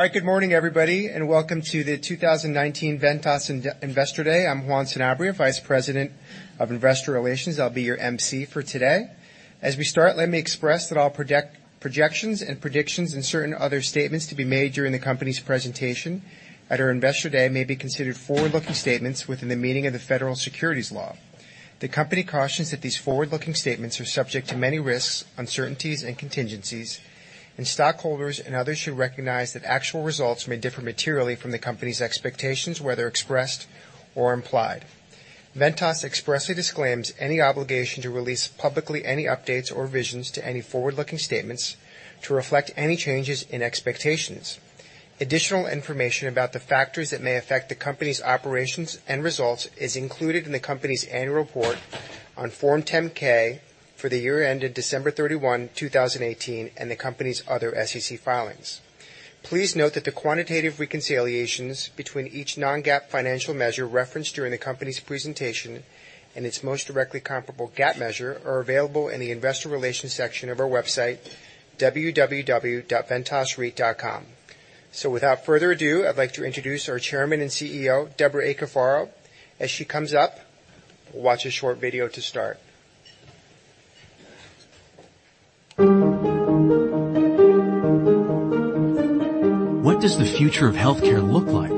All right, good morning, everybody, and welcome to the 2019 Ventas Investor Day. I'm Juan Sanabria, Vice President of Investor Relations. I'll be your emcee for today. As we start, let me express that all projections and predictions and certain other statements to be made during the company's presentation at our Investor Day may be considered forward-looking statements within the meaning of the federal securities law. The company cautions that these forward-looking statements are subject to many risks, uncertainties, and contingencies, and stockholders and others should recognize that actual results may differ materially from the company's expectations, whether expressed or implied. Ventas expressly disclaims any obligation to release publicly any updates or revisions to any forward-looking statements to reflect any changes in expectations. Additional information about the factors that may affect the company's operations and results is included in the company's annual report on Form 10-K for the year ended December 31, 2018, and the company's other SEC filings. Please note that the quantitative reconciliations between each non-GAAP financial measure referenced during the company's presentation and its most directly comparable GAAP measure are available in the Investor Relations section of our website, www.ventasreit.com. Without further ado, I'd like to introduce our Chairman and CEO, Debra A. Cafaro. As she comes up, watch a short video to start. What does the future of healthcare look like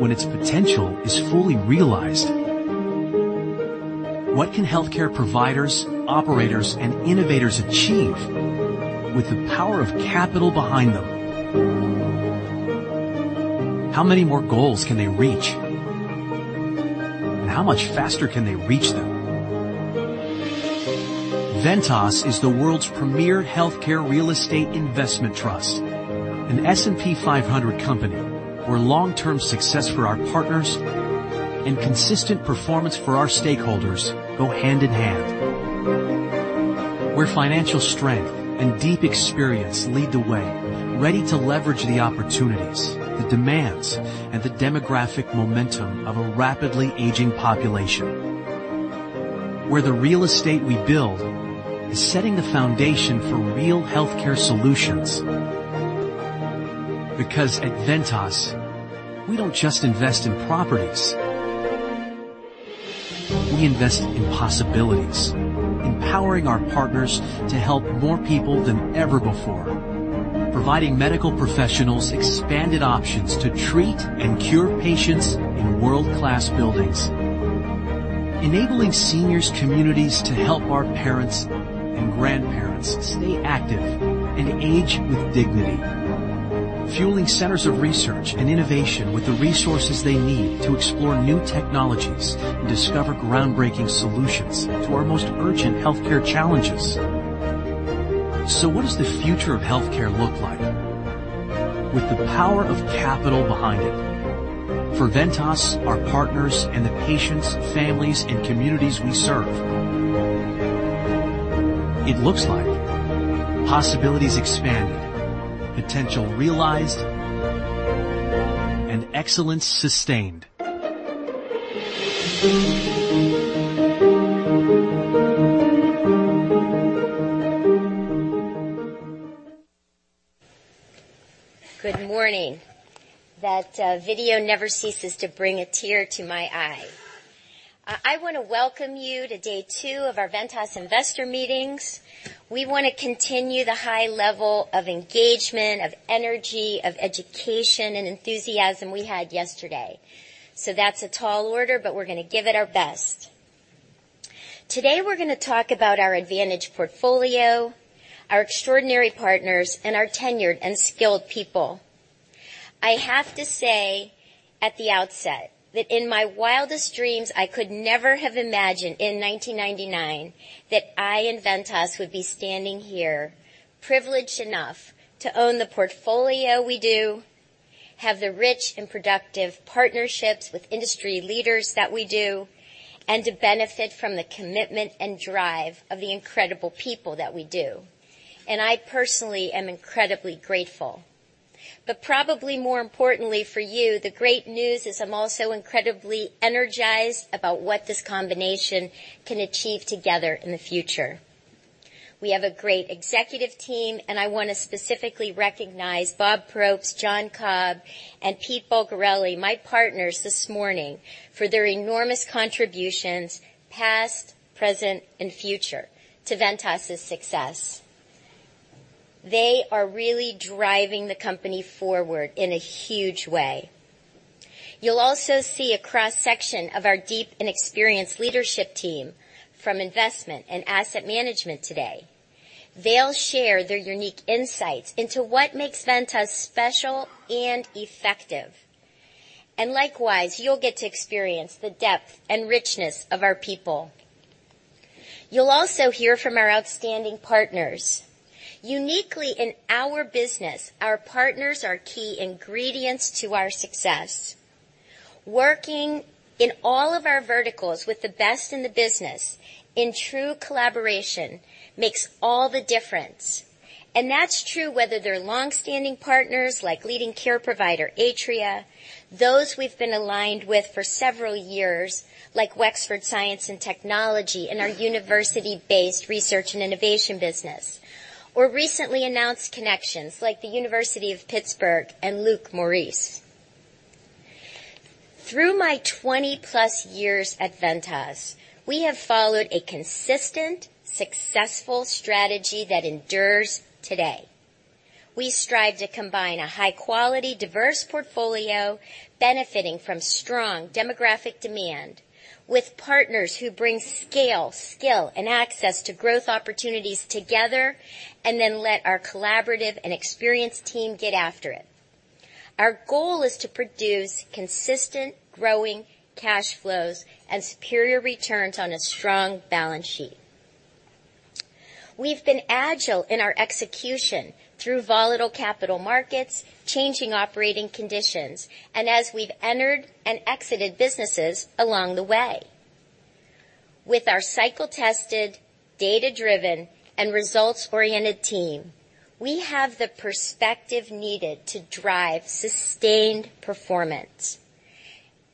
when its potential is fully realized? What can healthcare providers, operators, and innovators achieve with the power of capital behind them? How many more goals can they reach? And how much faster can they reach them? Ventas is the world's premier healthcare real estate investment trust, an S&P 500 company, where long-term success for our partners and consistent performance for our stakeholders go hand in hand. Where financial strength and deep experience lead the way, ready to leverage the opportunities, the demands, and the demographic momentum of a rapidly aging population. Where the real estate we build is setting the foundation for real healthcare solutions. Because at Ventas, we don't just invest in properties, we invest in possibilities, empowering our partners to help more people than ever before. Providing medical professionals expanded options to treat and cure patients in world-class buildings. Enabling seniors communities to help our parents and grandparents stay active and age with dignity. Fueling centers of research and innovation with the resources they need to explore new technologies and discover groundbreaking solutions to our most urgent healthcare challenges. So what does the future of healthcare look like with the power of capital behind it? For Ventas, our partners, and the patients, families, and communities we serve, it looks like possibilities expanded, potential realized, and excellence sustained. Good morning. That video never ceases to bring a tear to my eye. I want to welcome you to day two of our Ventas Investor Meetings. We want to continue the high level of engagement, of energy, of education, and enthusiasm we had yesterday. So that's a tall order, but we're gonna give it our best. Today, we're gonna talk about our advantage portfolio, our extraordinary partners, and our tenured and skilled people. I have to say at the outset that in my wildest dreams, I could never have imagined in 1999 that I and Ventas would be standing here, privileged enough to own the portfolio we do, have the rich and productive partnerships with industry leaders that we do, and to benefit from the commitment and drive of the incredible people that we do. I personally am incredibly grateful. But probably more importantly for you, the great news is I'm also incredibly energized about what this combination can achieve together in the future. We have a great executive team, and I want to specifically recognize Bob Probst, John Cobb, and Peter Bulgarelli, my partners this morning, for their enormous contributions, past, present, and future, to Ventas' success. They are really driving the company forward in a huge way. You'll also see a cross-section of our deep and experienced leadership team from investment and asset management today. They'll share their unique insights into what makes Ventas special and effective. And likewise, you'll get to experience the depth and richness of our people. You'll also hear from our outstanding partners. Uniquely in our business, our partners are key ingredients to our success. Working in all of our verticals with the best in the business, in true collaboration, makes all the difference. That's true whether they're long-standing partners, like leading care provider, Atria, those we've been aligned with for several years, like Wexford Science and Technology, and our university-based research and innovation business. Or recently announced connections, like the University of Pittsburgh and Le Groupe Maurice. Through my 20-plus years at Ventas, we have followed a consistent, successful strategy that endures today. We strive to combine a high-quality, diverse portfolio, benefiting from strong demographic demand, with partners who bring scale, skill, and access to growth opportunities together, and then let our collaborative and experienced team get after it. Our goal is to produce consistent, growing cash flows and superior returns on a strong balance sheet. We've been agile in our execution through volatile capital markets, changing operating conditions, and as we've entered and exited businesses along the way. With our cycle-tested, data-driven, and results-oriented team, we have the perspective needed to drive sustained performance,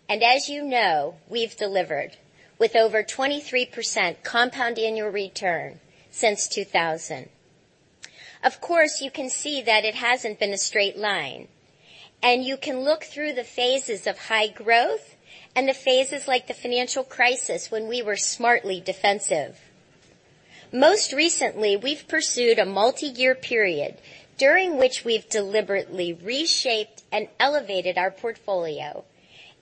and as you know, we've delivered, with over 23% compound annual return since two thousand. Of course, you can see that it hasn't been a straight line, and you can look through the phases of high growth and the phases like the financial crisis, when we were smartly defensive. Most recently, we've pursued a multi-year period, during which we've deliberately reshaped and elevated our portfolio,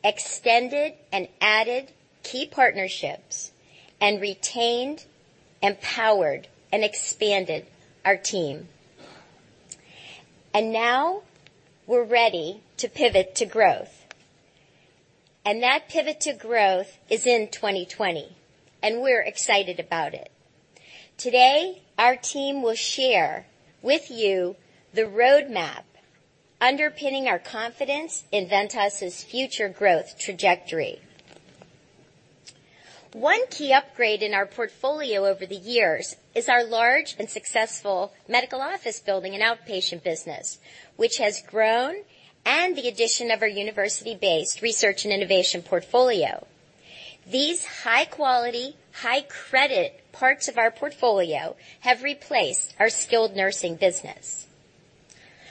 extended and added key partnerships, and retained, empowered, and expanded our team, and now we're ready to pivot to growth. And that pivot to growth is in 2020, and we're excited about it. Today, our team will share with you the roadmap underpinning our confidence in Ventas' future growth trajectory. One key upgrade in our portfolio over the years is our large and successful medical office building and outpatient business, which has grown, and the addition of our university-based research and innovation portfolio. These high-quality, high-credit parts of our portfolio have replaced our skilled nursing business.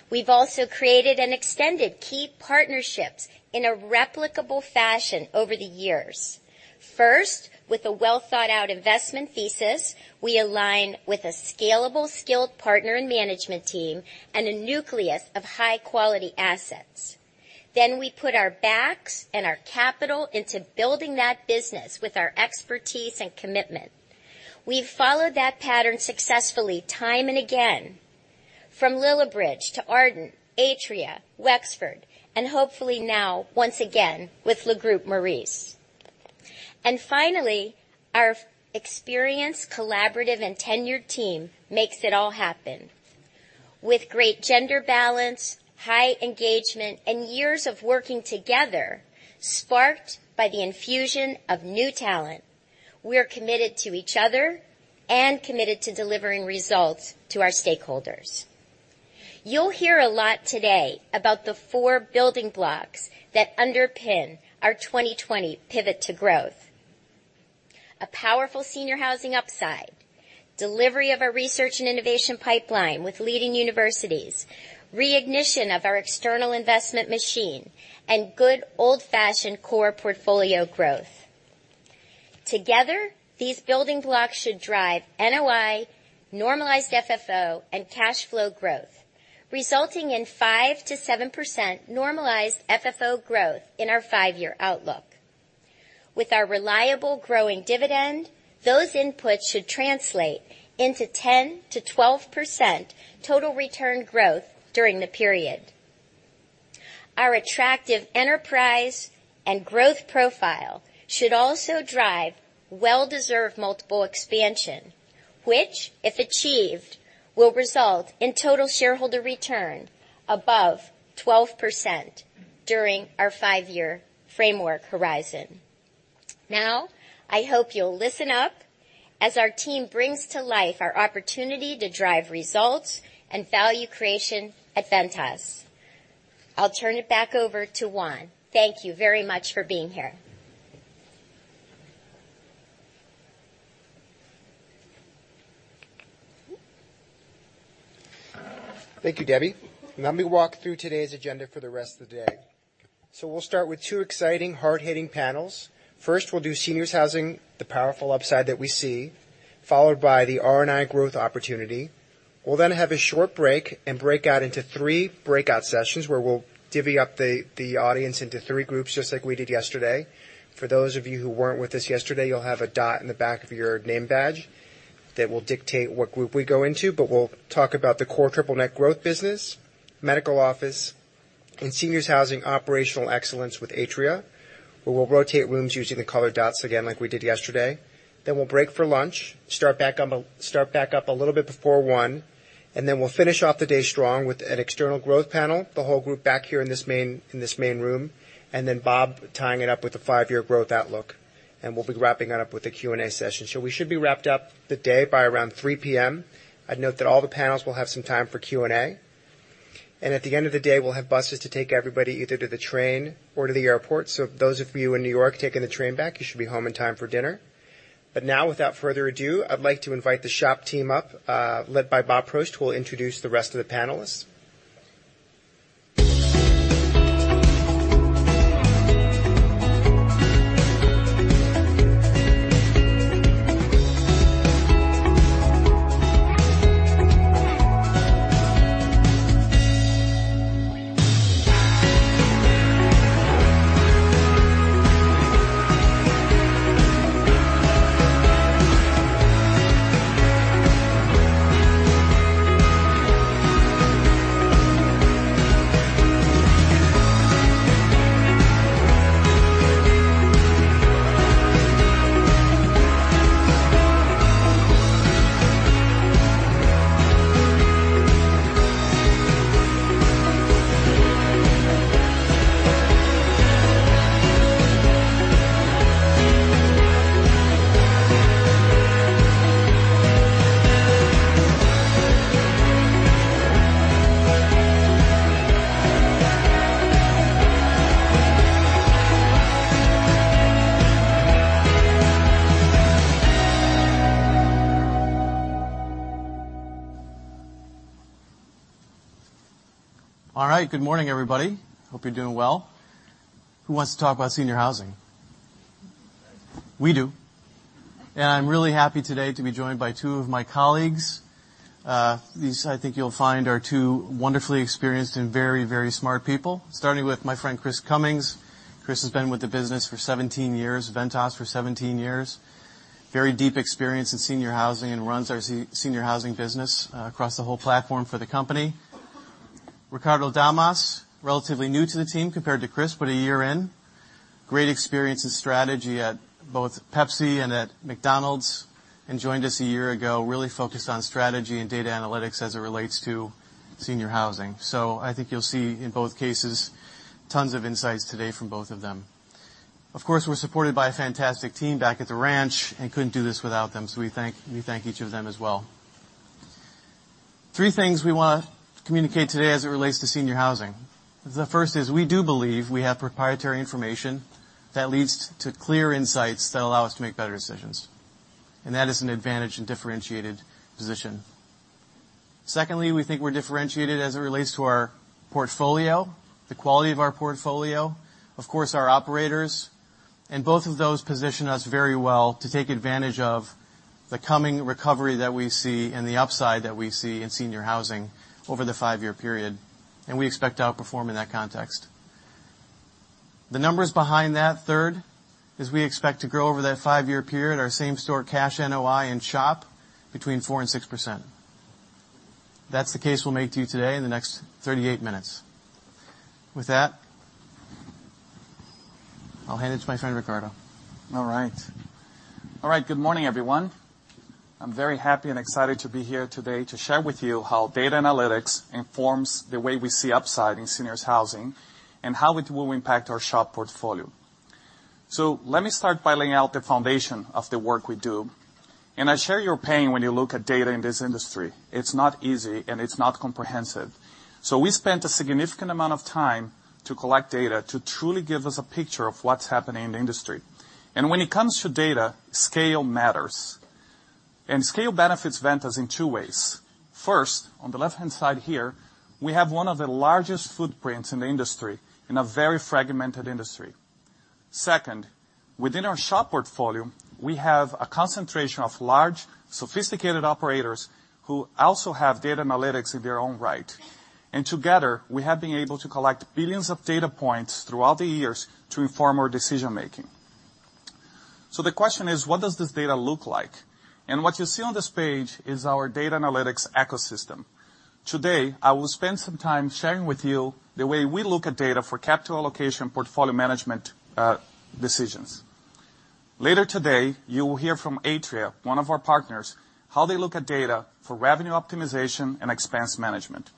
We've also created and extended key partnerships in a replicable fashion over the years. First, with a well-thought-out investment thesis, we align with a scalable, skilled partner and management team and a nucleus of high-quality assets. Then we put our backs and our capital into building that business with our expertise and commitment. We've followed that pattern successfully, time and again, from Lillibridge to Ardent, Atria, Wexford, and hopefully now, once again, with Le Groupe Maurice. And finally, our experienced, collaborative, and tenured team makes it all happen. With great gender balance, high engagement, and years of working together, sparked by the infusion of new talent, we are committed to each other and committed to delivering results to our stakeholders. You'll hear a lot today about the four building blocks that underpin our 2020 Pivot to Growth: a powerful senior housing upside, delivery of our research and innovation pipeline with leading universities, reignition of our external investment machine, and good old-fashioned core portfolio growth. Together, these building blocks should drive NOI, normalized FFO, and cash flow growth, resulting in 5%-7% normalized FFO growth in our five-year outlook. With our reliable, growing dividend, those inputs should translate into 10%-12% total return growth during the period. Our attractive enterprise and growth profile should also drive well-deserved multiple expansion, which, if achieved, will result in total shareholder return above 12% during our five-year framework horizon. Now, I hope you'll listen up as our team brings to life our opportunity to drive results and value creation at Ventas. I'll turn it back over to Juan. Thank you very much for being here. Thank you, Debbie. Let me walk through today's agenda for the rest of the day. So we'll start with two exciting, hard-hitting panels. First, we'll do seniors housing, the powerful upside that we see, followed by the R&I growth opportunity. We'll then have a short break and break out into three breakout sessions, where we'll divvy up the audience into three groups, just like we did yesterday. For those of you who weren't with us yesterday, you'll have a dot in the back of your name badge that will dictate what group we go into, but we'll talk about the core triple-net growth business, medical office, and seniors housing operational excellence with Atria, where we'll rotate rooms using the color dots again, like we did yesterday. Then we'll break for lunch, start back up a little bit before 1:00 P.M., and then we'll finish off the day strong with an external growth panel, the whole group back here in this main room, and then Bob tying it up with a five-year growth outlook, and we'll be wrapping it up with a Q&A session. So we should be wrapped up the day by around 3:00 P.M. I'd note that all the panels will have some time for Q&A, and at the end of the day, we'll have buses to take everybody either to the train or to the airport. So those of you in New York taking the train back, you should be home in time for dinner. But now, without further ado, I'd like to invite the SHOP team up, led by Bob Probst, who will introduce the rest of the panelists. All right. Good morning, everybody. Hope you're doing well. Who wants to talk about senior housing? We do, and I'm really happy today to be joined by two of my colleagues. These, I think you'll find, are two wonderfully experienced and very, very smart people, starting with my friend Chris Cummings. Chris has been with the business for 17 years, Ventas for 17 years. Very deep experience in senior housing and runs our senior housing business, across the whole platform for the company. Ricardo Damas, relatively new to the team, compared to Chris, but a year in. Great experience in strategy at both Pepsi and at McDonald's, and joined us a year ago, really focused on strategy and data analytics as it relates to senior housing. So I think you'll see, in both cases, tons of insights today from both of them. Of course, we're supported by a fantastic team back at the ranch and couldn't do this without them, so we thank each of them as well. Three things we wanna communicate today as it relates to senior housing. The first is we do believe we have proprietary information that leads to clear insights that allow us to make better decisions, and that is an advantage and differentiated position. Secondly, we think we're differentiated as it relates to our portfolio, the quality of our portfolio, of course, our operators, and both of those position us very well to take advantage of the coming recovery that we see and the upside that we see in senior housing over the five-year period, and we expect to outperform in that context. The numbers behind that, third, is we expect to grow over that five-year period, our same-store cash NOI and SHOP between 4% and 6%. That's the case we'll make to you today in the next 38 minutes. With that, I'll hand it to my friend, Ricardo. All right. All right, good morning, everyone. I'm very happy and excited to be here today to share with you how data analytics informs the way we see upside in seniors housing and how it will impact our SHOP portfolio. So let me start by laying out the foundation of the work we do, and I share your pain when you look at data in this industry. It's not easy, and it's not comprehensive. So we spent a significant amount of time to collect data to truly give us a picture of what's happening in the industry, and when it comes to data, scale matters. And scale benefits Ventas in two ways. First, on the left-hand side here, we have one of the largest footprints in the industry, in a very fragmented industry. Second, within our SHOP portfolio, we have a concentration of large, sophisticated operators who also have data analytics in their own right. And together, we have been able to collect billions of data points throughout the years to inform our decision making. So the question is: What does this data look like? And what you see on this page is our data analytics ecosystem. Today, I will spend some time sharing with you the way we look at data for capital allocation portfolio management decisions. Later today, you will hear from Atria, one of our partners, how they look at data for revenue optimization and expense management.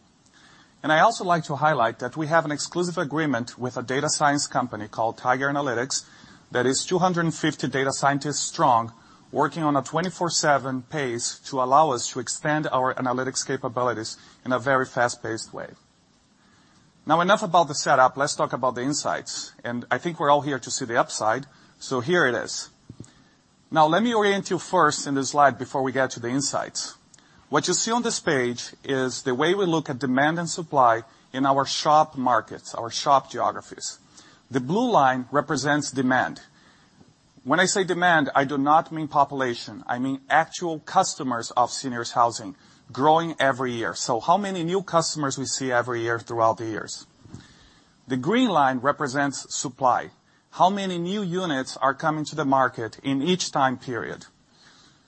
I also like to highlight that we have an exclusive agreement with a data science company called Tiger Analytics, that is 250 data scientists strong, working on a 24/7 pace to allow us to expand our analytics capabilities in a very fast-paced way. Now, enough about the setup. Let's talk about the insights. And I think we're all here to see the upside, so here it is. Now, let me orient you first in this slide before we get to the insights. What you see on this page is the way we look at demand and supply in our SHOP markets, our SHOP geographies. The blue line represents demand. When I say demand, I do not mean population. I mean actual customers of seniors housing growing every year. So how many new customers we see every year throughout the years. The green line represents supply, how many new units are coming to the market in each time period.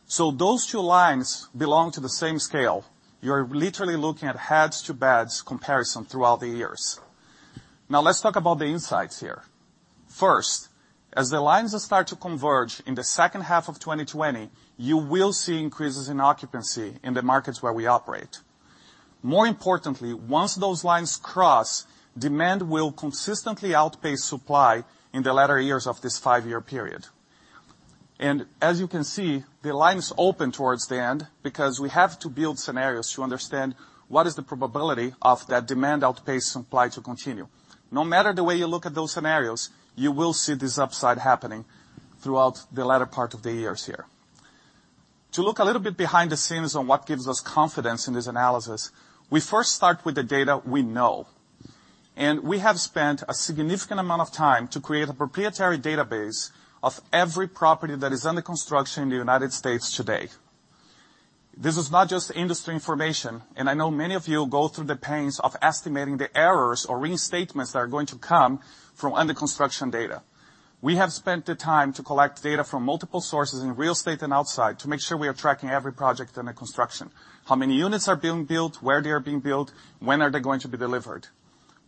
So those two lines belong to the same scale. You're literally looking at heads to beds comparison throughout the years. Now, let's talk about the insights here. First, as the lines start to converge in the second half of 2020, you will see increases in occupancy in the markets where we operate. More importantly, once those lines cross, demand will consistently outpace supply in the latter years of this five-year period. And as you can see, the lines open towards the end because we have to build scenarios to understand what is the probability of that demand outpace supply to continue. No matter the way you look at those scenarios, you will see this upside happening throughout the latter part of the years here. To look a little bit behind the scenes on what gives us confidence in this analysis, we first start with the data we know. We have spent a significant amount of time to create a proprietary database of every property that is under construction in the United States today. This is not just industry information, and I know many of you go through the pains of estimating the errors or restatements that are going to come from under-construction data. We have spent the time to collect data from multiple sources in real estate and outside to make sure we are tracking every project under construction. How many units are being built? Where they are being built? When are they going to be delivered?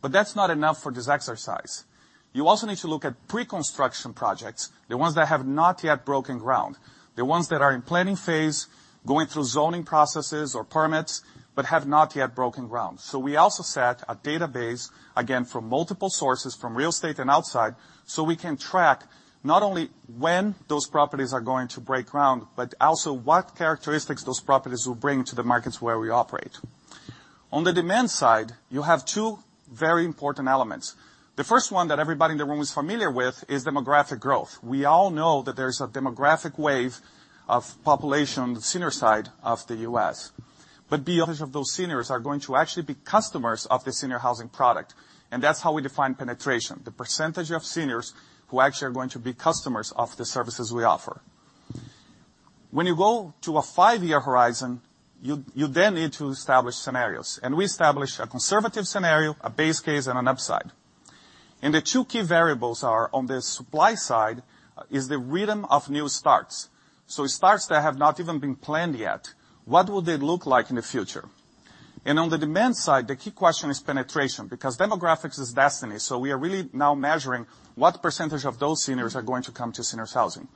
That's not enough for this exercise. You also need to look at pre-construction projects, the ones that have not yet broken ground. The ones that are in planning phase, going through zoning processes or permits, but have not yet broken ground. So we also set a database, again, from multiple sources, from real estate and outside, so we can track not only when those properties are going to break ground, but also what characteristics those properties will bring to the markets where we operate. On the demand side, you have two very important elements. The first one that everybody in the room is familiar with is demographic growth. We all know that there's a demographic wave of population on the senior side of the U.S. But be aware of those seniors are going to actually be customers of the senior housing product, and that's how we define penetration, the percentage of seniors who actually are going to be customers of the services we offer. When you go to a five-year horizon, you then need to establish scenarios. We establish a conservative scenario, a base case, and an upside. The two key variables are, on the supply side, is the rhythm of new starts. Starts that have not even been planned yet. What will they look like in the future? On the demand side, the key question is penetration, because demographics is destiny. We are really now measuring what percentage of those seniors are going to come to seniors housing.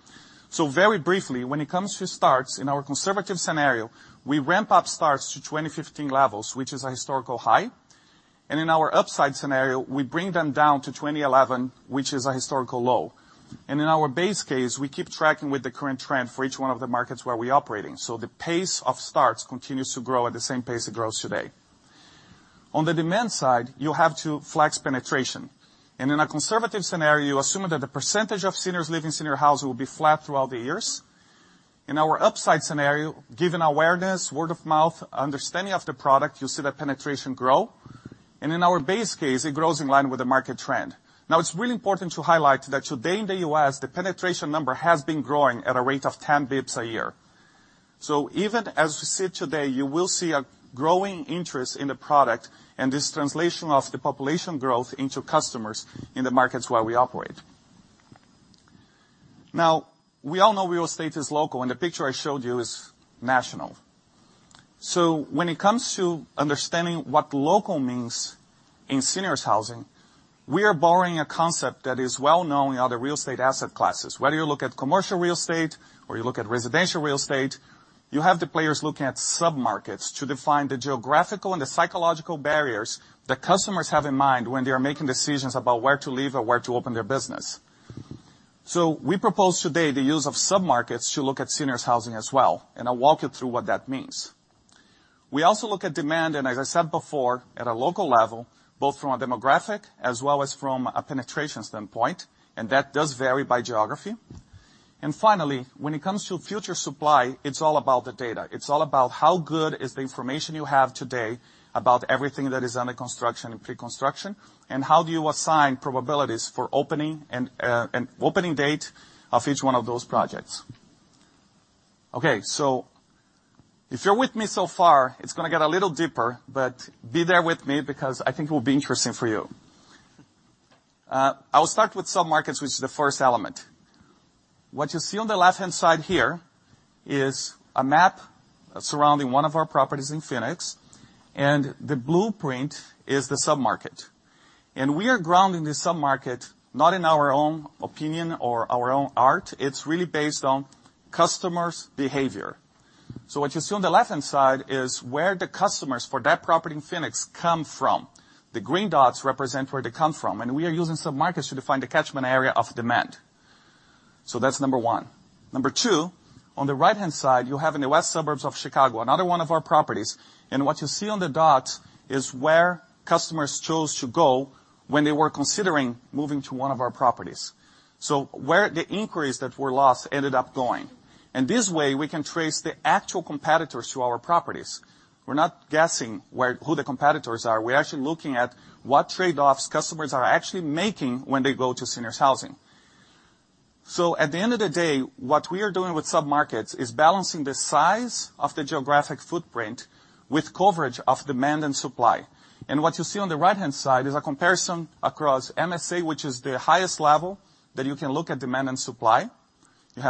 Very briefly, when it comes to starts, in our conservative scenario, we ramp up starts to 2015 levels, which is a historical high. In our upside scenario, we bring them down to 2011, which is a historical low. And in our base case, we keep tracking with the current trend for each one of the markets where we're operating. So the pace of starts continues to grow at the same pace it grows today. On the demand side, you have to flex penetration. And in a conservative scenario, assuming that the percentage of seniors living in senior housing will be flat throughout the years. In our upside scenario, given awareness, word-of-mouth, understanding of the product, you see that penetration grow. And in our base case, it grows in line with the market trend. Now, it's really important to highlight that today in the U.S., the penetration number has been growing at a rate of ten basis points a year. So even as we sit today, you will see a growing interest in the product and this translation of the population growth into customers in the markets where we operate. Now, we all know real estate is local, and the picture I showed you is national. So when it comes to understanding what local means in seniors housing, we are borrowing a concept that is well known in other real estate asset classes. Whether you look at commercial real estate or you look at residential real estate, you have the players looking at submarkets to define the geographical and the psychological barriers that customers have in mind when they are making decisions about where to live or where to open their business. So we propose today the use of submarkets to look at seniors housing as well, and I'll walk you through what that means. We also look at demand, and as I said before, at a local level, both from a demographic as well as from a penetration standpoint, and that does vary by geography. Finally, when it comes to future supply, it's all about the data. It's all about how good is the information you have today about everything that is under construction and pre-construction, and how do you assign probabilities for opening and opening date of each one of those projects? Okay, so if you're with me so far, it's gonna get a little deeper, but be there with me because I think it will be interesting for you. I will start with submarkets, which is the first element. What you see on the left-hand side here is a map surrounding one of our properties in Phoenix, and the blueprint is the submarket. We are grounding the submarket, not in our own opinion or our own art. It's really based on customers' behavior. So what you see on the left-hand side is where the customers for that property in Phoenix come from. The green dots represent where they come from, and we are using submarkets to define the catchment area of demand. So that's number one. Number two, on the right-hand side, you have in the west suburbs of Chicago, another one of our properties. And what you see on the dots is where customers chose to go when they were considering moving to one of our properties. So where the inquiries that were lost ended up going. And this way, we can trace the actual competitors to our properties. We're not guessing where—who the competitors are. We're actually looking at what trade-offs customers are actually making when they go to seniors housing. So at the end of the day, what we are doing with submarkets is balancing the size of the geographic footprint with coverage of demand and supply. And what you see on the right-hand side is a comparison across MSA, which is the highest level that you can look at demand and supply. You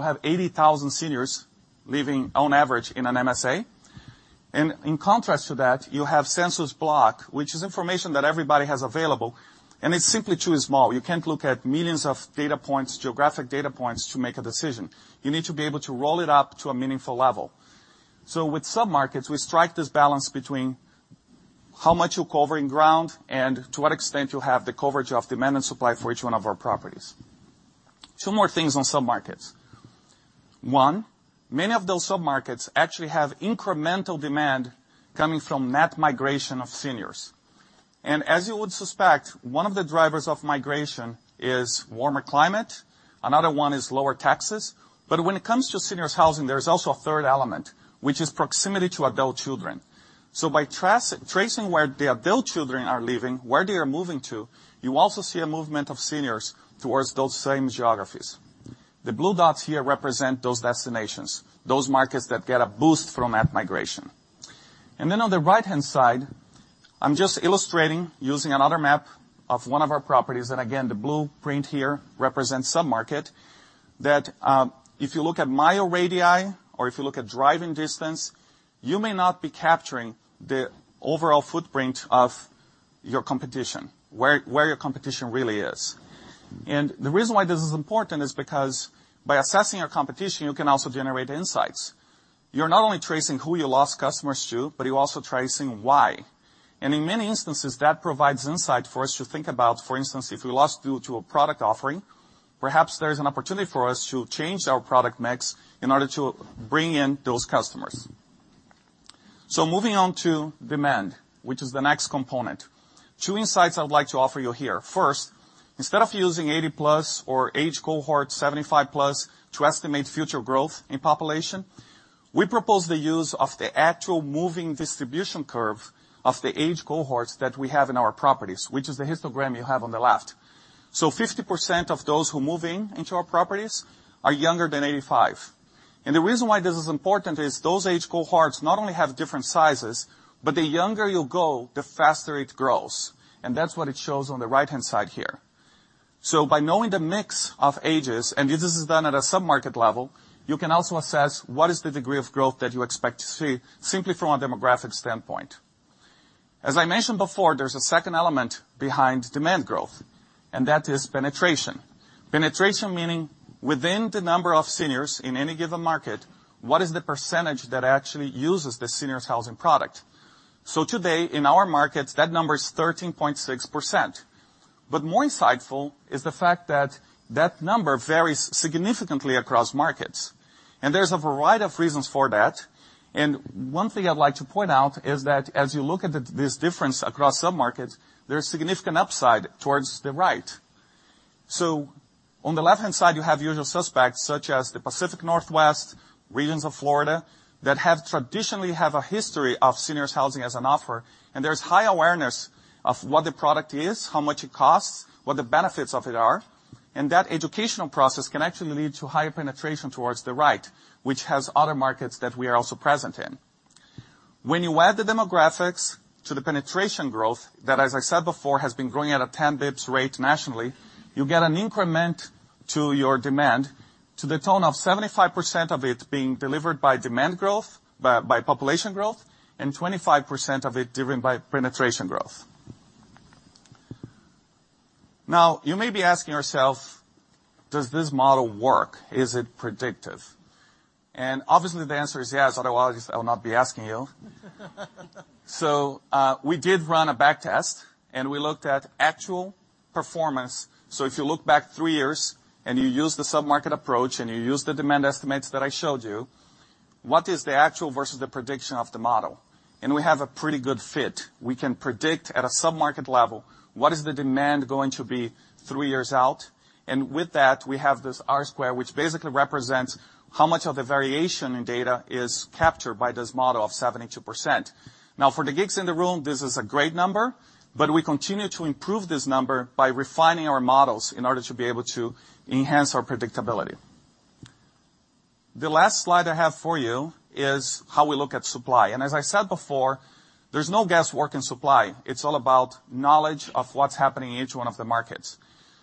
have 80,000 seniors living on average in an MSA. And in contrast to that, you have census block, which is information that everybody has available, and it's simply too small. You can't look at millions of data points, geographic data points to make a decision. You need to be able to roll it up to a meaningful level. So with submarkets, we strike this balance between how much you're covering ground and to what extent you have the coverage of demand and supply for each one of our properties. Two more things on submarkets. One, many of those submarkets actually have incremental demand coming from net migration of seniors. And as you would suspect, one of the drivers of migration is warmer climate, another one is lower taxes. But when it comes to seniors housing, there is also a third element, which is proximity to adult children. So by tracing where the adult children are living, where they are moving to, you also see a movement of seniors towards those same geographies. The blue dots here represent those destinations, those markets that get a boost from that migration. And then on the right-hand side, I'm just illustrating, using another map of one of our properties, and again, the blue print here represents submarket, that, if you look at mile radii or if you look at driving distance, you may not be capturing the overall footprint of your competition, where, where your competition really is. And the reason why this is important is because by assessing your competition, you can also generate insights. You're not only tracing who you lost customers to, but you're also tracing why. And in many instances, that provides insight for us to think about, for instance, if we lost due to a product offering, perhaps there's an opportunity for us to change our product mix in order to bring in those customers. So moving on to demand, which is the next component. Two insights I'd like to offer you here. First, instead of using 80 plus or age cohort 75 plus to estimate future growth in population, we propose the use of the actual moving distribution curve of the age cohorts that we have in our properties, which is the histogram you have on the left. So 50% of those who move into our properties are younger than 85. And the reason why this is important is those age cohorts not only have different sizes, but the younger you go, the faster it grows, and that's what it shows on the right-hand side here. So by knowing the mix of ages, and this is done at a submarket level, you can also assess what is the degree of growth that you expect to see simply from a demographic standpoint. As I mentioned before, there's a second element behind demand growth, and that is penetration. Penetration meaning within the number of seniors in any given market, what is the percentage that actually uses the seniors housing product? So today, in our markets, that number is 13.6%. But more insightful is the fact that that number varies significantly across markets, and there's a variety of reasons for that. And one thing I'd like to point out is that as you look at this difference across submarkets, there's significant upside towards the right. On the left-hand side, you have usual suspects, such as the Pacific Northwest, regions of Florida, that have traditionally had a history of seniors housing as an offer, and there's high awareness of what the product is, how much it costs, what the benefits of it are, and that educational process can actually lead to higher penetration towards the right, which has other markets that we are also present in. When you add the demographics to the penetration growth, that, as I said before, has been growing at a 10 basis points rate nationally, you get an increment to your demand to the tune of 75% of it being delivered by demand growth, by population growth, and 25% of it driven by penetration growth. Now, you may be asking yourself, does this model work? Is it predictive? Obviously, the answer is yes. Otherwise, I would not be asking you. So, we did run a back test, and we looked at actual performance. So if you look back three years and you use the submarket approach and you use the demand estimates that I showed you, what is the actual versus the prediction of the model? And we have a pretty good fit. We can predict at a submarket level, what is the demand going to be three years out? And with that, we have this R-squared, which basically represents how much of the variation in data is captured by this model of 72%. Now, for the geeks in the room, this is a great number, but we continue to improve this number by refining our models in order to be able to enhance our predictability. The last slide I have for you is how we look at supply. As I said before, there's no guesswork in supply. It's all about knowledge of what's happening in each one of the markets.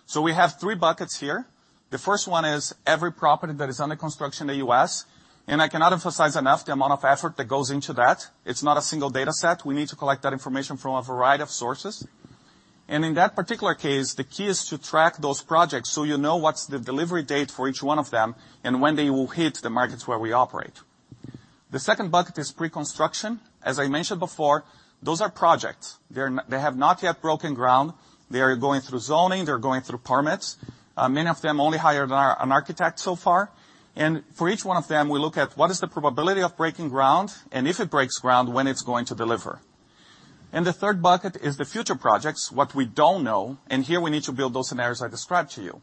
So we have three buckets here. The first one is every property that is under construction in the U.S., and I cannot emphasize enough the amount of effort that goes into that. It's not a single data set. We need to collect that information from a variety of sources. And in that particular case, the key is to track those projects so you know what's the delivery date for each one of them and when they will hit the markets where we operate. The second bucket is pre-construction. As I mentioned before, those are projects. They have not yet broken ground. They are going through zoning. They are going through permits. Many of them only hired an architect so far. For each one of them, we look at what is the probability of breaking ground, and if it breaks ground, when it's going to deliver. The third bucket is the future projects, what we don't know, and here we need to build those scenarios I described to you.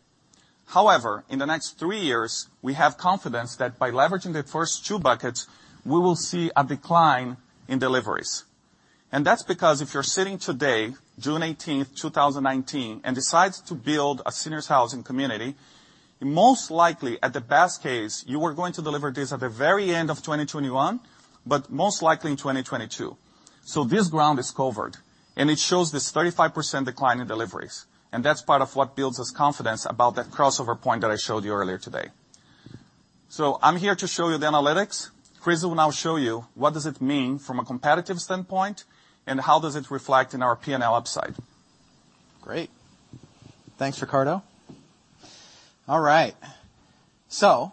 However, in the next three years, we have confidence that by leveraging the first two buckets, we will see a decline in deliveries. That's because if you're sitting today, June 18th, 2019, and decides to build a seniors housing community, most likely, at the best case, you are going to deliver this at the very end of 2021, but most likely in 2022. So this ground is covered, and it shows this 35% decline in deliveries, and that's part of what builds this confidence about that crossover point that I showed you earlier today. So I'm here to show you the analytics. Chris will now show you what does it mean from a competitive standpoint and how does it reflect in our P&L upside. Great. Thanks, Ricardo. All right. So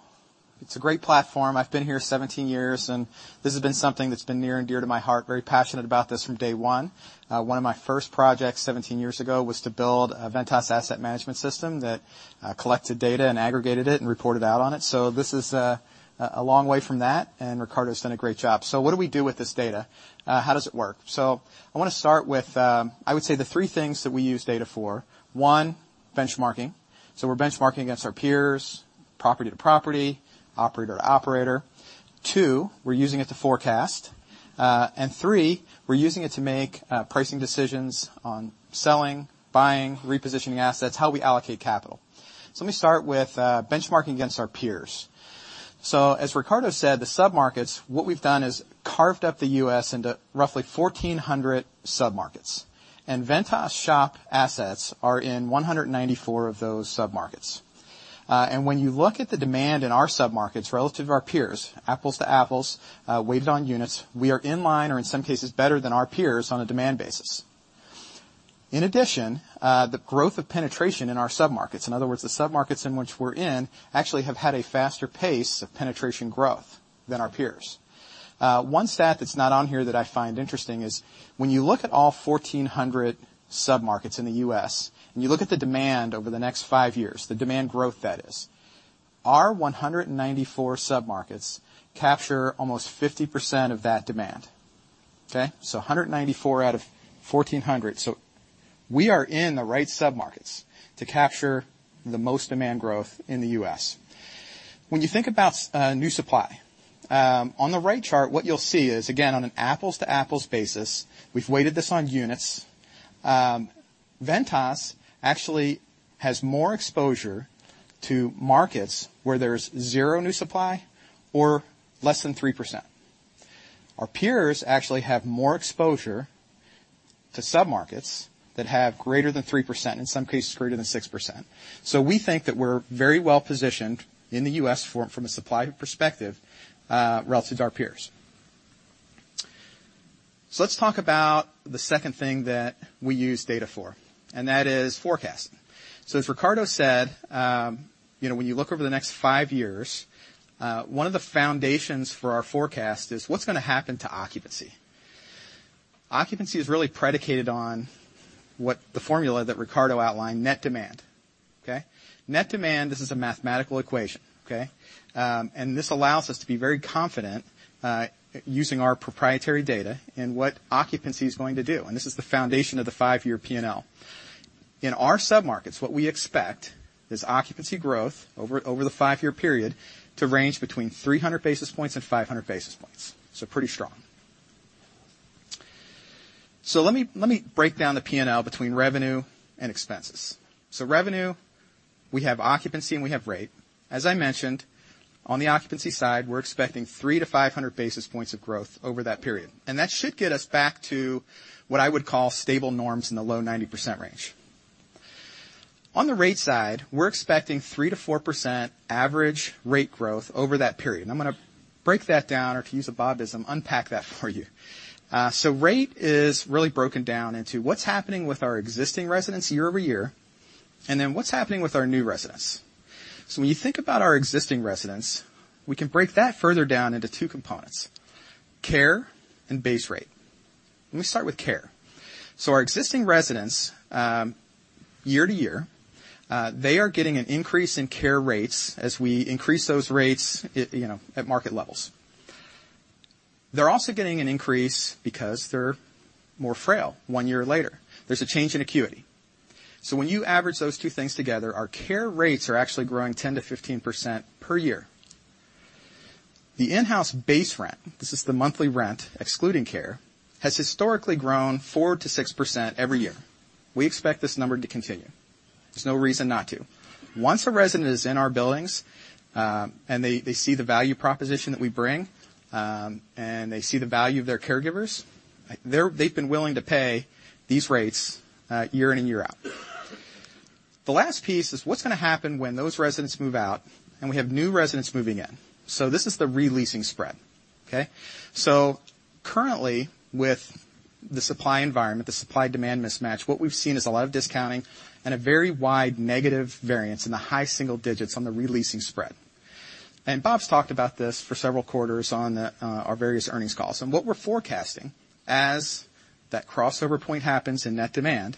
it's a great platform. I've been here 17 years, and this has been something that's been near and dear to my heart. Very passionate about this from day one. One of my first projects 17 years ago was to build a Ventas asset management system that collected data and aggregated it and reported out on it. So this is a long way from that, and Ricardo's done a great job. So what do we do with this data? How does it work? So I want to start with, I would say, the three things that we use data for. One, benchmarking. So we're benchmarking against our peers, property to property, operator to operator. Two, we're using it to forecast. And three, we're using it to make pricing decisions on selling, buying, repositioning assets, how we allocate capital. Let me start with benchmarking against our peers. As Ricardo said, the submarkets, what we've done is carved up the U.S. into roughly 1,400 submarkets, and Ventas SHOP assets are in 194 of those submarkets. And when you look at the demand in our submarkets relative to our peers, apples to apples, weighted on units, we are in line, or in some cases, better than our peers on a demand basis. In addition, the growth of penetration in our submarkets, in other words, the submarkets in which we're in, actually have had a faster pace of penetration growth than our peers. One stat that's not on here that I find interesting is when you look at all 1,400 submarkets in the U.S., and you look at the demand over the next five years, the demand growth that is, our 194 submarkets capture almost 50% of that demand, okay? So 194 out of 1,400. So we are in the right submarkets to capture the most demand growth in the U.S. When you think about new supply, on the right chart, what you'll see is, again, on an apples-to-apples basis, we've weighted this on units. Ventas actually has more exposure to markets where there's zero new supply or less than 3%. Our peers actually have more exposure to submarkets that have greater than 3%, in some cases, greater than 6%. So we think that we're very well-positioned in the U.S. from a supply perspective relative to our peers. So let's talk about the second thing that we use data for, and that is forecasting. So as Ricardo said, you know, when you look over the next five years, one of the foundations for our forecast is what's gonna happen to occupancy. Occupancy is really predicated on what the formula that Ricardo outlined, net demand, okay? Net demand, this is a mathematical equation, okay? And this allows us to be very confident using our proprietary data and what occupancy is going to do, and this is the foundation of the five-year P&L. In our submarkets, what we expect is occupancy growth over the five-year period to range between 300 basis points and 500 basis points, so pretty strong. So let me, let me break down the P&L between revenue and expenses. So revenue, we have occupancy, and we have rate. As I mentioned, on the occupancy side, we're expecting three to five hundred basis points of growth over that period, and that should get us back to what I would call stable norms in the low 90% range. On the rate side, we're expecting 3%-4% average rate growth over that period. I'm gonna break that down, or to use a Bobism, unpack that for you. So rate is really broken down into what's happening with our existing residents year over year, and then what's happening with our new residents. So when you think about our existing residents, we can break that further down into two components, care and base rate. Let me start with care. Our existing residents year to year they are getting an increase in care rates as we increase those rates you know at market levels. They're also getting an increase because they're more frail one year later. There's a change in acuity. So when you average those two things together, our care rates are actually growing 10%-15% per year. The in-house base rent, this is the monthly rent, excluding care, has historically grown 4%-6% every year. We expect this number to continue. There's no reason not to. Once a resident is in our buildings and they see the value proposition that we bring and they see the value of their caregivers, they've been willing to pay these rates year in and year out. The last piece is what's gonna happen when those residents move out, and we have new residents moving in. So this is the re-leasing spread, okay? So currently, with the supply environment, the supply-demand mismatch, what we've seen is a lot of discounting and a very wide negative variance in the high single digits on the re-leasing spread. And Bob's talked about this for several quarters on our various earnings calls. And what we're forecasting as that crossover point happens in net demand,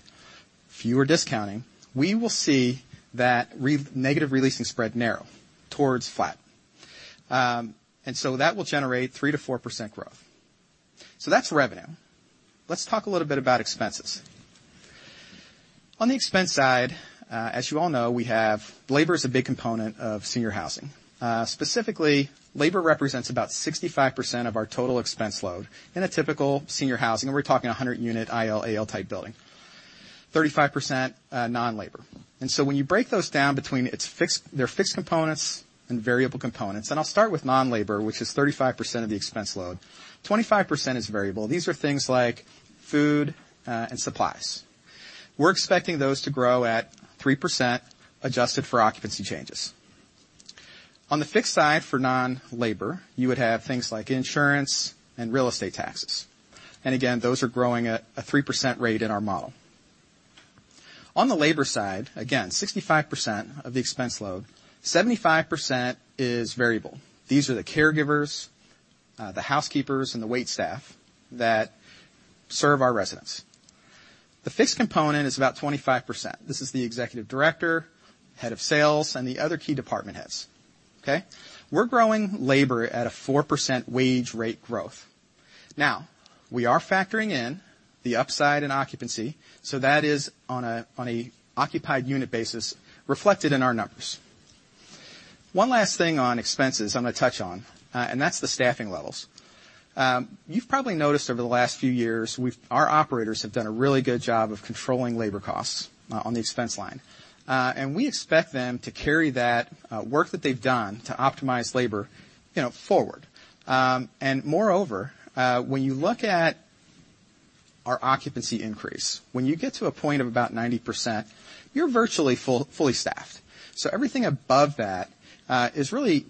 fewer discounting, we will see that negative re-leasing spread narrow towards flat. And so that will generate 3%-4% growth. So that's revenue. Let's talk a little bit about expenses. On the expense side, as you all know, we have... Labor is a big component of senior housing. Specifically, labor represents about 65% of our total expense load in a typical senior housing, and we're talking 100-unit IL, AL-type building, 35%, non-labor. And so when you break those down between its fixed, their fixed components and variable components, and I'll start with non-labor, which is 35% of the expense load. 25% is variable. These are things like food, and supplies. We're expecting those to grow at 3%, adjusted for occupancy changes. On the fixed side for non-labor, you would have things like insurance and real estate taxes, and again, those are growing at a 3% rate in our model. On the labor side, again, 65% of the expense load, 75% is variable. These are the caregivers, the housekeepers, and the waitstaff that serve our residents. The fixed component is about 25%. This is the executive director, head of sales, and the other key department heads. Okay? We're growing labor at a 4% wage rate growth. Now, we are factoring in the upside in occupancy, so that is on an occupied unit basis, reflected in our numbers. One last thing on expenses I'm going to touch on, and that's the staffing levels. You've probably noticed over the last few years, our operators have done a really good job of controlling labor costs on the expense line. We expect them to carry that work that they've done to optimize labor, you know, forward. Moreover, when you look at our occupancy increase, when you get to a point of about 90%, you're virtually fully staffed. So everything above that is really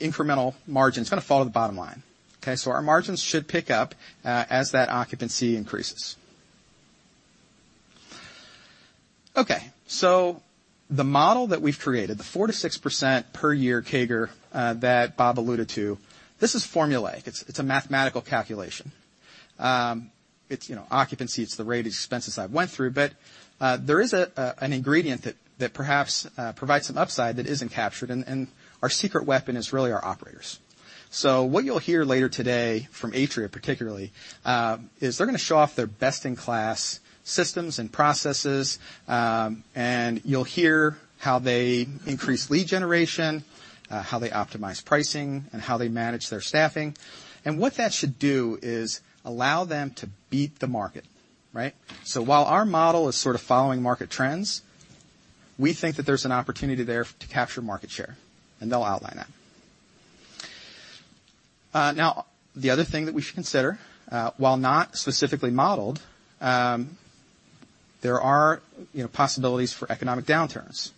incremental margin. It's gonna fall to the bottom line, okay? So our margins should pick up, as that occupancy increases. Okay, so the model that we've created, the 4%-6% per year CAGR, that Bob alluded to, this is formulaic. It's a mathematical calculation. It's, you know, occupancy, it's the rate, it's the expenses I went through. But there is an ingredient that perhaps provides some upside that isn't captured, and our secret weapon is really our operators. So what you'll hear later today from Atria, particularly, is they're gonna show off their best-in-class systems and processes, and you'll hear how they increase lead generation, how they optimize pricing, and how they manage their staffing. And what that should do is allow them to beat the market, right? So while our model is sort of following market trends, we think that there's an opportunity there to capture market share, and they'll outline that. Now, the other thing that we should consider, while not specifically modeled, there are, you know, possibilities for economic downturns.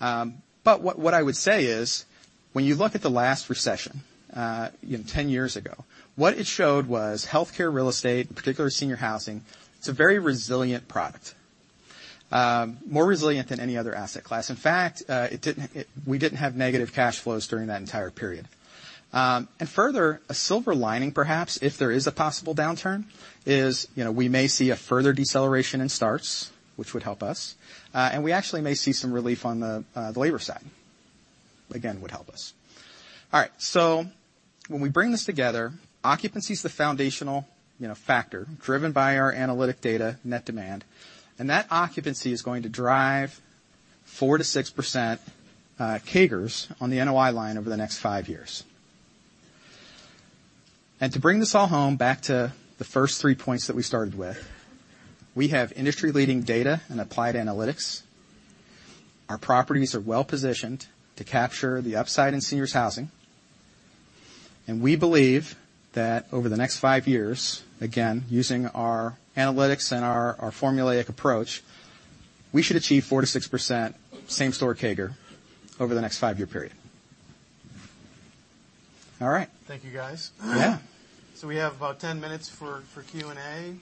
But what I would say is, when you look at the last recession, you know, ten years ago, what it showed was healthcare real estate, in particular, senior housing. It's a very resilient product. More resilient than any other asset class. In fact, we didn't have negative cash flows during that entire period. And further, a silver lining, perhaps, if there is a possible downturn, is, you know, we may see a further deceleration in starts, which would help us. And we actually may see some relief on the labor side. Again, it would help us. All right, so when we bring this together, occupancy is the foundational, you know, factor driven by our analytic data, net demand, and that occupancy is going to drive 4%-6% CAGRs on the NOI line over the next five years. And to bring this all home, back to the first three points that we started with, we have industry-leading data and applied analytics. Our properties are well-positioned to capture the upside in seniors housing. And we believe that over the next five years, again, using our analytics and our formulaic approach, we should achieve 4%-6% same-store CAGR over the next five-year period. All right. Thank you, guys. Yeah. So we have about ten minutes for Q&A.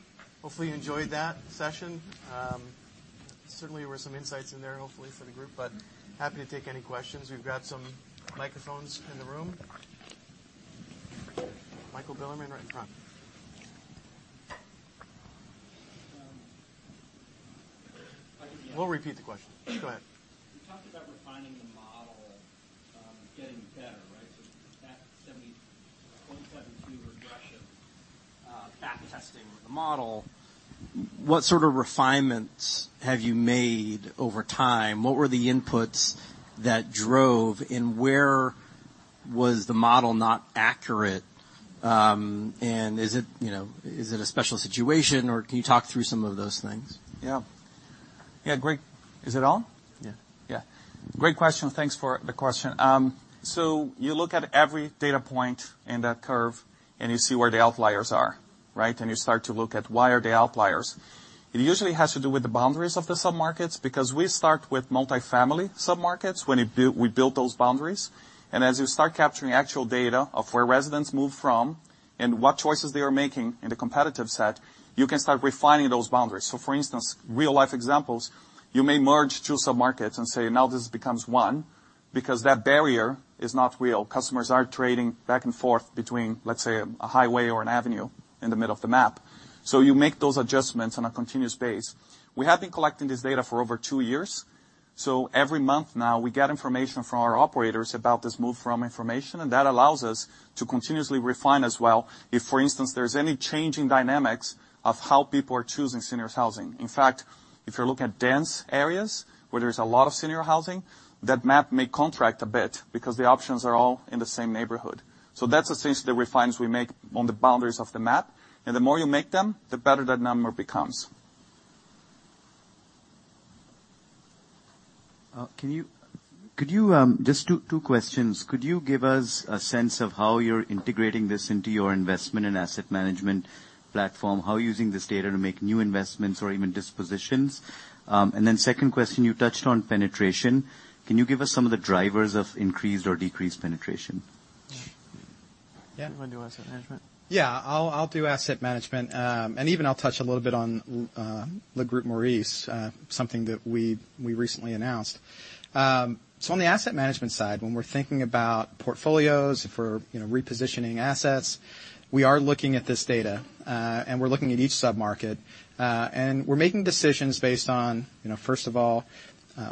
Hopefully, you enjoyed that session. Certainly, there were some insights in there, hopefully for the group, but happy to take any questions. We've got some microphones in the room. Michael Billerman, right in front. We'll repeat the question. Go ahead. You talked about refining the model, getting better, right? So that 70.72 regression, back testing the model, what sort of refinements have you made over time? What were the inputs that drove, and where was the model not accurate? And is it, you know, is it a special situation, or can you talk through some of those things? Yeah. Yeah, great... Is it on? Yeah. Yeah. Great question. Thanks for the question. So you look at every data point in that curve, and you see where the outliers are, right? And you start to look at why are they outliers. It usually has to do with the boundaries of the submarkets, because we start with multifamily submarkets when we build those boundaries. And as you start capturing actual data of where residents move from and what choices they are making in the competitive set, you can start refining those boundaries. So for instance, real-life examples, you may merge two submarkets and say, now this becomes one, because that barrier is not real. Customers are trading back and forth between, let's say, a highway or an avenue in the middle of the map. So you make those adjustments on a continuous basis. We have been collecting this data for over two years, so every month now, we get information from our operators about this move-in information, and that allows us to continuously refine as well, if, for instance, there's any change in dynamics of how people are choosing seniors housing. In fact, if you're looking at dense areas where there's a lot of senior housing, that map may contract a bit because the options are all in the same neighborhood. So that's the things, the refinements we make on the boundaries of the map, and the more you make them, the better that number becomes. Could you give us a sense of how you're integrating this into your investment and asset management platform? How are you using this data to make new investments or even dispositions? And then second question, you touched on penetration. Can you give us some of the drivers of increased or decreased penetration? Yeah, you want to do asset management? Yeah, I'll do asset management. And even I'll touch a little bit on Le Groupe Maurice, something that we recently announced. So on the asset management side, when we're thinking about portfolios for, you know, repositioning assets, we are looking at this data, and we're looking at each submarket, and we're making decisions based on, you know, first of all,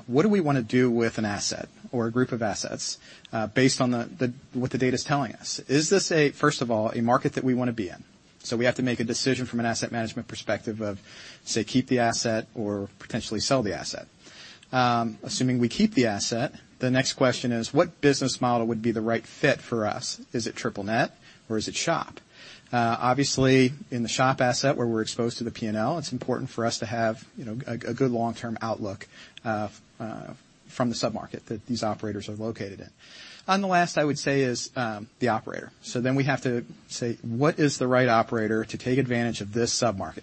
what do we wanna do with an asset or a group of assets, based on the what the data is telling us? Is this a first of all a market that we wanna be in? So we have to make a decision from an asset management perspective of, say, keep the asset or potentially sell the asset. Assuming we keep the asset, the next question is: What business model would be the right fit for us? Is it triple net, or is it shop? Obviously, in the shop asset, where we're exposed to the P&L, it's important for us to have, you know, a good long-term outlook from the submarket that these operators are located in. And the last I would say is the operator. So then we have to say, what is the right operator to take advantage of this submarket?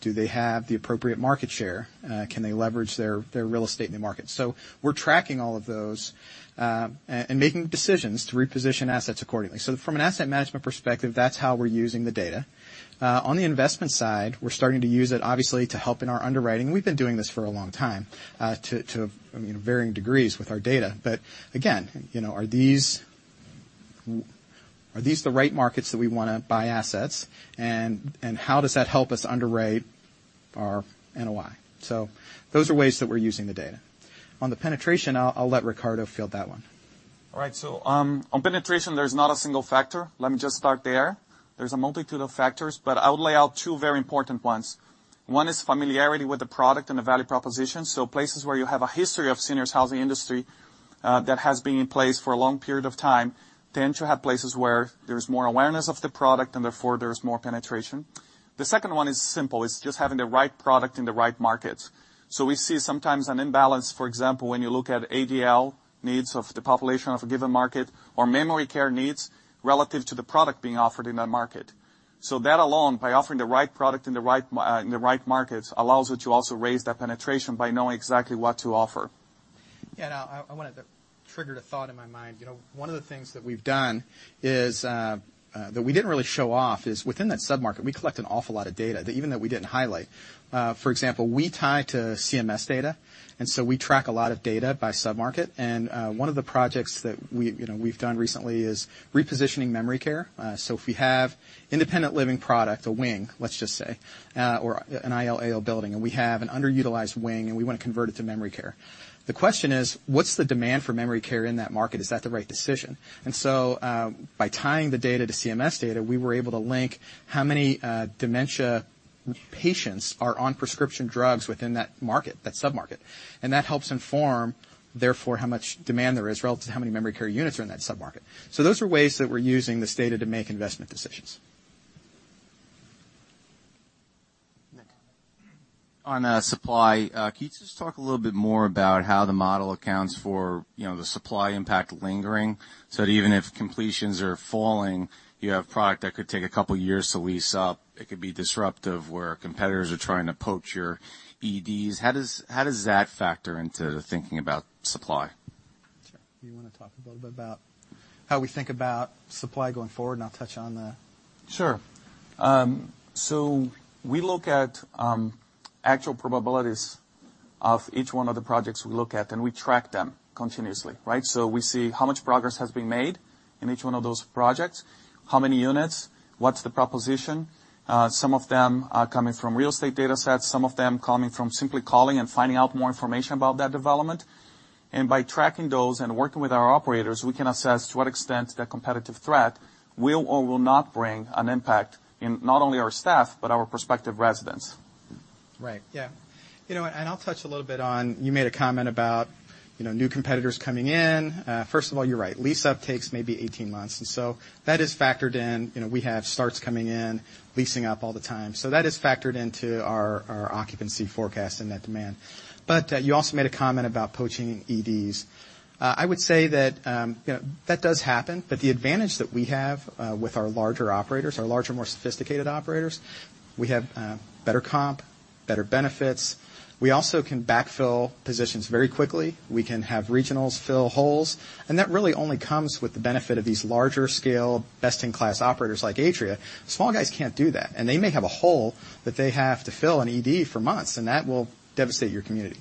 Do they have the appropriate market share? Can they leverage their real estate in the market? So we're tracking all of those and making decisions to reposition assets accordingly. So from an asset management perspective, that's how we're using the data. On the investment side, we're starting to use it, obviously, to help in our underwriting. We've been doing this for a long time to varying degrees with our data. But again, you know, are these the right markets that we wanna buy assets, and how does that help us underwrite our NOI? So those are ways that we're using the data. On the penetration, I'll let Ricardo field that one. All right, so, on penetration, there's not a single factor. Let me just start there. There's a multitude of factors, but I would lay out two very important ones. One is familiarity with the product and the value proposition, so places where you have a history of seniors housing industry, that has been in place for a long period of time, tend to have places where there's more awareness of the product, and therefore, there's more penetration. The second one is simple. It's just having the right product in the right market. So we see sometimes an imbalance, for example, when you look at ADL needs of the population of a given market or memory care needs relative to the product being offered in that market. So that alone, by offering the right product in the right markets, allows you to also raise that penetration by knowing exactly what to offer. Yeah, and I wanted to. It triggered a thought in my mind. You know, one of the things that we've done is that we didn't really show off, is within that submarket, we collect an awful lot of data, even that we didn't highlight. For example, we tie to CMS data, and so we track a lot of data by submarket. And one of the projects that we, you know, we've done recently is repositioning memory care. So if we have independent living product, a wing, let's just say, or an IL/AL building, and we have an underutilized wing, and we want to convert it to memory care. The question is: What's the demand for memory care in that market? Is that the right decision? By tying the data to CMS data, we were able to link how many dementia patients are on prescription drugs within that market, that submarket. That helps inform, therefore, how much demand there is relative to how many memory care units are in that submarket. Those are ways that we're using this data to make investment decisions. Mike. On supply, can you just talk a little bit more about how the model accounts for, you know, the supply impact lingering? So that even if completions are falling, you have product that could take a couple of years to lease up. It could be disruptive, where competitors are trying to poach your EDs. How does that factor into the thinking about supply? Sure. Do you want to talk a little bit about how we think about supply going forward, and I'll touch on the- Sure. So we look at actual probabilities of each one of the projects we look at, and we track them continuously, right? So we see how much progress has been made in each one of those projects, how many units, what's the proposition. Some of them are coming from real estate data sets, some of them coming from simply calling and finding out more information about that development. And by tracking those and working with our operators, we can assess to what extent their competitive threat will or will not bring an impact in not only our staff, but our prospective residents. Right. Yeah. You know, and I'll touch a little bit on... You made a comment about, you know, new competitors coming in. First of all, you're right. Lease-up takes may be 18 months, and so that is factored in. You know, we have starts coming in, leasing up all the time. So that is factored into our occupancy forecast and net demand. But, you also made a comment about poaching EDs. I would say that, you know, that does happen, but the advantage that we have, with our larger operators, our larger, more sophisticated operators, we have better comp, better benefits. We also can backfill positions very quickly. We can have regionals fill holes, and that really only comes with the benefit of these larger-scale, best-in-class operators like Atria. Small guys can't do that, and they may have a hole that they have to fill an ED for months, and that will devastate your community.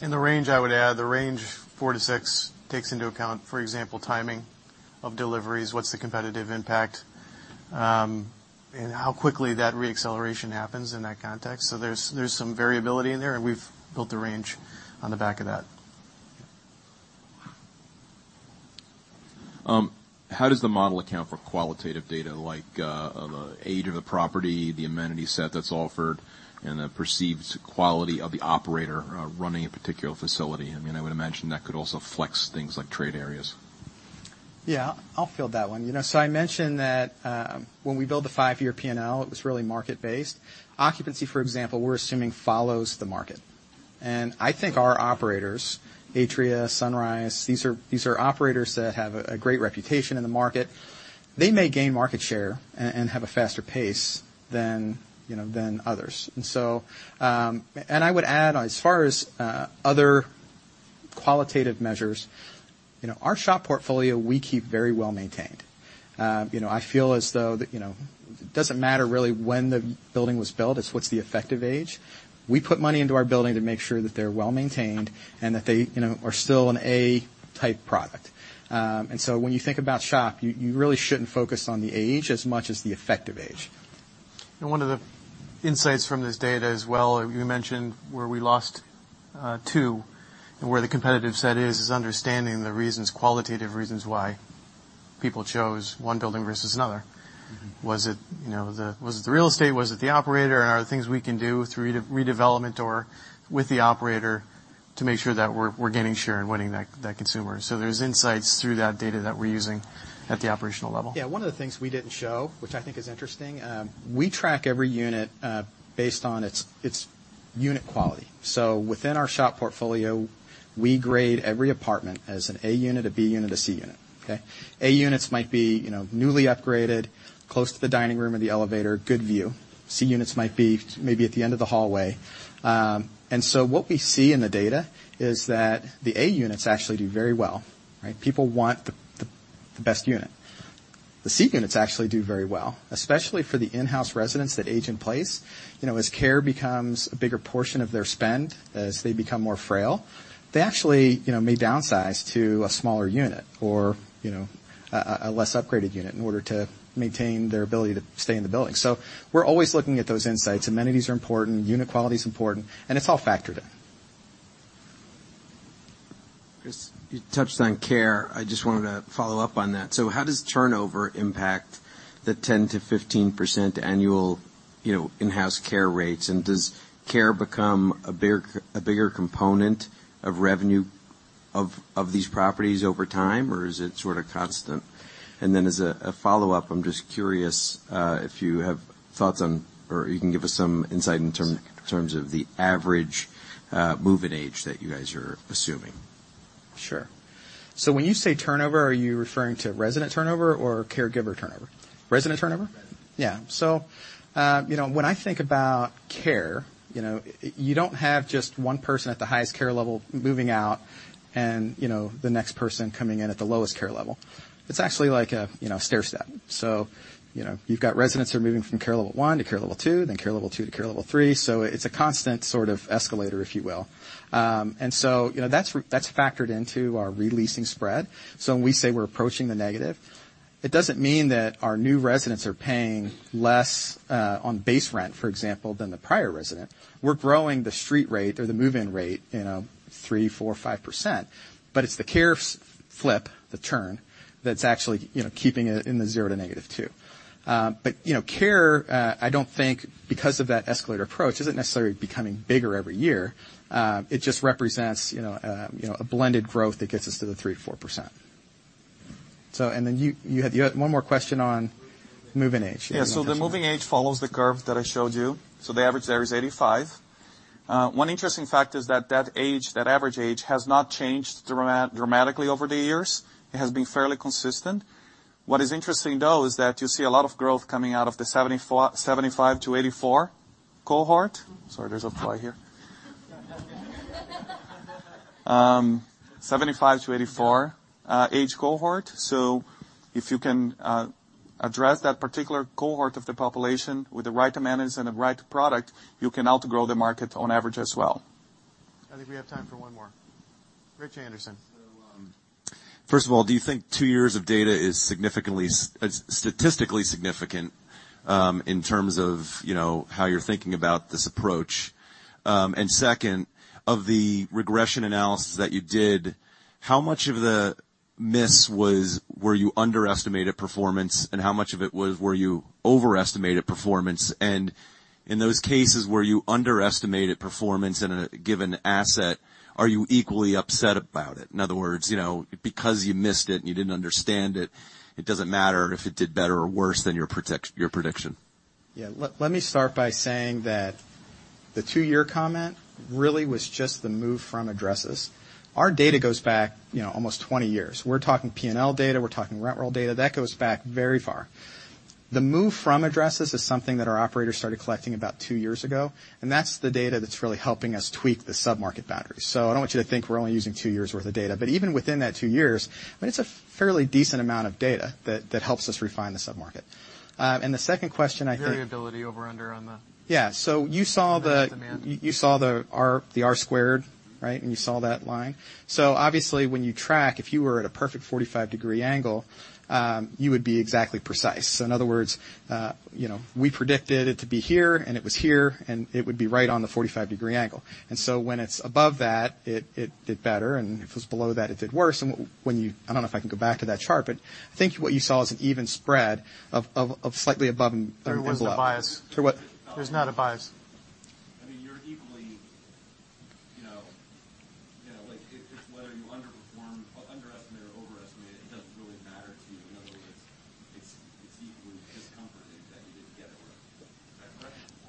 In the range, I would add, the range four to six takes into account, for example, timing of deliveries, what's the competitive impact, and how quickly that re-acceleration happens in that context. So there's some variability in there, and we've built the range on the back of that. Yeah. How does the model account for qualitative data, like, age of a property, the amenity set that's offered, and the perceived quality of the operator running a particular facility? I mean, I would imagine that could also flex things like trade areas. Yeah, I'll field that one. You know, so I mentioned that, when we built the five-year P&L, it was really market-based. Occupancy, for example, we're assuming, follows the market. And I think our operators, Atria, Sunrise, these are, these are operators that have a great reputation in the market. They may gain market share and have a faster pace than, you know, than others. And so, and I would add, as far as other qualitative measures, you know, our shop portfolio, we keep very well-maintained. You know, I feel as though that, you know, it doesn't matter really when the building was built, it's what's the effective age. We put money into our building to make sure that they're well-maintained and that they, you know, are still an A-type product. And so when you think about SHOP, you really shouldn't focus on the age as much as the effective age. One of the insights from this data as well, you mentioned where we lost two, and where the competitive set is, is understanding the reasons, qualitative reasons why people chose one building versus another. Was it, you know, the real estate? Was it the operator? Are there things we can do through redevelopment or with the operator to make sure that we're gaining share and winning that consumer? So there's insights through that data that we're using at the operational level. Yeah, one of the things we didn't show, which I think is interesting, we track every unit based on its unit quality. So within our shop portfolio, we grade every apartment as an A unit, a B unit, a C unit, okay? A units might be, you know, newly upgraded, close to the dining room or the elevator, good view. C units might be maybe at the end of the hallway. And so what we see in the data is that the A units actually do very well, right? People want the best unit. The C units actually do very well, especially for the in-house residents that age in place. You know, as care becomes a bigger portion of their spend, as they become more frail, they actually, you know, may downsize to a smaller unit or, you know, a less upgraded unit in order to maintain their ability to stay in the building. So we're always looking at those insights. Amenities are important, unit quality is important, and it's all factored in. Chris, you touched on care. I just wanted to follow up on that. So how does turnover impact the 10%-15% annual, you know, in-house care rates? And does care become a bigger component of revenue of, of these properties over time, or is it sort of constant? And then, as a follow-up, I'm just curious if you have thoughts on or you can give us some insight in terms of the average move-in age that you guys are assuming? Sure. So when you say turnover, are you referring to resident turnover or caregiver turnover? Resident turnover? Resident. Yeah. So, you know, when I think about care, you know, you don't have just one person at the highest care level moving out and, you know, the next person coming in at the lowest care level. It's actually like a, you know, stairstep. So, you know, you've got residents who are moving from care level one to care level two, then care level two to care level three, so it's a constant sort of escalator, if you will. And so, you know, that's factored into our re-leasing spread. So when we say we're approaching the negative, it doesn't mean that our new residents are paying less on base rent, for example, than the prior resident. We're growing the street rate or the move-in rate, you know, 3, 4, 5%, but it's the care flip, the turn, that's actually, you know, keeping it in the 0 to -2. But, you know, care, I don't think because of that escalator approach, isn't necessarily becoming bigger every year. It just represents, you know, a blended growth that gets us to the 3%-4%. So and then you had one more question on move-in age. Yeah. So the move-in age follows the curve that I showed you, so the average there is 85. One interesting fact is that, that age, that average age, has not changed dramatically over the years. It has been fairly consistent. What is interesting, though, is that you see a lot of growth coming out of the 75-84 cohort. Sorry, there's a fly here. 75-84 age cohort. So if you can address that particular cohort of the population with the right to manage and the right product, you can outgrow the market on average as well. I think we have time for one more. Rich Anderson. First of all, do you think two years of data is significantly, statistically significant, in terms of, you know, how you're thinking about this approach? And second, of the regression analysis that you did, how much of the miss was where you underestimated performance, and how much of it was where you overestimated performance? And in those cases, where you underestimated performance in a given asset, are you equally upset about it? In other words, you know, because you missed it and you didn't understand it, it doesn't matter if it did better or worse than your prediction. Yeah. Let me start by saying that the two-year comment really was just the move from addresses. Our data goes back, you know, almost 20 years. We're talking P&L data, we're talking rent roll data. That goes back very far. The move from addresses is something that our operators started collecting about two years ago, and that's the data that's really helping us tweak the submarket boundaries. So I don't want you to think we're only using two years' worth of data, but even within that two years, I mean, it's a fairly decent amount of data that helps us refine the submarket. And the second question, I think- Variability over/under on the. Yeah. So you saw the- Demand. You saw the R squared, right? And you saw that line. So obviously, when you track, if you were at a perfect 45 degree angle, you would be exactly precise. So in other words, you know, we predicted it to be here, and it was here, and it would be right on the 45 degree angle. And so when it's above that, it did better, and if it was below that, it did worse. And when you, I don't know if I can go back to that chart, but I think what you saw was an even spread of slightly above and- There was a bias. To what? There's not a bias.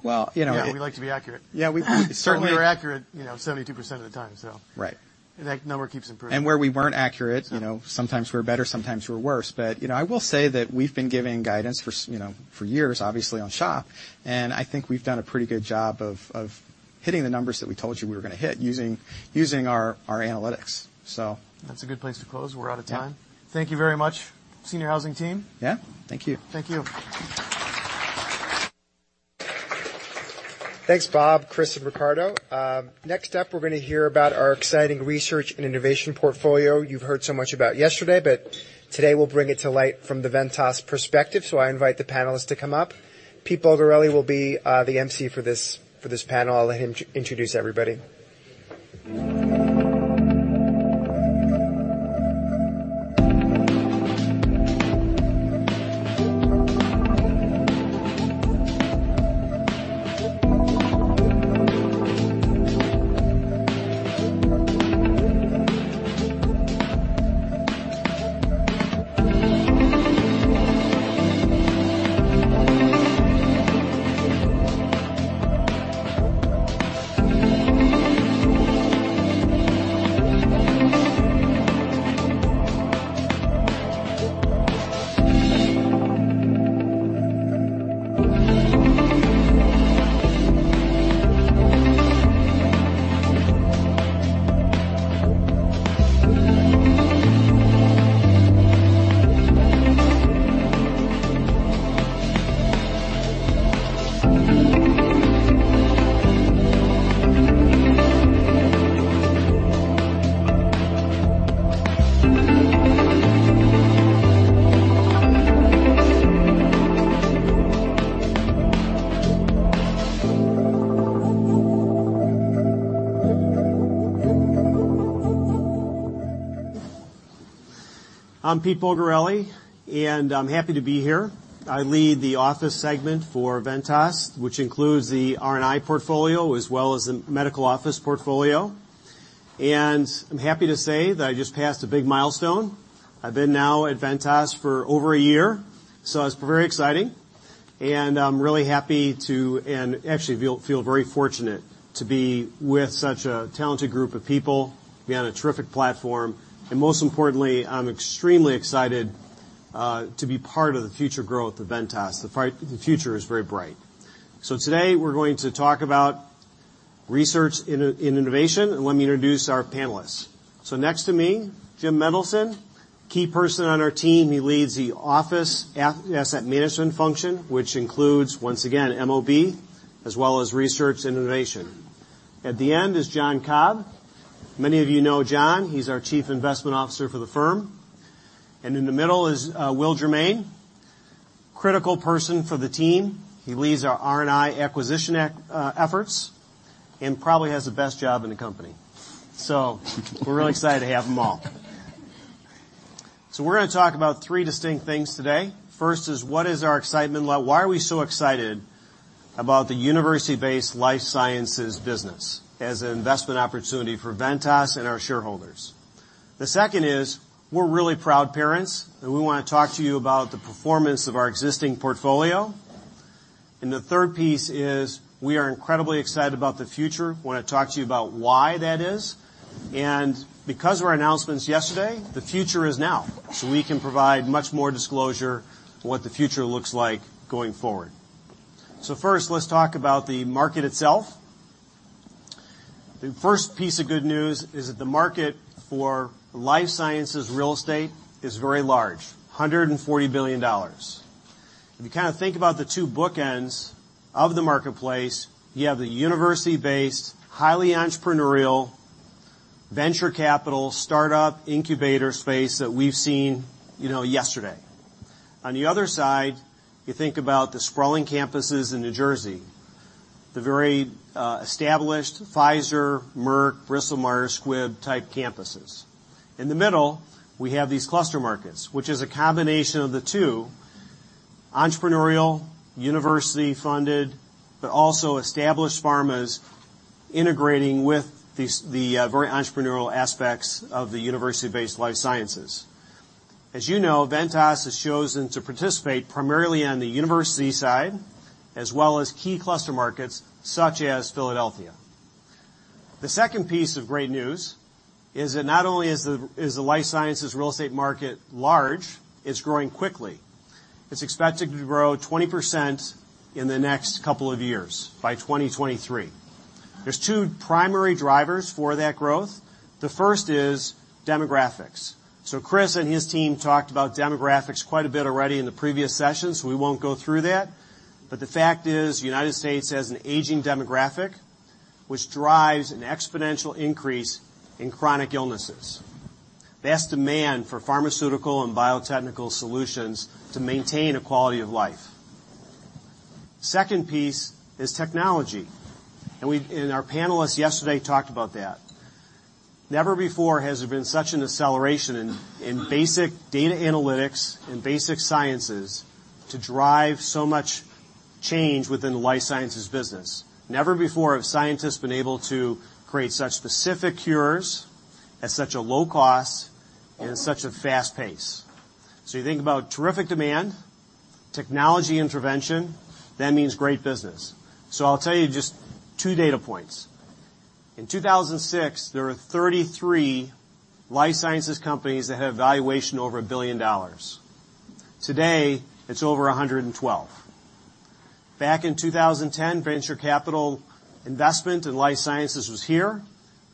I mean, you're equally, you know, like, if it's whether you underperform or underestimate or overestimate, it doesn't really matter to you. In other words, it's- Well, you know. Yeah, we like to be accurate. Yeah, we certainly. And we were accurate, you know, 72% of the time, so. Right. That number keeps improving. And where we weren't accurate, you know, sometimes we're better, sometimes we're worse. But, you know, I will say that we've been giving guidance for SHOP, you know, for years, obviously, on SHOP, and I think we've done a pretty good job of hitting the numbers that we told you we were gonna hit using our analytics, so. That's a good place to close. We're out of time. Yeah. Thank you very much, senior housing team. Yeah. Thank you. Thank you. Thanks, Bob, Chris, and Ricardo. Next up, we're gonna hear about our exciting research and innovation portfolio you've heard so much about yesterday, but today, we'll bring it to light from the Ventas perspective, so I invite the panelists to come up. Peter Bulgarelli will be the emcee for this panel. I'll let him introduce everybody. I'm Peter Bulgarelli, and I'm happy to be here. I lead the office segment for Ventas, which includes the R&I portfolio, as well as the medical office portfolio. And I'm happy to say that I just passed a big milestone. I've been now at Ventas for over a year, so it's very exciting. And I'm really happy to, and actually feel very fortunate to be with such a talented group of people. We have a terrific platform, and most importantly, I'm extremely excited to be part of the future growth of Ventas. The future is very bright. So today we're going to talk about research and innovation, and let me introduce our panelists. So next to me, Jim Mendelson, key person on our team. He leads the office asset management function, which includes, once again, MOB, as well as research and innovation. At the end is John Cobb. Many of you know John. He's our Chief Investment Officer for the firm. And in the middle is Will Germain, critical person for the team. He leads our R&I acquisition efforts and probably has the best job in the company. So we're really excited to have them all. So we're gonna talk about three distinct things today. First is, what is our excitement level? Why are we so excited about the university-based life sciences business as an investment opportunity for Ventas and our shareholders? The second is, we're really proud parents, and we wanna talk to you about the performance of our existing portfolio. And the third piece is, we are incredibly excited about the future. We wanna talk to you about why that is. And because of our announcements yesterday, the future is now. So we can provide much more disclosure on what the future looks like going forward. So first, let's talk about the market itself. The first piece of good news is that the market for life sciences real estate is very large, $140 billion. If you kinda think about the two bookends of the marketplace, you have the university-based, highly entrepreneurial, venture capital, startup, incubator space that we've seen, you know, yesterday. On the other side, you think about the sprawling campuses in New Jersey, the very established Pfizer, Merck, Bristol-Myers Squibb-type campuses. In the middle, we have these cluster markets, which is a combination of the two, entrepreneurial, university-funded, but also established pharmas integrating with these the very entrepreneurial aspects of the university-based life sciences. As you know, Ventas has chosen to participate primarily on the university side, as well as key cluster markets such as Philadelphia. The second piece of great news is that not only is the life sciences real estate market large, it's growing quickly. It's expected to grow 20% in the next couple of years, by 2023. There's two primary drivers for that growth. The first is demographics. So Chris and his team talked about demographics quite a bit already in the previous sessions, so we won't go through that. The fact is, United States has an aging demographic, which drives an exponential increase in chronic illnesses. That's demand for pharmaceutical and biotechnical solutions to maintain a quality of life. Second piece is technology, and we, and our panelists yesterday talked about that. Never before has there been such an acceleration in, in basic data analytics and basic sciences to drive so much change within the life sciences business. Never before have scientists been able to create such specific cures at such a low cost and at such a fast pace... You think about terrific demand, technology intervention, that means great business. I'll tell you just two data points. In two thousand and six, there were 33 life sciences companies that had a valuation over a billion dollars. Today, it's over 112. Back in two thousand and ten, venture capital investment in life sciences was here.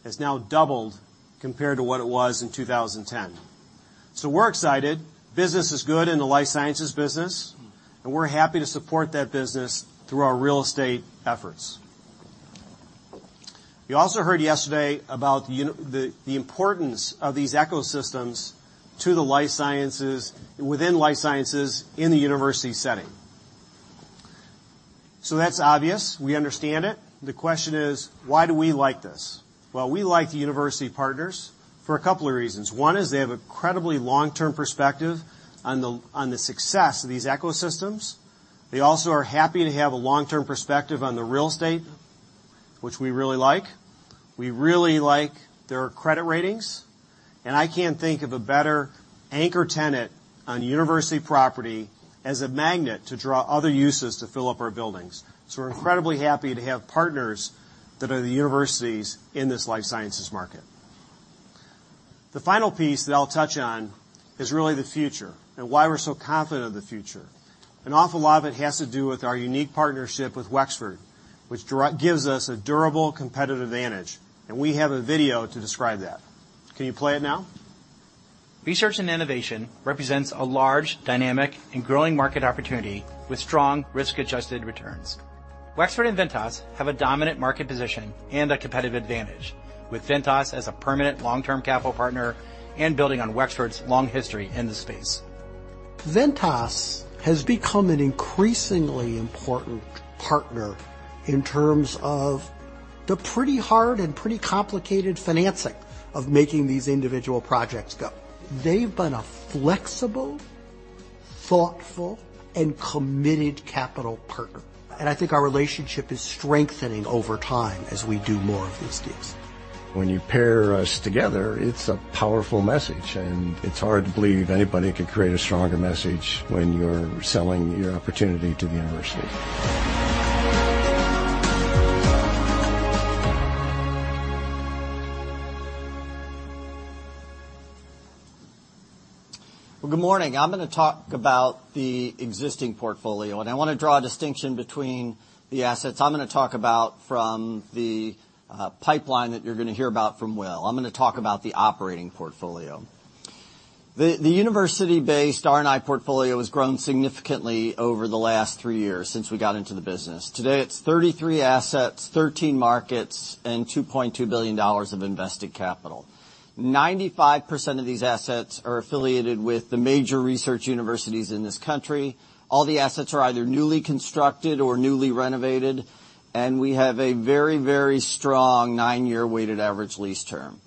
It's now doubled compared to what it was in two thousand and ten. So we're excited. Business is good in the life sciences business, and we're happy to support that business through our real estate efforts. You also heard yesterday about the importance of these ecosystems to the life sciences, within life sciences, in the university setting. So that's obvious. We understand it. The question is: Why do we like this? Well, we like the university partners for a couple of reasons. One is they have incredibly long-term perspective on the success of these ecosystems. They also are happy to have a long-term perspective on the real estate, which we really like. We really like their credit ratings, and I can't think of a better anchor tenant on university property as a magnet to draw other uses to fill up our buildings. So we're incredibly happy to have partners that are the universities in this life sciences market. The final piece that I'll touch on is really the future and why we're so confident of the future. An awful lot of it has to do with our unique partnership with Wexford, which gives us a durable competitive advantage, and we have a video to describe that. Can you play it now? Research and Innovation represents a large, dynamic, and growing market opportunity with strong risk-adjusted returns. Wexford and Ventas have a dominant market position and a competitive advantage, with Ventas as a permanent long-term capital partner and building on Wexford's long history in the space. Ventas has become an increasingly important partner in terms of the pretty hard and pretty complicated financing of making these individual projects go. They've been a flexible, thoughtful, and committed capital partner, and I think our relationship is strengthening over time as we do more of these deals. When you pair us together, it's a powerful message, and it's hard to believe anybody could create a stronger message when you're selling your opportunity to the university. Good morning. I'm gonna talk about the existing portfolio, and I wanna draw a distinction between the assets I'm gonna talk about from the pipeline that you're gonna hear about from Will. I'm gonna talk about the operating portfolio. The university-based R&I portfolio has grown significantly over the last three years since we got into the business. Today, it's 33 assets, 13 markets, and $2.2 billion of invested capital. 95% of these assets are affiliated with the major research universities in this country. All the assets are either newly constructed or newly renovated, and we have a very, very strong 9-year weighted average lease term.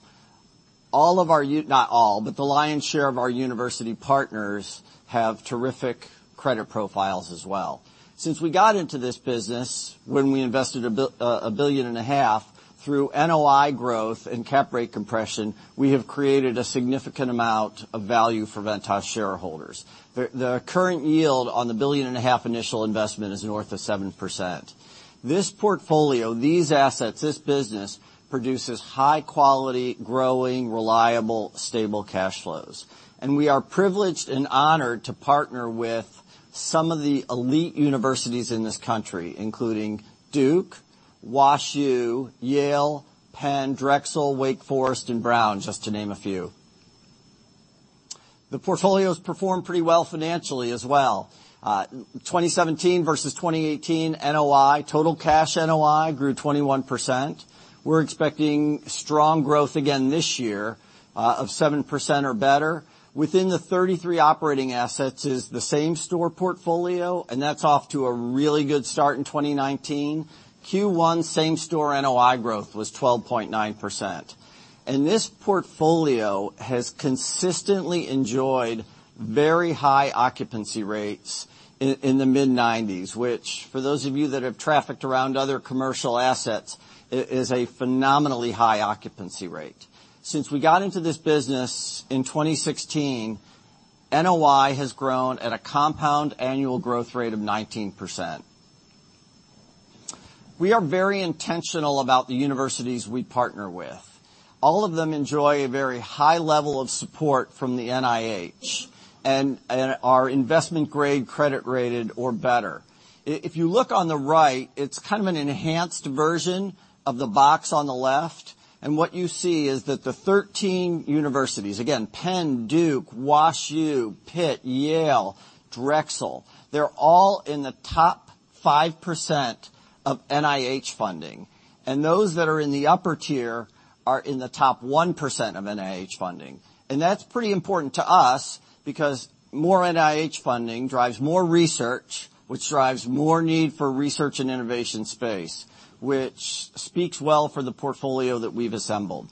All of our... Not all, but the lion's share of our university partners have terrific credit profiles as well. Since we got into this business, when we invested $1.5 billion through NOI growth and cap rate compression, we have created a significant amount of value for Ventas shareholders. The current yield on the $1.5 billion initial investment is north of 7%. This portfolio, these assets, this business, produces high-quality, growing, reliable, stable cash flows, and we are privileged and honored to partner with some of the elite universities in this country, including Duke, WashU, Yale, Penn, Drexel, Wake Forest, and Brown, just to name a few. The portfolio's performed pretty well financially as well. 2017 versus 2018, NOI, total cash NOI grew 21%. We're expecting strong growth again this year of 7% or better. Within the 33 operating assets is the same-store portfolio, and that's off to a really good start in 2019. Q1 same-store NOI growth was 12.9%. And this portfolio has consistently enjoyed very high occupancy rates in the mid-90s, which, for those of you that have trafficked around other commercial assets, is a phenomenally high occupancy rate. Since we got into this business in 2016, NOI has grown at a compound annual growth rate of 19%. We are very intentional about the universities we partner with. All of them enjoy a very high level of support from the NIH and are investment-grade credit-rated or better. If you look on the right, it's kind of an enhanced version of the box on the left, and what you see is that the 13 universities, again, Penn, Duke, WashU, Pitt, Yale, Drexel, they're all in the top 5% of NIH funding, and those that are in the upper tier are in the top 1% of NIH funding, and that's pretty important to us because more NIH funding drives more research, which drives more need for research and innovation space, which speaks well for the portfolio that we've assembled.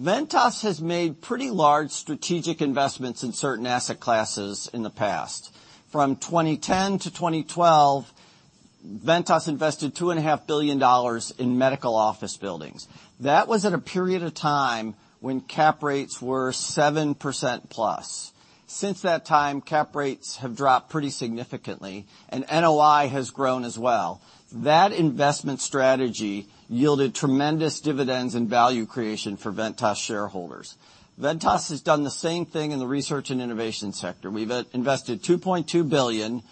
Ventas has made pretty large strategic investments in certain asset classes in the past. From 2010 to 2012, Ventas invested $2.5 billion in medical office buildings. That was at a period of time when cap rates were 7% plus. Since that time, cap rates have dropped pretty significantly, and NOI has grown as well. That investment strategy yielded tremendous dividends and value creation for Ventas shareholders. Ventas has done the same thing in the research and innovation sector. We've invested $2.2 billion.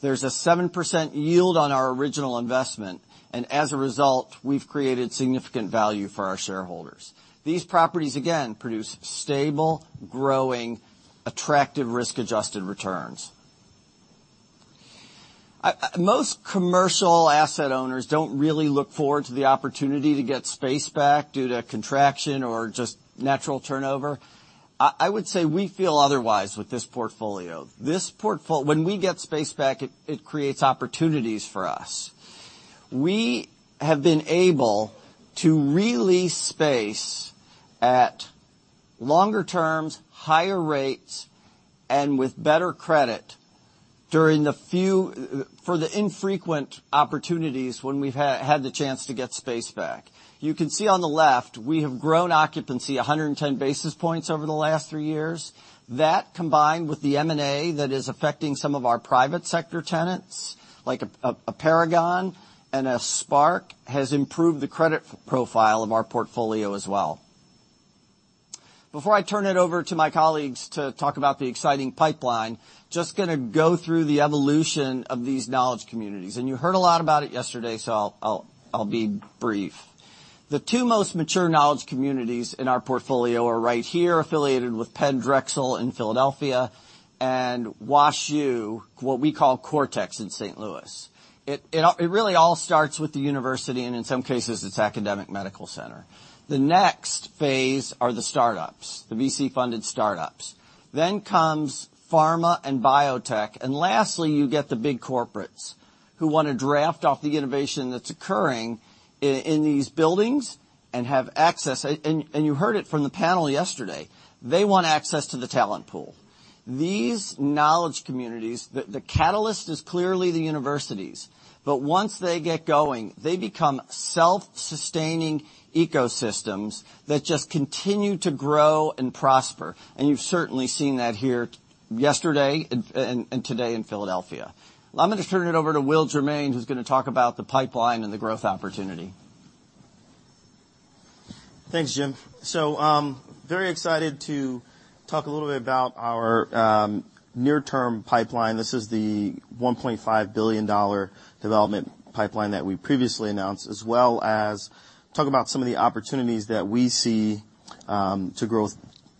There's a 7% yield on our original investment, and as a result, we've created significant value for our shareholders. These properties, again, produce stable, growing, attractive, risk-adjusted returns. Most commercial asset owners don't really look forward to the opportunity to get space back due to contraction or just natural turnover. I would say we feel otherwise with this portfolio. This portfolio, when we get space back, it creates opportunities for us. We have been able to re-lease space at longer terms, higher rates, and with better credit during the few infrequent opportunities when we've had the chance to get space back. You can see on the left, we have grown occupancy 110 basis points over the last three years. That, combined with the M&A that is affecting some of our private sector tenants, like a Paragon and a Spark, has improved the credit profile of our portfolio as well. Before I turn it over to my colleagues to talk about the exciting pipeline, just gonna go through the evolution of these knowledge communities, and you heard a lot about it yesterday, so I'll be brief. The two most mature knowledge communities in our portfolio are right here, affiliated with Penn Drexel in Philadelphia and Wash U, what we call Cortex in St. Louis. It really all starts with the university, and in some cases, it's academic medical center. The next phase are the startups, the VC-funded startups. Then comes pharma and biotech, and lastly, you get the big corporates who want to draft off the innovation that's occurring in these buildings and have access. And you heard it from the panel yesterday, they want access to the talent pool. These knowledge communities, the catalyst is clearly the universities, but once they get going, they become self-sustaining ecosystems that just continue to grow and prosper, and you've certainly seen that here yesterday and today in Philadelphia. I'm gonna turn it over to Will Germain, who's gonna talk about the pipeline and the growth opportunity. Thanks, Jim. So, very excited to talk a little bit about our near-term pipeline. This is the $1.5 billion development pipeline that we previously announced, as well as talk about some of the opportunities that we see to growth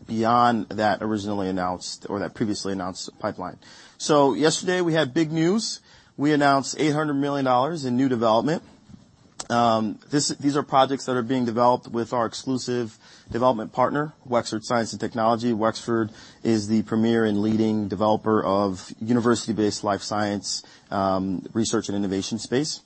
beyond that originally announced or that previously announced pipeline. So yesterday, we had big news. We announced $800 million in new development. This, these are projects that are being developed with our exclusive development partner, Wexford Science and Technology. Wexford is the premier and leading developer of university-based life science research and innovation space.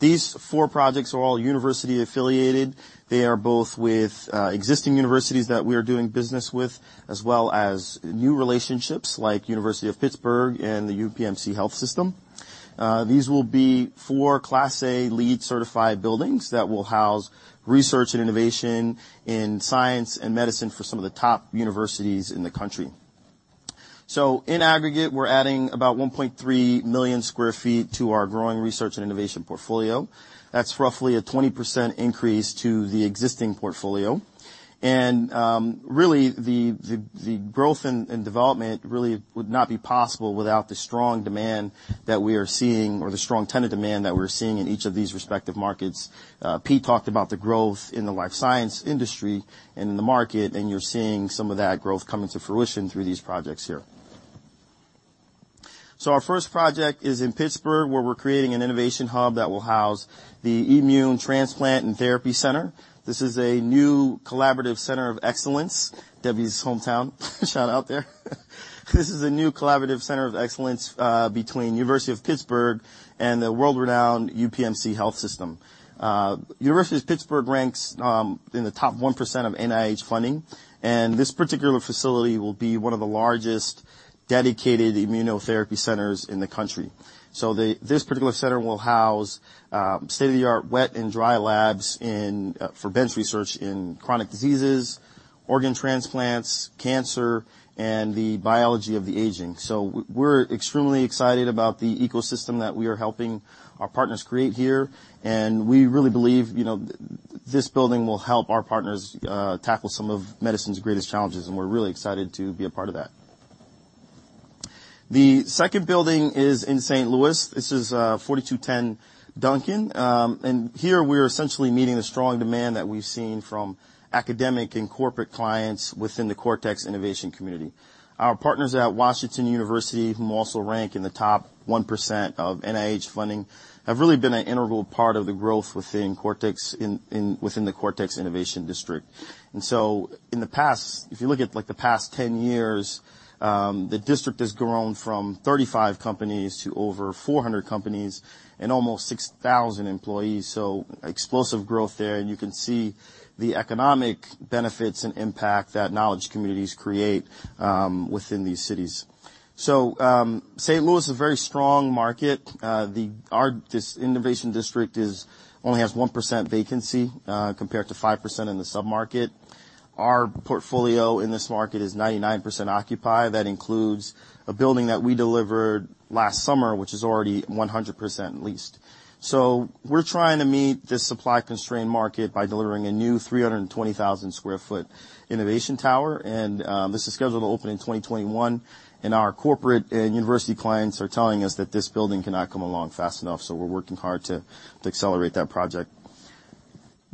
These four projects are all university affiliated. They are both with existing universities that we are doing business with, as well as new relationships, like University of Pittsburgh and the UPMC Health System. These will be four Class A, LEED-certified buildings that will house research and innovation in science and medicine for some of the top universities in the country. So in aggregate, we're adding about 1.3 million sq ft to our growing research and innovation portfolio. That's roughly a 20% increase to the existing portfolio. And really, the growth and development really would not be possible without the strong demand that we are seeing or the strong tenant demand that we're seeing in each of these respective markets. Pete talked about the growth in the life science industry and in the market, and you're seeing some of that growth coming to fruition through these projects here. So our first project is in Pittsburgh, where we're creating an innovation hub that will house the Immune Transplant and Therapy Center. This is a new collaborative center of excellence, Debbie's hometown. Shout out there. This is a new collaborative center of excellence between University of Pittsburgh and the world-renowned UPMC Health System. University of Pittsburgh ranks in the top 1% of NIH funding, and this particular facility will be one of the largest dedicated immunotherapy centers in the country. This particular center will house state-of-the-art wet and dry labs for bench research in chronic diseases, organ transplants, cancer, and the biology of the aging. We're extremely excited about the ecosystem that we are helping our partners create here, and we really believe, you know, this building will help our partners tackle some of medicine's greatest challenges, and we're really excited to be a part of that. The second building is in St. Louis. This is 4210 Duncan. And here, we're essentially meeting the strong demand that we've seen from academic and corporate clients within the Cortex Innovation Community. Our partners at Washington University, who also rank in the top 1% of NIH funding, have really been an integral part of the growth within Cortex, within the Cortex Innovation District. And so, like, the past ten years, the district has grown from 35 companies to over 400 companies and almost 6,000 employees, so explosive growth there, and you can see the economic benefits and impact that knowledge communities create within these cities. St. Louis is a very strong market. This innovation district only has 1% vacancy compared to 5% in the submarket. Our portfolio in this market is 99% occupied. That includes a building that we delivered last summer, which is already 100% leased. So we're trying to meet this supply-constrained market by delivering a new 320,000 sq ft innovation tower, and this is scheduled to open in 2021, and our corporate and university clients are telling us that this building cannot come along fast enough, so we're working hard to accelerate that project.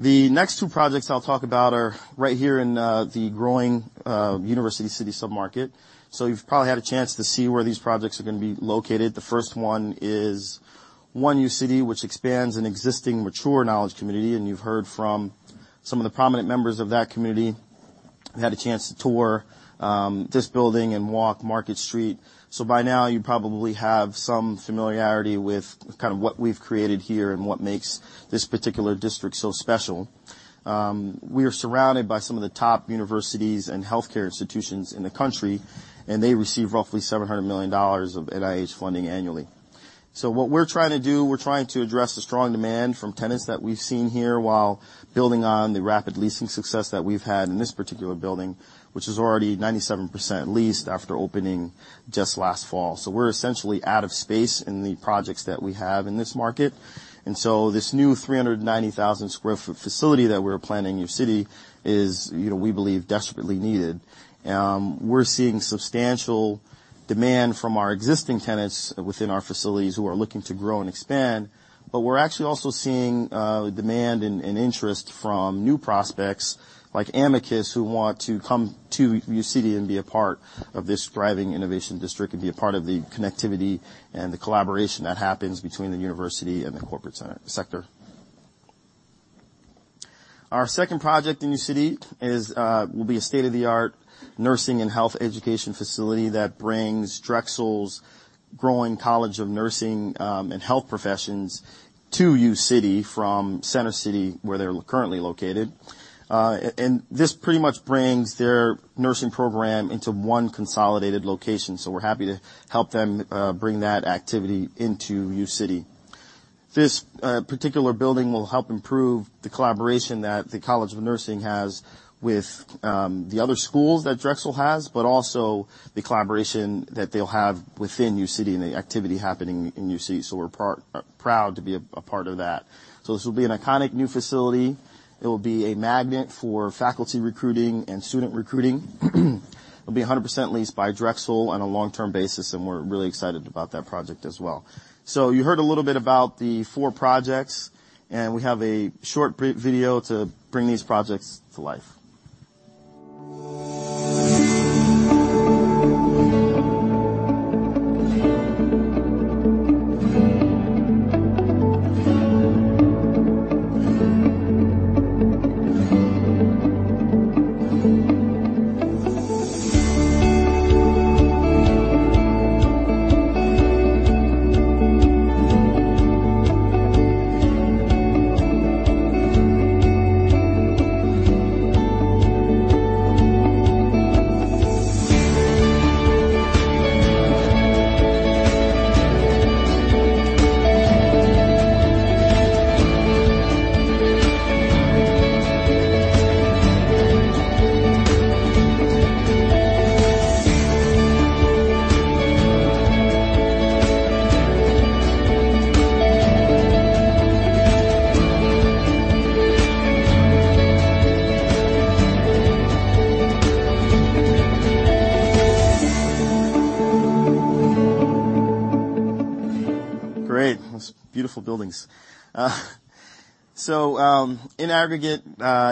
The next two projects I'll talk about are right here in the growing University City submarket. So you've probably had a chance to see where these projects are going to be located. The first one is One uCity, which expands an existing mature knowledge community, and you've heard from some of the prominent members of that community, who had a chance to tour this building and walk Market Street. So by now, you probably have some familiarity with kind of what we've created here and what makes this particular district so special. We are surrounded by some of the top universities and healthcare institutions in the country, and they receive roughly $700 million of NIH funding annually. So what we're trying to do, we're trying to address the strong demand from tenants that we've seen here while building on the rapid leasing success that we've had in this particular building, which is already 97% leased after opening just last fall. So we're essentially out of space in the projects that we have in this market, and so this new 390,000 sq ft facility that we're planning in uCity is, you know, we believe, desperately needed. We're seeing substantial demand from our existing tenants within our facilities who are looking to grow and expand, but we're actually also seeing demand and interest from new prospects, like Amicus, who want to come to uCity and be a part of this thriving innovation district and be a part of the connectivity and the collaboration that happens between the university and the corporate center, sector. Our second project in uCity will be a state-of-the-art nursing and health education facility that brings Drexel's growing College of Nursing and Health Professions to uCity from Center City, where they're currently located, and this pretty much brings their nursing program into one consolidated location, so we're happy to help them bring that activity into uCity. This particular building will help improve the collaboration that the College of Nursing has with the other schools that Drexel has, but also the collaboration that they'll have within uCity and the activity happening in uCity, so we're proud to be a part of that. So this will be an iconic new facility. It will be a magnet for faculty recruiting and student recruiting. It'll be 100% leased by Drexel on a long-term basis, and we're really excited about that project as well. So you heard a little bit about the four projects, and we have a short brief video to bring these projects to life. Great. Those beautiful buildings. So in aggregate,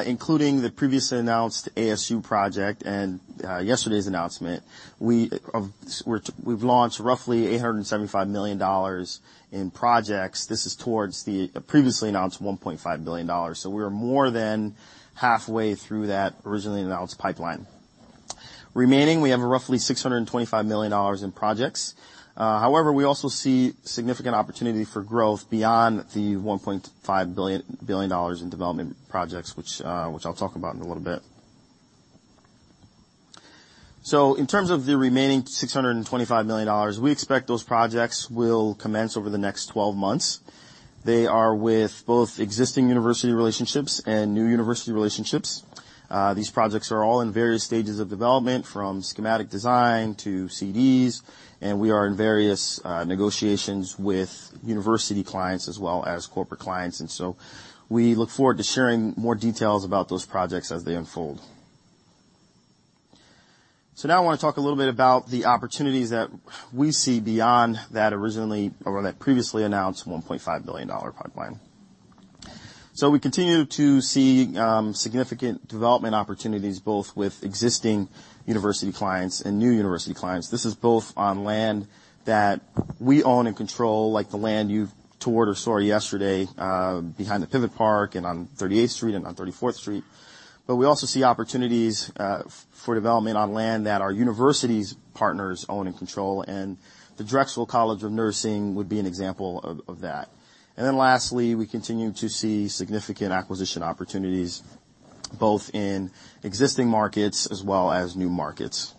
including the previously announced ASU project and yesterday's announcement, we've launched roughly $875 million in projects. This is towards the previously announced $1.5 billion, so we are more than halfway through that originally announced pipeline. Remaining, we have roughly $625 million in projects. However, we also see significant opportunity for growth beyond the $1.5 billion in development projects, which I'll talk about in a little bit. So in terms of the remaining $625 million, we expect those projects will commence over the next 12 months. They are with both existing university relationships and new university relationships. These projects are all in various stages of development, from schematic design to CDs, and we are in various negotiations with university clients as well as corporate clients, and so we look forward to sharing more details about those projects as they unfold. So now I want to talk a little bit about the opportunities that we see beyond that originally or that previously announced $1.5 billion pipeline. We continue to see significant development opportunities, both with existing university clients and new university clients. This is both on land that we own and control, like the land you toured or saw yesterday behind the Pocket Park and on 38th Street and on 34th Street. But we also see opportunities for development on land that our university partners own and control, and the Drexel College of Nursing would be an example of that. And then lastly, we continue to see significant acquisition opportunities both in existing markets as well as new markets.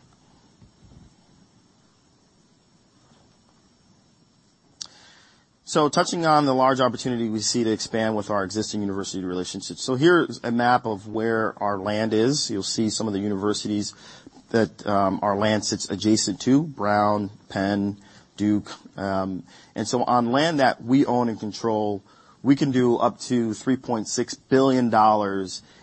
So touching on the large opportunity we see to expand with our existing university relationships. So here is a map of where our land is. You'll see some of the universities that our land sits adjacent to, Brown, Penn, Duke. And so on land that we own and control, we can do up to $3.6 billion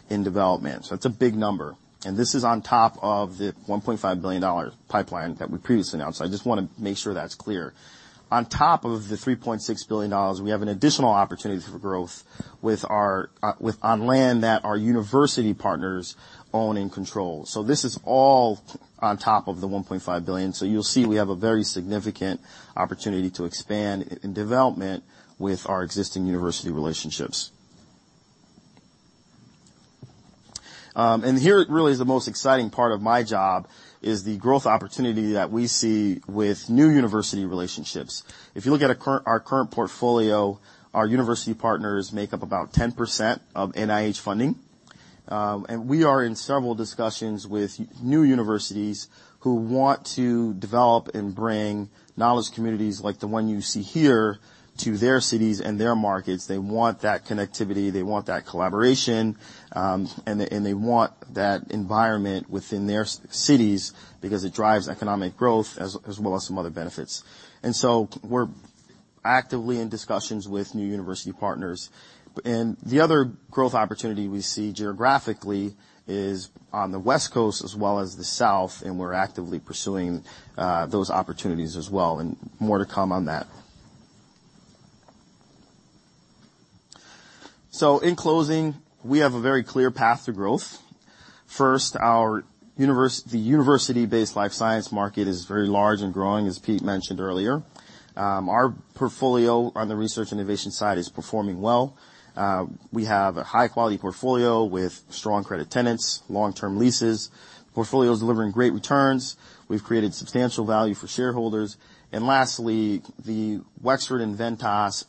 in development. So that's a big number, and this is on top of the $1.5 billion dollar pipeline that we previously announced. I just wanna make sure that's clear. On top of the $3.6 billion dollars, we have an additional opportunity for growth with our on land that our university partners own and control. So this is all on top of the $1.5 billion. So you'll see, we have a very significant opportunity to expand in development with our existing university relationships. And here really is the most exciting part of my job, is the growth opportunity that we see with new university relationships. If you look at our current portfolio, our university partners make up about 10% of NIH funding. And we are in several discussions with new universities who want to develop and bring knowledge communities, like the one you see here, to their cities and their markets. They want that connectivity, they want that collaboration, and they want that environment within their cities because it drives economic growth as well as some other benefits. And so we're actively in discussions with new university partners. And the other growth opportunity we see geographically is on the West Coast as well as the South, and we're actively pursuing those opportunities as well, and more to come on that. So in closing, we have a very clear path to growth. First, our university, the university-based life science market is very large and growing, as Pete mentioned earlier. Our portfolio on the research innovation side is performing well. We have a high-quality portfolio with strong credit tenants, long-term leases. The portfolio is delivering great returns. We've created substantial value for shareholders. And lastly, the Wexford and Ventas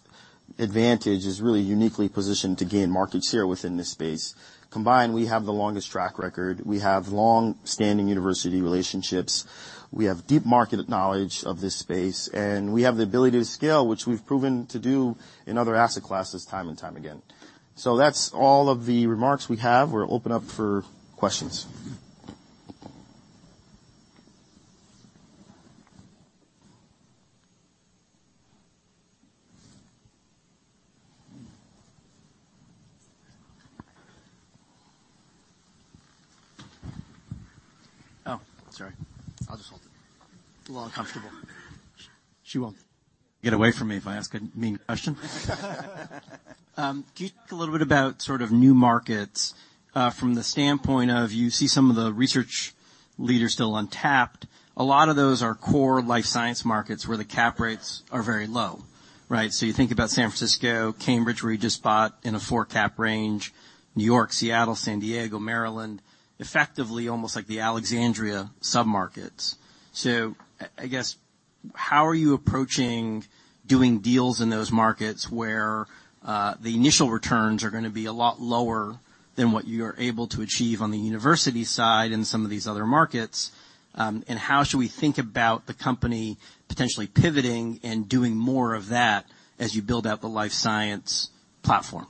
advantage is really uniquely positioned to gain market share within this space. Combined, we have the longest track record, we have long-standing university relationships, we have deep market knowledge of this space, and we have the ability to scale, which we've proven to do in other asset classes time and time again. So that's all of the remarks we have. We're open up for questions. Oh, sorry. I'll just hold it. A little uncomfortable. She won't get away from me if I ask a mean question? Can you talk a little bit about sort of new markets, from the standpoint of you see some of the research leaders still untapped. A lot of those are core life science markets where the cap rates are very low, right? So you think about San Francisco, Cambridge, where you just bought in a four cap range, New York, Seattle, San Diego, Maryland, effectively, almost like the Alexandria submarkets. So I, I guess, how are you approaching doing deals in those markets where, the initial returns are gonna be a lot lower than what you are able to achieve on the university side and some of these other markets? And how should we think about the company potentially pivoting and doing more of that as you build out the life science platform?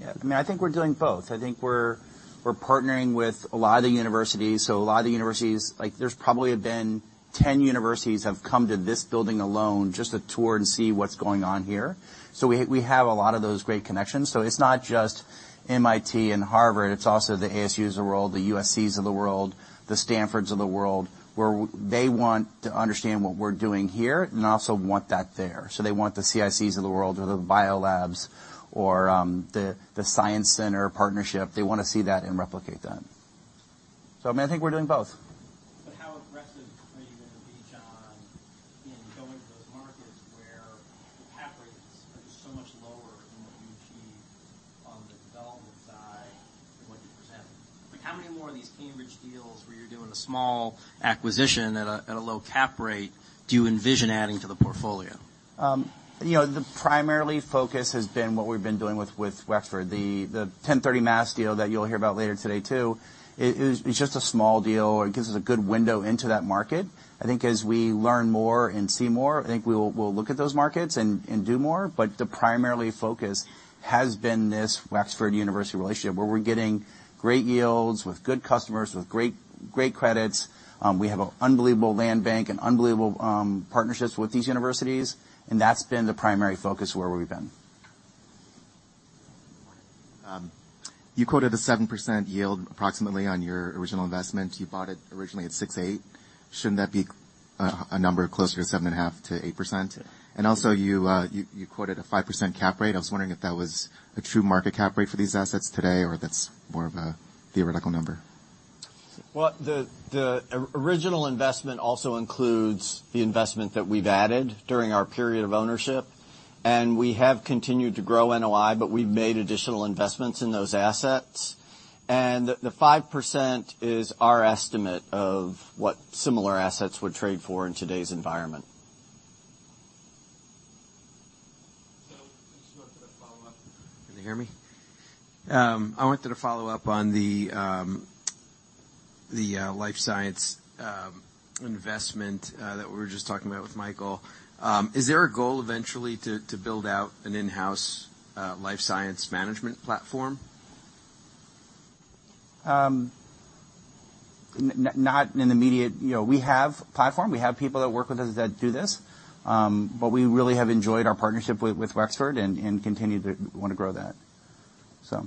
Yeah. I mean, I think we're doing both. I think we're partnering with a lot of the universities, so a lot of the universities. Like, there's probably been ten universities have come to this building alone just to tour and see what's going on here. So we have a lot of those great connections. So it's not just MIT and Harvard, it's also the ASUs of the world, the USCs of the world, the Stanfords of the world, where they want to understand what we're doing here and also want that there. So they want the CICs of the world or the BioLabs or the Science Center partnership. They want to see that and replicate that. So, I mean, I think we're doing both. But how aggressive are you gonna be, John, in going to those markets where the cap rates are just so much lower than what you achieve on the development side than what you present? Like, how many more of these Cambridge deals, where you're doing a small acquisition at a low cap rate, do you envision adding to the portfolio? You know, the primary focus has been what we've been doing with Wexford. The 10 Mass deal that you'll hear about later today, too, it's just a small deal. It gives us a good window into that market. I think as we learn more and see more, we will look at those markets and do more, but the primary focus has been this Wexford university relationship, where we're getting great yields with good customers, with great credits. We have an unbelievable land bank and unbelievable partnerships with these universities, and that's been the primary focus where we've been. You quoted a 7% yield approximately on your original investment. You bought it originally at 6.8%. Shouldn't that be a number closer to 7.5%-8%? And also, you quoted a 5% cap rate. I was wondering if that was a true market cap rate for these assets today, or if that's more of a theoretical number? The original investment also includes the investment that we've added during our period of ownership, and we have continued to grow NOI, but we've made additional investments in those assets. And the 5% is our estimate of what similar assets would trade for in today's environment. So just wanted to follow up. Can you hear me? I wanted to follow up on the life science investment that we were just talking about with Michael. Is there a goal eventually to build out an in-house life science management platform? Not in the immediate... You know, we have a platform. We have people that work with us that do this, but we really have enjoyed our partnership with Wexford and continue to want to grow that, so.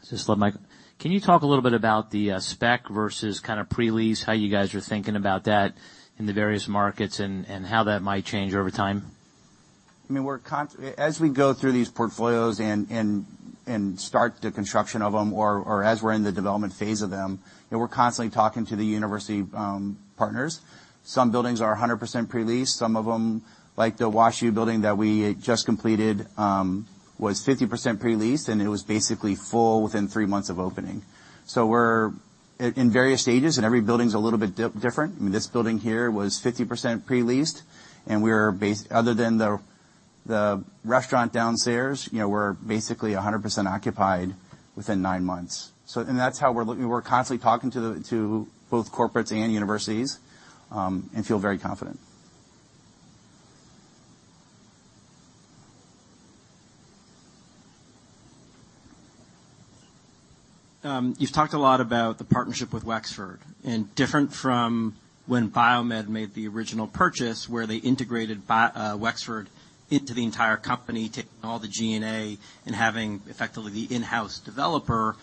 This is Mike. Can you talk a little bit about the spec versus kind of pre-lease, how you guys are thinking about that in the various markets and how that might change over time? I mean, as we go through these portfolios and start the construction of them, or as we're in the development phase of them, you know, we're constantly talking to the university partners. Some buildings are 100% pre-leased. Some of them, like the WashU building that we just completed, was 50% pre-leased, and it was basically full within three months of opening. So we're at in various stages, and every building's a little bit different. I mean, this building here was 50% pre-leased, and we're basically other than the restaurant downstairs, you know, we're basically 100% occupied within nine months. So. And that's how we're looking. We're constantly talking to both corporates and universities and feel very confident. You've talked a lot about the partnership with Wexford, and different from when BioMed made the original purchase, where they integrated Wexford into the entire company, taking all the GNA and having effectively the in-house developer,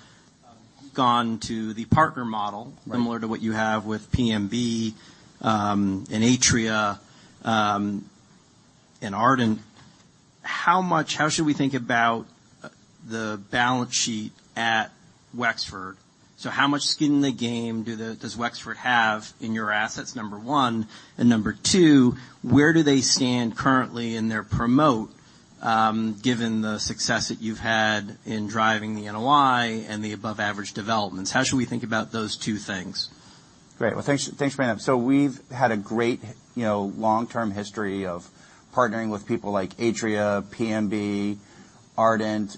gone to the partner model- Right. Similar to what you have with PMB, and Atria, and Ardent. How should we think about the balance sheet at Wexford? So how much skin in the game does Wexford have in your assets, number one? And number two, where do they stand currently in their promote, given the success that you've had in driving the NOI and the above-average developments? How should we think about those two things? Great. Well, thanks, thanks for that. So we've had a great, you know, long-term history of partnering with people like Atria, PMB, Ardent,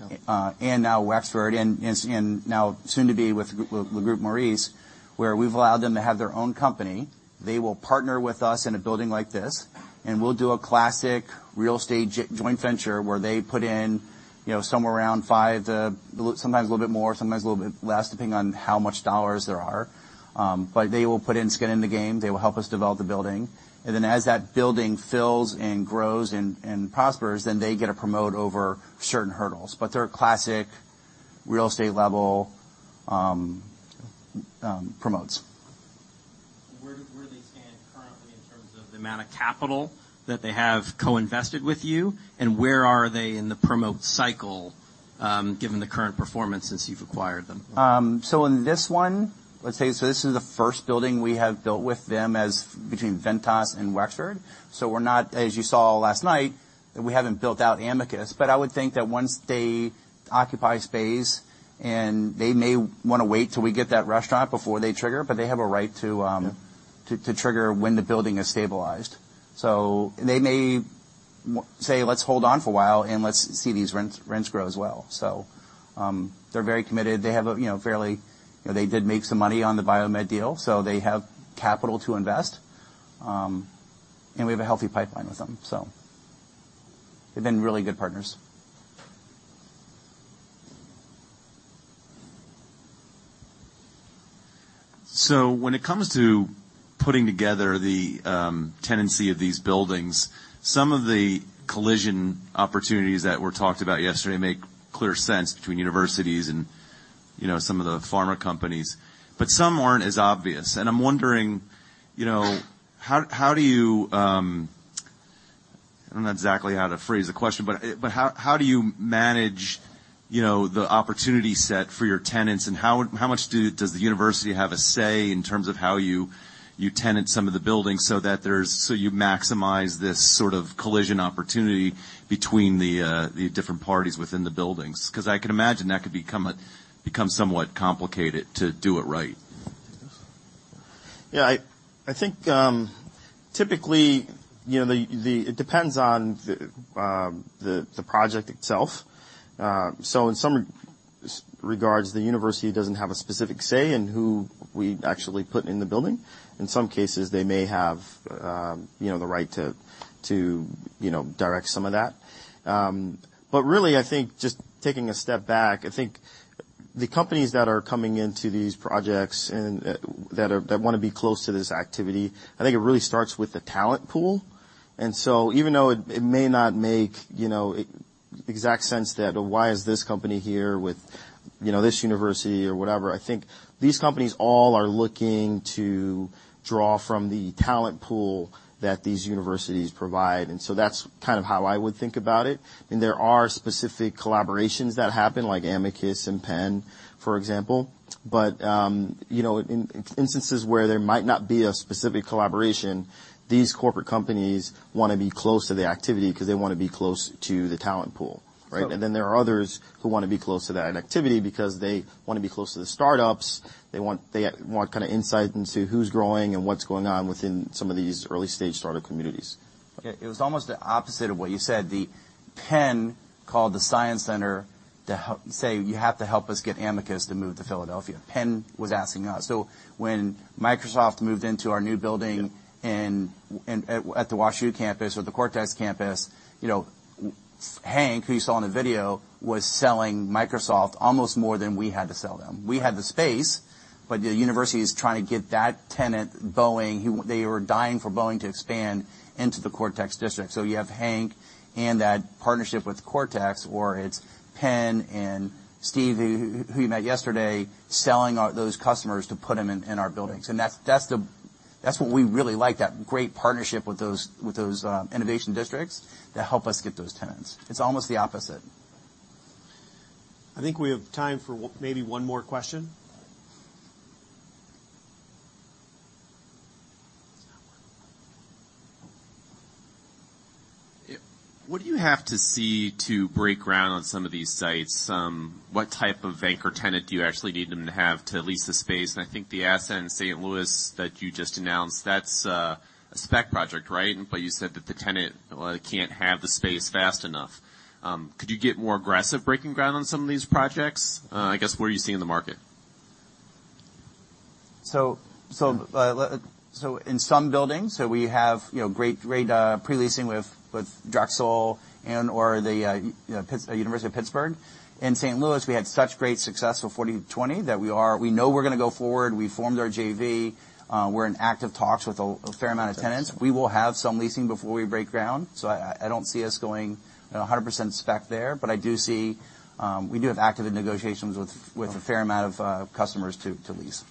and now Wexford, and now soon to be with Le Groupe Maurice, where we've allowed them to have their own company. They will partner with us in a building like this, and we'll do a classic real estate joint venture, where they put in, you know, somewhere around five to sometimes a little bit more, sometimes a little bit less, depending on how much dollars there are. But they will put in skin in the game. They will help us develop the building, and then as that building fills and grows and prospers, then they get a promote over certain hurdles. But they're classic real estate level promotes. Where do they stand currently in terms of the amount of capital that they have co-invested with you, and where are they in the promote cycle, given the current performance since you've acquired them? So in this one, let's say, so this is the first building we have built with them as between Ventas and Wexford. So we're not, as you saw last night, we haven't built out Amicus. But I would think that once they occupy space, and they may wanna wait till we get that restaurant before they trigger, but they have a right to, Yeah... to trigger when the building is stabilized. So they may say, "Let's hold on for a while, and let's see these rents grow as well." So, they're very committed. They have a, you know, fairly... You know, they did make some money on the BioMed deal, so they have capital to invest. And we have a healthy pipeline with them, so they've been really good partners. So when it comes to putting together the tenancy of these buildings, some of the collision opportunities that were talked about yesterday make clear sense between universities and, you know, some of the pharma companies, but some aren't as obvious. And I'm wondering, you know, I don't know exactly how to phrase the question, but how do you manage, you know, the opportunity set for your tenants, and how much does the university have a say in terms of how you tenant some of the buildings so you maximize this sort of collision opportunity between the different parties within the buildings? 'Cause I can imagine that could become somewhat complicated to do it right. Yeah, I think, typically, you know, it depends on the project itself. So in some regards, the university doesn't have a specific say in who we actually put in the building. In some cases, they may have, you know, the right to direct some of that. But really, I think, just taking a step back, I think the companies that are coming into these projects and that wanna be close to this activity, I think it really starts with the talent pool. And so even though it may not make, you know, exact sense that, why is this company here with, you know, this university or whatever, I think these companies all are looking to draw from the talent pool that these universities provide, and so that's kind of how I would think about it. And there are specific collaborations that happen, like Amicus and Penn, for example. ...But, you know, in instances where there might not be a specific collaboration, these corporate companies want to be close to the activity because they want to be close to the talent pool, right? Sure. And then there are others who want to be close to that activity because they want to be close to the startups. They want, they want kind of insight into who's growing and what's going on within some of these early-stage startup communities. It was almost the opposite of what you said. The Penn called the science center to help say: "You have to help us get Amicus to move to Philadelphia." Penn was asking us. So when Microsoft moved into our new building- Yeah at the WashU campus or the Cortex campus, you know, Hank, who you saw in the video, was selling Microsoft almost more than we had to sell them. Right. We had the space, but the university is trying to get that tenant, Boeing, who they were dying for Boeing to expand into the Cortex district. So you have Hank and that partnership with Cortex, or it's Penn and Steve, who you met yesterday, selling those customers to put them in our buildings. And that's what we really like, that great partnership with those innovation districts that help us get those tenants. It's almost the opposite. I think we have time for maybe one more question. Yeah. What do you have to see to break ground on some of these sites? What type of anchor tenant do you actually need them to have to lease the space? And I think the asset in St. Louis that you just announced, that's a spec project, right? But you said that the tenant can't have the space fast enough. Could you get more aggressive breaking ground on some of these projects? I guess, what are you seeing in the market? So in some buildings, we have, you know, great pre-leasing with Drexel and/or the University of Pittsburgh. In St. Louis, we had such great success with 4210 that we know we're going to go forward. We formed our JV. We're in active talks with a fair amount of tenants. We will have some leasing before we break ground, so I don't see us going, you know, 100% spec there. But I do see we do have active negotiations with a fair amount of customers to lease.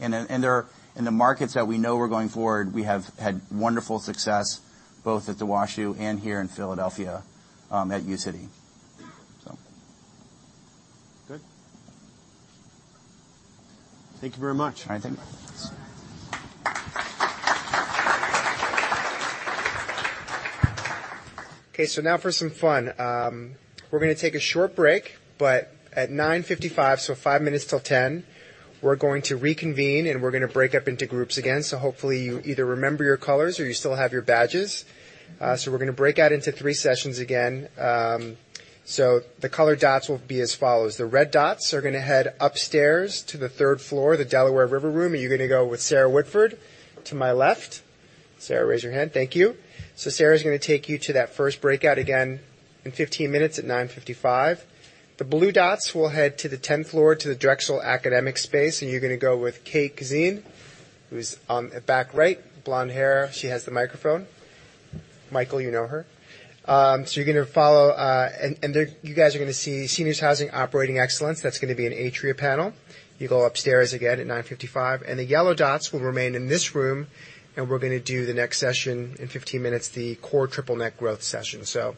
And then in the markets that we know we're going forward, we have had wonderful success, both at the WashU and here in Philadelphia at U City. So... Good. Thank you very much. All right. Thank you. Okay, so now for some fun. We're gonna take a short break, but at 9:55 A.M., so five minutes till 10:00 A.M., we're going to reconvene, and we're gonna break up into groups again. So hopefully, you either remember your colors or you still have your badges. So we're gonna break out into three sessions again. So the color dots will be as follows: The red dots are gonna head upstairs to the third floor, the Delaware River Room, and you're gonna go with Sarah Woodford, to my left. Sarah, raise your hand. Thank you. So Sarah is gonna take you to that first breakout again in 15 minutes at 9:55 A.M. The blue dots will head to the tenth floor, to the Drexel Academic space, and you're gonna go with Kate Kazin, who's on the back right, blonde hair. She has the microphone. Michael, you know her. So you're gonna follow. And there, you guys are gonna see Seniors Housing Operating Excellence. That's gonna be an Atria panel. You go upstairs again at 9:55 A.M. And the yellow dots will remain in this room, and we're gonna do the next session in 15 minutes, the Core Triple-Net Growth session. So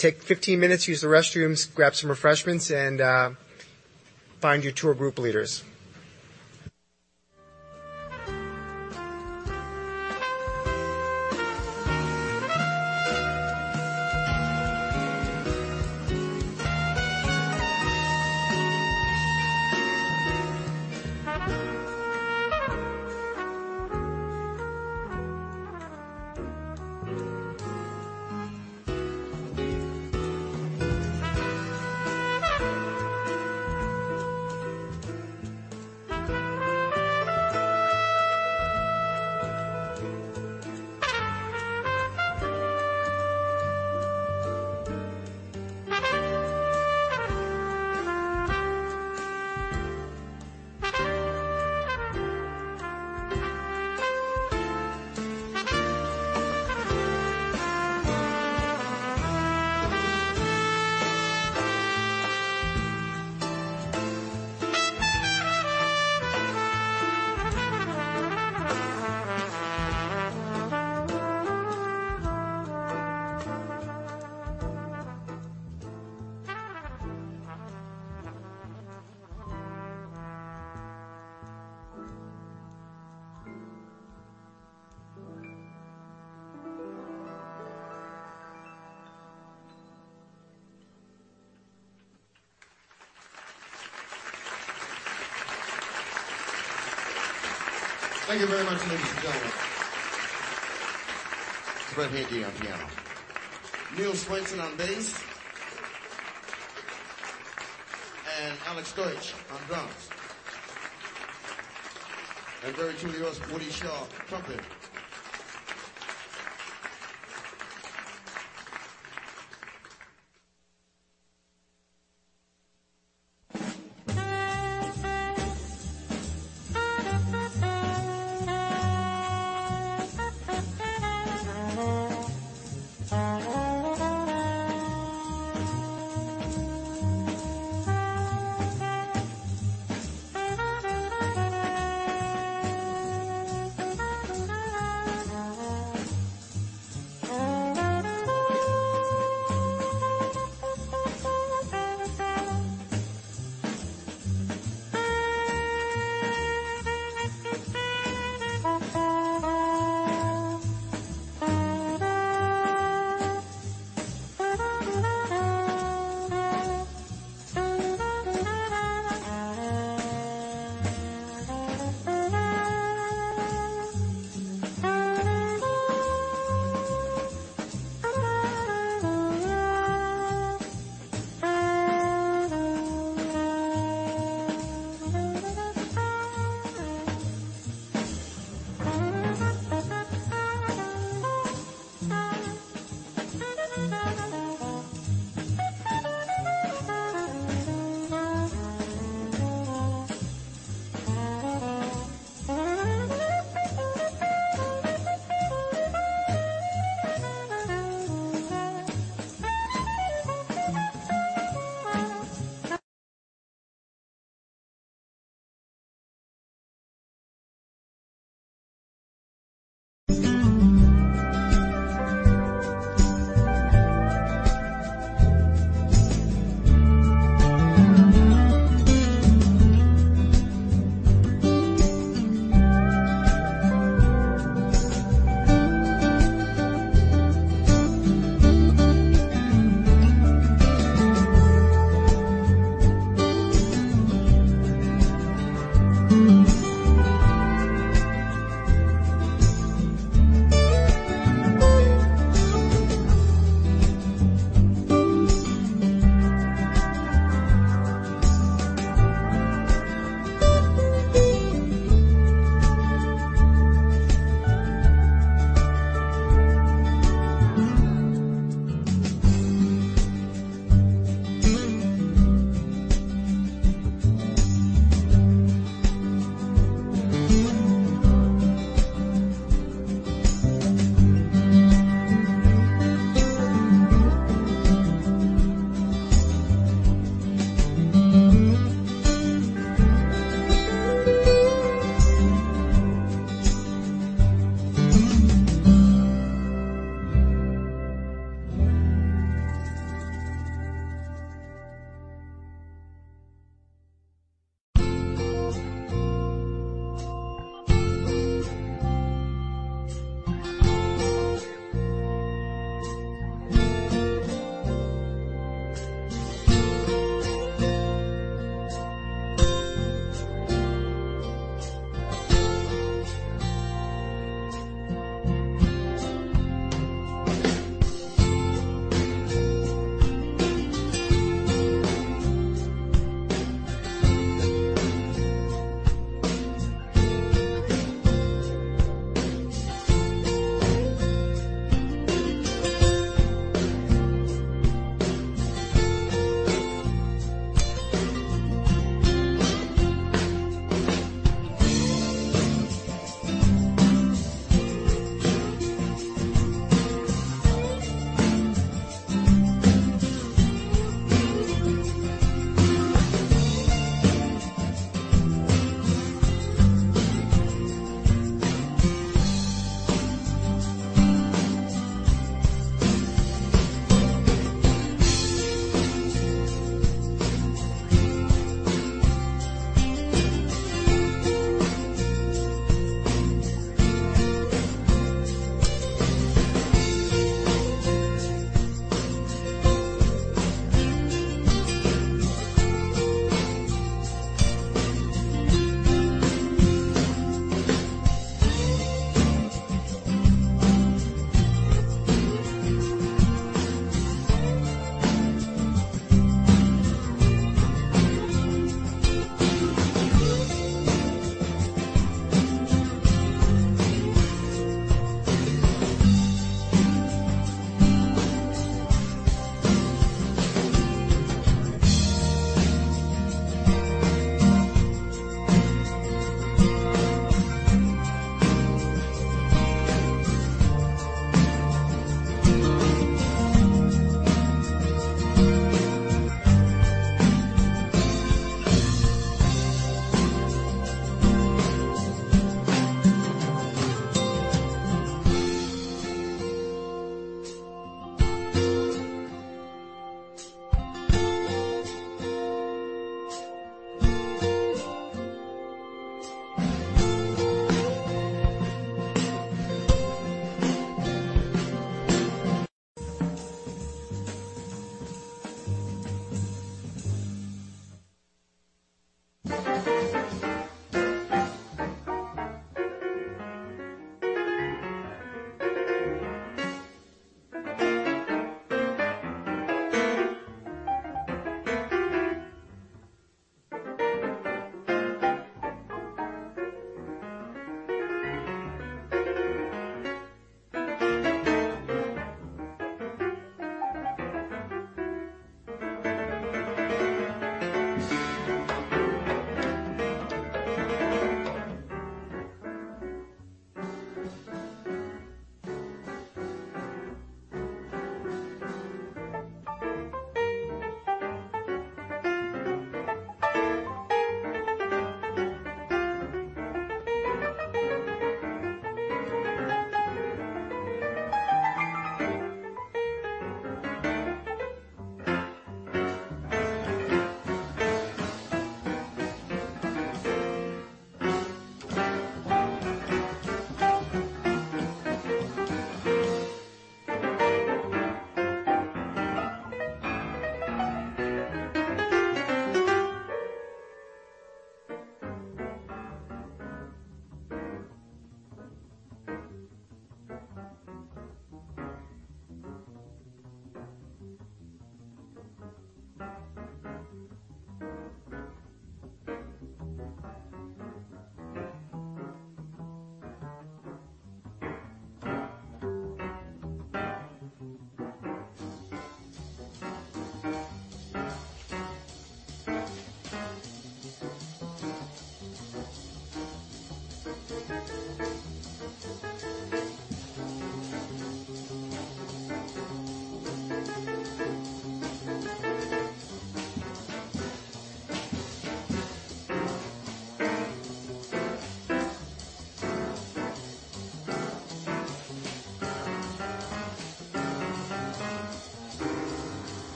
take 15 minutes, use the restrooms, grab some refreshments, and find your tour group leaders. Thank you very much, ladies and gentlemen. Fred Henke on piano. Neil Swainson on bass. And Alex Deutsch on drums. And very truly yours, Woody Shaw, trumpet.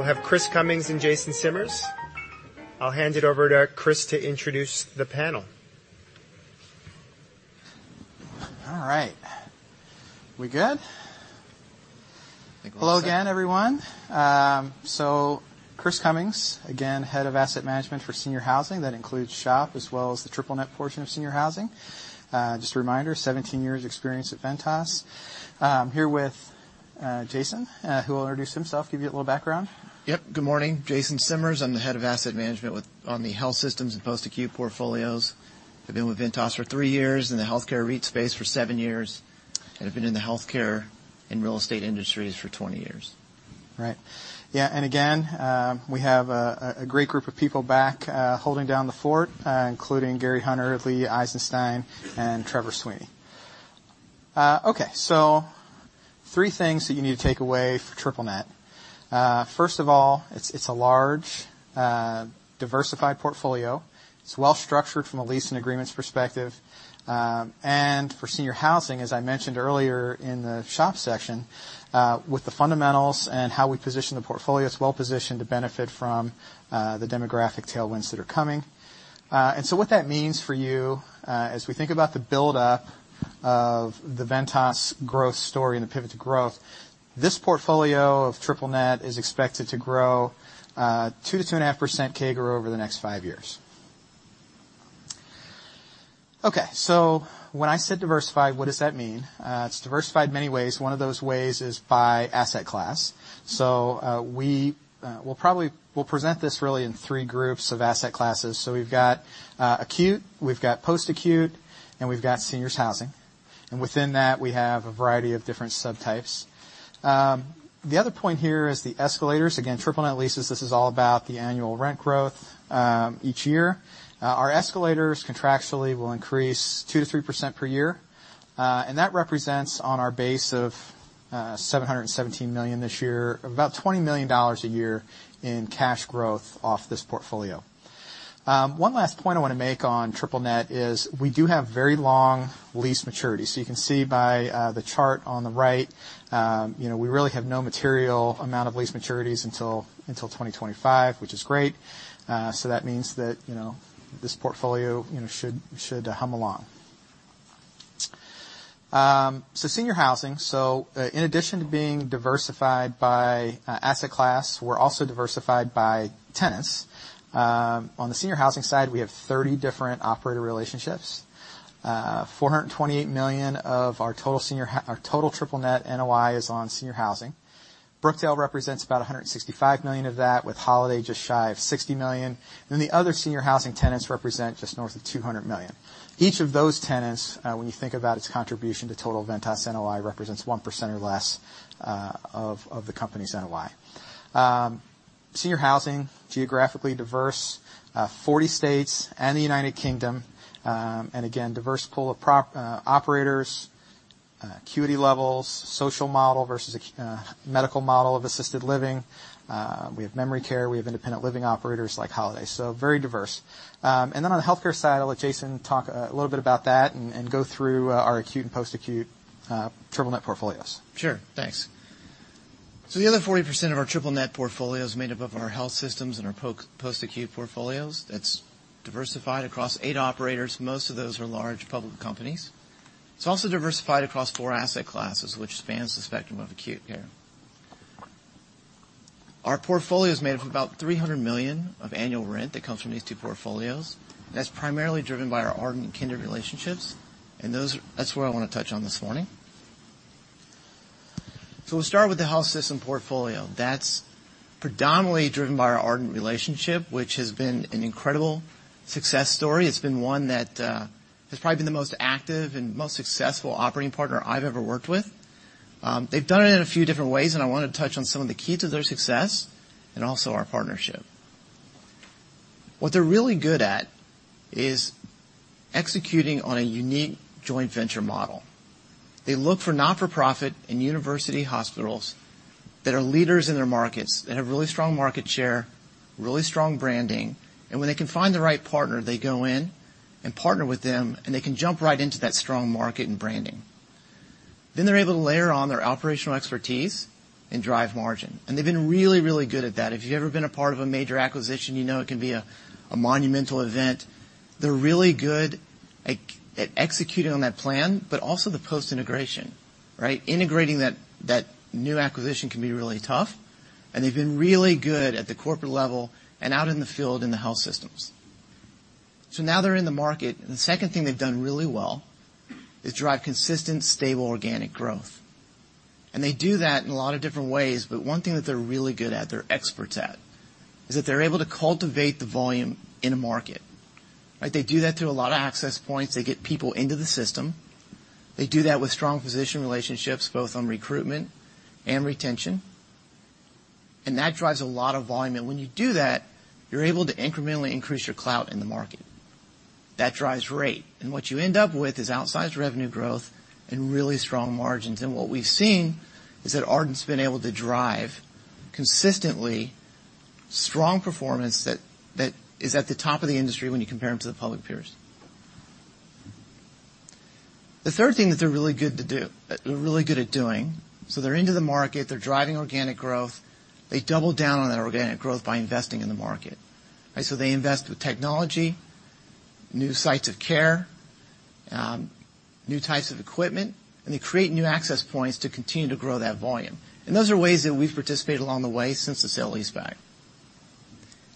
We'll have Chris Cummings and Jason Simmers. I'll hand it over to Chris to introduce the panel. All right. We good? I think we're set. Hello again, everyone. So Chris Cummings, again, Head of Asset Management for Senior Housing. That includes SHOP as well as the triple net portion of senior housing. Just a reminder, 17 years experience at Ventas. I'm here with Jason, who will introduce himself, give you a little background. Yep. Good morning. Jason Simmers. I'm the Head of Asset Management with... on the health systems and post-acute portfolios. I've been with Ventas for three years, in the healthcare REIT space for seven years, and I've been in the healthcare and real estate industries for 20 years. Right. Yeah, and again, we have a great group of people back, holding down the fort, including Gary Hunter, Lee Eisenstein, and Trevor Sweeney. Okay, so three things that you need to take away for triple net. First of all, it's a large, diversified portfolio. It's well-structured from a lease and agreements perspective. And for senior housing, as I mentioned earlier in the SHOP section, with the fundamentals and how we position the portfolio, it's well positioned to benefit from the demographic tailwinds that are coming. And so what that means for you, as we think about the buildup of the Ventas growth story and the pivot to growth, this portfolio of triple net is expected to grow 2%-2.5% CAGR over the next five years. Okay, so when I said diversified, what does that mean? It's diversified many ways. One of those ways is by asset class. So, we'll present this really in three groups of asset classes. So we've got acute, we've got post-acute, and we've got seniors housing, and within that, we have a variety of different subtypes. The other point here is the escalators. Again, triple net leases, this is all about the annual rent growth each year. Our escalators contractually will increase 2%-3% per year, and that represents on our base of $717 million this year, about $20 million a year in cash growth off this portfolio. One last point I wanna make on triple net is we do have very long lease maturity. So you can see by the chart on the right, you know, we really have no material amount of lease maturities until 2025, which is great. So that means that, you know, this portfolio, you know, should hum along. So senior housing. So in addition to being diversified by asset class, we're also diversified by tenants. On the senior housing side, we have 30 different operator relationships. $428 million of our total triple-net NOI is on senior housing. Brookdale represents about $165 million of that, with Holiday just shy of $60 million, and the other senior housing tenants represent just north of $200 million. Each of those tenants, when you think about its contribution to total Ventas NOI, represents 1% or less of the company's NOI. Senior housing, geographically diverse, 40 states and the United Kingdom, and again, diverse pool of operators, acuity levels, social model versus medical model of assisted living. We have memory care. We have independent living operators like Holiday, so very diverse. And then on the healthcare side, I'll let Jason talk a little bit about that and go through our acute and post-acute triple net portfolios. Sure. Thanks. So the other 40% of our triple net portfolio is made up of our health systems and our post-acute portfolios. It's diversified across eight operators. Most of those are large public companies. It's also diversified across four asset classes, which spans the spectrum of acute care. Our portfolio is made up of about $300 million of annual rent that comes from these two portfolios. That's primarily driven by our Ardent and Kindred relationships, and those are. That's where I want to touch on this morning. So we'll start with the health system portfolio. That's predominantly driven by our Ardent relationship, which has been an incredible success story. It's been one that has probably been the most active and most successful operating partner I've ever worked with. They've done it in a few different ways, and I wanted to touch on some of the keys of their success and also our partnership. What they're really good at is executing on a unique joint venture model. They look for not-for-profit and university hospitals that are leaders in their markets, that have really strong market share, really strong branding, and when they can find the right partner, they go in and partner with them, and they can jump right into that strong market and branding. Then they're able to layer on their operational expertise and drive margin, and they've been really, really good at that. If you've ever been a part of a major acquisition, you know it can be a monumental event. They're really good at executing on that plan, but also the post-integration, right? Integrating that new acquisition can be really tough, and they've been really good at the corporate level and out in the field in the health systems. So now they're in the market, and the second thing they've done really well is drive consistent, stable, organic growth. They do that in a lot of different ways, but one thing that they're really good at, they're experts at, is that they're able to cultivate the volume in a market, right? They do that through a lot of access points. They get people into the system. They do that with strong physician relationships, both on recruitment and retention, and that drives a lot of volume. When you do that, you're able to incrementally increase your clout in the market. That drives rate, and what you end up with is outsized revenue growth and really strong margins. What we've seen is that Ardent's been able to drive consistently strong performance that is at the top of the industry when you compare them to the public peers. The third thing that they're really good to do, they're really good at doing, so they're into the market, they're driving organic growth, they double down on that organic growth by investing in the market. Right, so they invest with technology, new sites of care, new types of equipment, and they create new access points to continue to grow that volume. And those are ways that we've participated along the way since the sale lease back.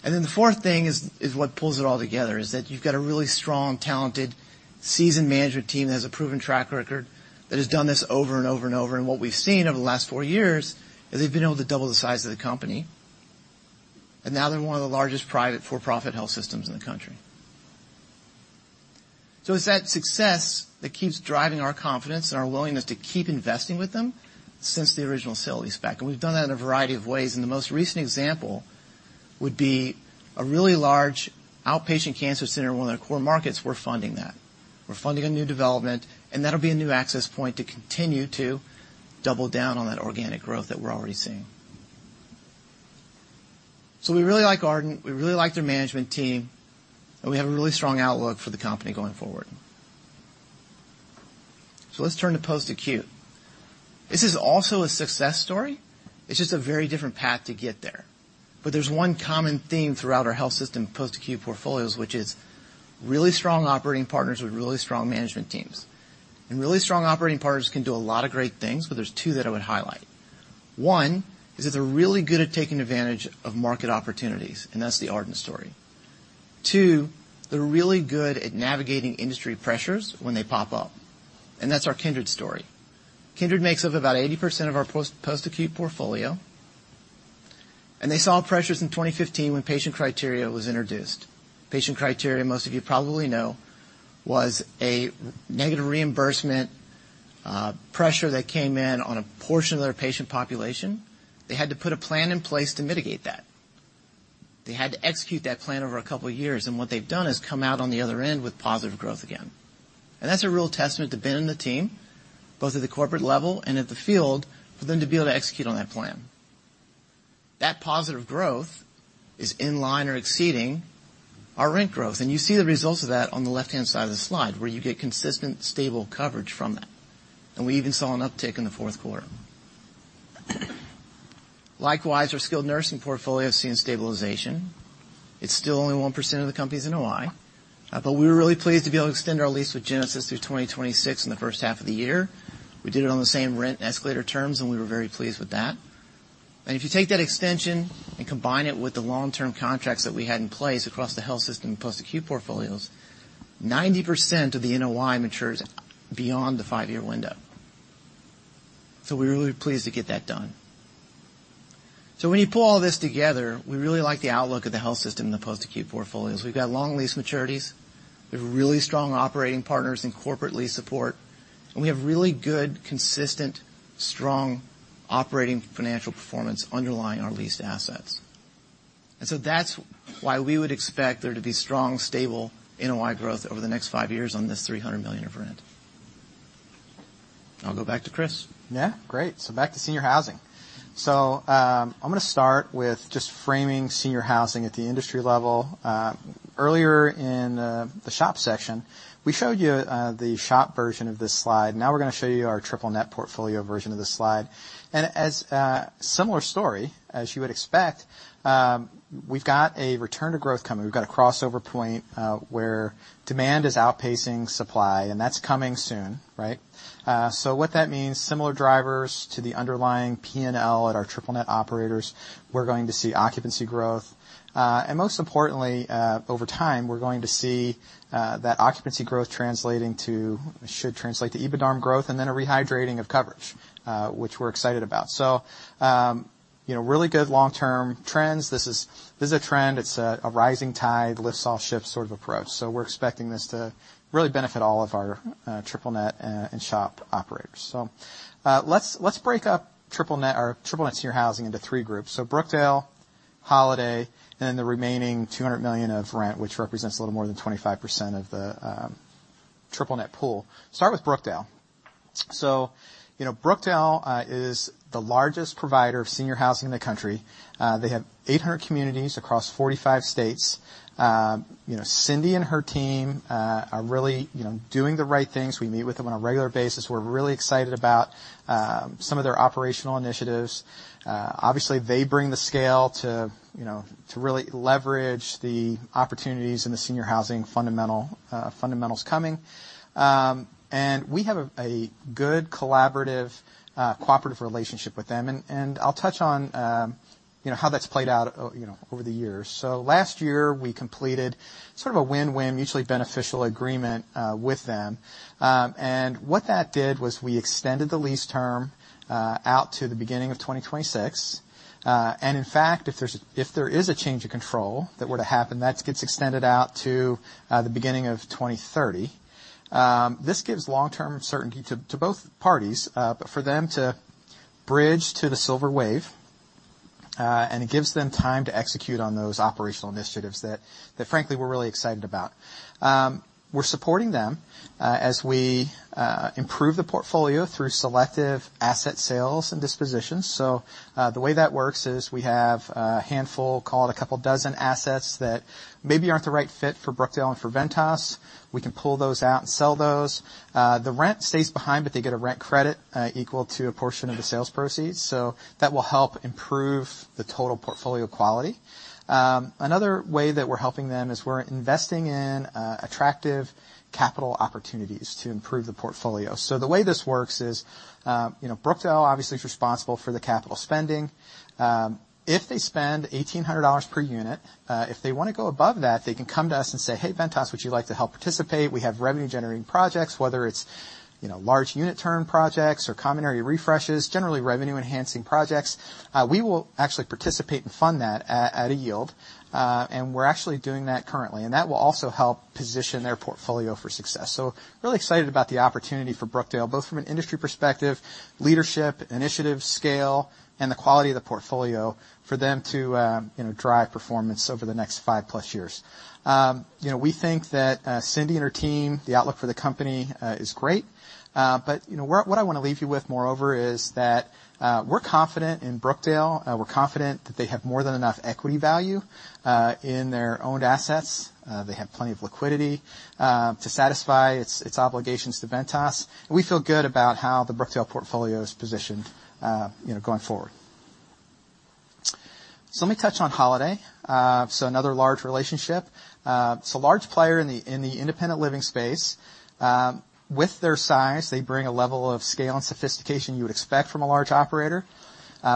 And then the fourth thing is what pulls it all together, is that you've got a really strong, talented, seasoned management team that has a proven track record, that has done this over and over and over. What we've seen over the last four years is they've been able to double the size of the company, and now they're one of the largest private for-profit health systems in the country. It's that success that keeps driving our confidence and our willingness to keep investing with them since the original sale-leaseback, and we've done that in a variety of ways. The most recent example would be a really large outpatient cancer center in one of their core markets; we're funding that. We're funding a new development, and that'll be a new access point to continue to double down on that organic growth that we're already seeing. We really like Ardent; we really like their management team, and we have a really strong outlook for the company going forward. Let's turn to post-acute. This is also a success story. It's just a very different path to get there. But there's one common theme throughout our health system post-acute portfolios, which is really strong operating partners with really strong management teams. And really strong operating partners can do a lot of great things, but there's two that I would highlight. One, is that they're really good at taking advantage of market opportunities, and that's the Ardent story. Two, they're really good at navigating industry pressures when they pop up, and that's our Kindred story. Kindred makes up about 80% of our post-acute portfolio, and they saw pressures in 2015 when patient criteria was introduced. Patient criteria, most of you probably know, was a negative reimbursement pressure that came in on a portion of their patient population. They had to put a plan in place to mitigate that. They had to execute that plan over a couple of years, and what they've done is come out on the other end with positive growth again. That's a real testament to Ben and the team, both at the corporate level and at the field, for them to be able to execute on that plan. That positive growth is in line or exceeding our rent growth. You see the results of that on the left-hand side of the slide, where you get consistent, stable coverage from that. We even saw an uptick in the fourth quarter. Likewise, our skilled nursing portfolio has seen stabilization. It's still only 1% of the company's NOI, but we were really pleased to be able to extend our lease with Genesis through 2026 in the first half of the year. We did it on the same rent escalator terms, and we were very pleased with that. If you take that extension and combine it with the long-term contracts that we had in place across the health system and post-acute portfolios, 90% of the NOI matures beyond the five-year window. We're really pleased to get that done. When you pull all this together, we really like the outlook of the health system and the post-acute portfolios. We've got long lease maturities, we have really strong operating partners and corporate lease support, and we have really good, consistent, strong operating financial performance underlying our leased assets. That's why we would expect there to be strong, stable NOI growth over the next five years on this $300 million of rent. I'll go back to Chris. Yeah, great. So back to senior housing. So, I'm gonna start with just framing senior housing at the industry level. Earlier in, the shop section, we showed you, the shop version of this slide. Now we're gonna show you our triple net portfolio version of this slide. And as a similar story, as you would expect. We've got a return to growth coming. We've got a crossover point, where demand is outpacing supply, and that's coming soon, right? So what that means, similar drivers to the underlying P&L at our triple net operators, we're going to see occupancy growth. And most importantly, over time, we're going to see, that occupancy growth translating to, should translate to EBITDARM growth and then a rehydrating of coverage, which we're excited about. So, you know, really good long-term trends. This is, this is a trend. It's a, a rising tide lifts all ships sort of approach. So we're expecting this to really benefit all of our, triple net, and shop operators. So, let's, let's break up triple net or triple net senior housing into three groups. So Brookdale, Holiday, and then the remaining two hundred million of rent, which represents a little more than 25% of the, triple net pool. Start with Brookdale. So, you know, Brookdale, is the largest provider of senior housing in the country. They have 800 communities across 45 states. You know, Cindy and her team, are really, you know, doing the right things. We meet with them on a regular basis. We're really excited about, some of their operational initiatives. Obviously, they bring the scale to, you know, to really leverage the opportunities in the senior housing fundamental, fundamentals coming. And we have a good collaborative, cooperative relationship with them. And I'll touch on, you know, how that's played out, you know, over the years. So last year, we completed sort of a win-win, mutually beneficial agreement with them. And what that did was we extended the lease term out to the beginning of 2026. And in fact, if there's, if there is a change of control that were to happen, that gets extended out to the beginning of 2030. This gives long-term certainty to both parties, but for them to bridge to the silver wave, and it gives them time to execute on those operational initiatives that, frankly, we're really excited about. We're supporting them as we improve the portfolio through selective asset sales and dispositions. The way that works is we have a handful, call it a couple dozen assets, that maybe aren't the right fit for Brookdale and for Ventas. We can pull those out and sell those. The rent stays behind, but they get a rent credit equal to a portion of the sales proceeds, so that will help improve the total portfolio quality. Another way that we're helping them is we're investing in attractive capital opportunities to improve the portfolio. So the way this works is, you know, Brookdale obviously is responsible for the capital spending. If they spend $1,800 per unit, if they wanna go above that, they can come to us and say, "Hey, Ventas, would you like to help participate? We have revenue-generating projects," whether it's, you know, large unit turn projects or common area refreshes, generally revenue-enhancing projects. We will actually participate and fund that at, at a yield, and we're actually doing that currently, and that will also help position their portfolio for success. So really excited about the opportunity for Brookdale, both from an industry perspective, leadership, initiative, scale, and the quality of the portfolio, for them to, you know, drive performance over the next five-plus years. You know, we think that, Cindy and her team, the outlook for the company, is great. But you know, what I want to leave you with, moreover, is that we're confident in Brookdale. We're confident that they have more than enough equity value in their own assets. They have plenty of liquidity to satisfy its obligations to Ventas, and we feel good about how the Brookdale portfolio is positioned, you know, going forward. So let me touch on Holiday, so another large relationship. It's a large player in the independent living space. With their size, they bring a level of scale and sophistication you would expect from a large operator.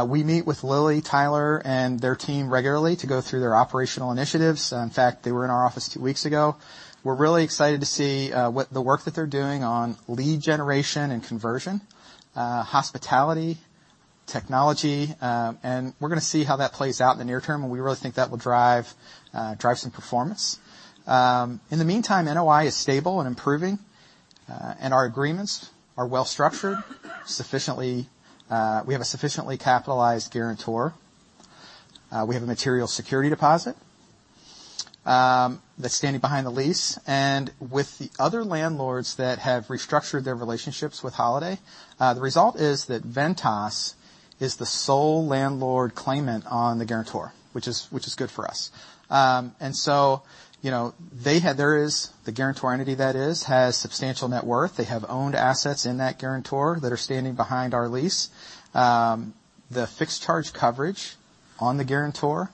We meet with Lily, Tyler, and their team regularly to go through their operational initiatives. In fact, they were in our office two weeks ago. We're really excited to see what the work that they're doing on lead generation and conversion, hospitality, technology, and we're gonna see how that plays out in the near term, and we really think that will drive drive some performance. In the meantime, NOI is stable and improving, and our agreements are well-structured. Sufficiently, we have a sufficiently capitalized guarantor. We have a material security deposit that's standing behind the lease. And with the other landlords that have restructured their relationships with Holiday, the result is that Ventas is the sole landlord claimant on the guarantor, which is good for us. And so, you know, the guarantor entity, that is, has substantial net worth. They have owned assets in that guarantor that are standing behind our lease. The fixed charge coverage on the guarantor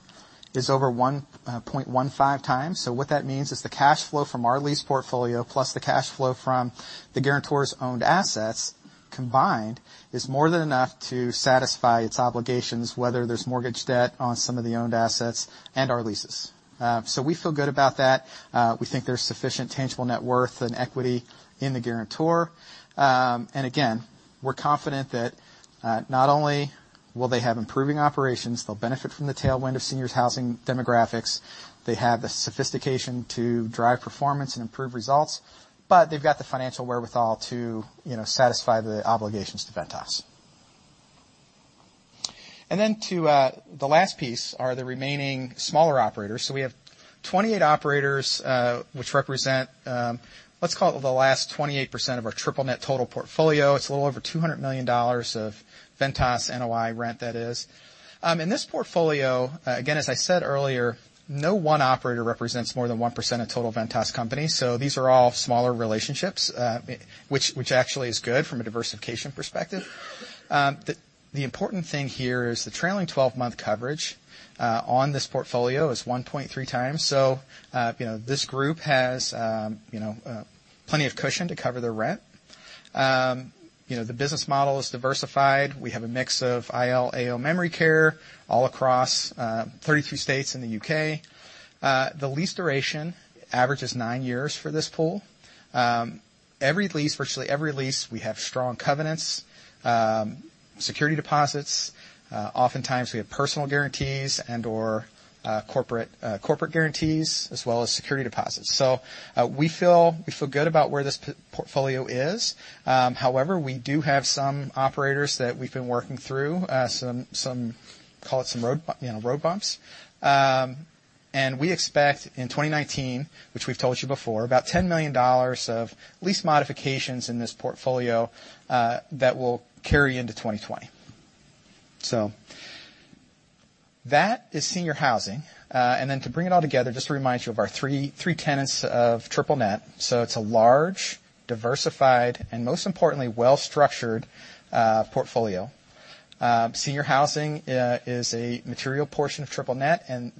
is over 1.15 times. So what that means is the cash flow from our lease portfolio, plus the cash flow from the guarantor's owned assets combined, is more than enough to satisfy its obligations, whether there's mortgage debt on some of the owned assets and our leases. So we feel good about that. We think there's sufficient tangible net worth and equity in the guarantor. And again, we're confident that not only will they have improving operations, they'll benefit from the tailwind of seniors housing demographics. They have the sophistication to drive performance and improve results, but they've got the financial wherewithal to, you know, satisfy the obligations to Ventas. And then to the last piece are the remaining smaller operators. So we have 28 operators, which represent, let's call it the last 28% of our triple-net total portfolio. It's a little over $200 million of Ventas NOI rent, that is. In this portfolio, again, as I said earlier, no one operator represents more than 1% of total Ventas company. So these are all smaller relationships, which actually is good from a diversification perspective. The important thing here is the trailing 12-month coverage on this portfolio is 1.3 times. So, you know, this group has, you know, plenty of cushion to cover their rent. You know, the business model is diversified. We have a mix of IL, AL, memory care all across, 33 states in the U.K. The lease duration averages 9 years for this pool. Every lease, virtually every lease, we have strong covenants, security deposits. Oftentimes, we have personal guarantees and/or corporate guarantees, as well as security deposits. So, we feel good about where this portfolio is. However, we do have some operators that we've been working through some road bumps, you know. And we expect in 2019, which we've told you before, about $10 million of lease modifications in this portfolio, that will carry into 2020. So that is senior housing, and then to bring it all together, just to remind you of our three tenets of triple net. So it's a large, diversified, and most importantly, well-structured portfolio. Senior housing is a material portion of triple net, and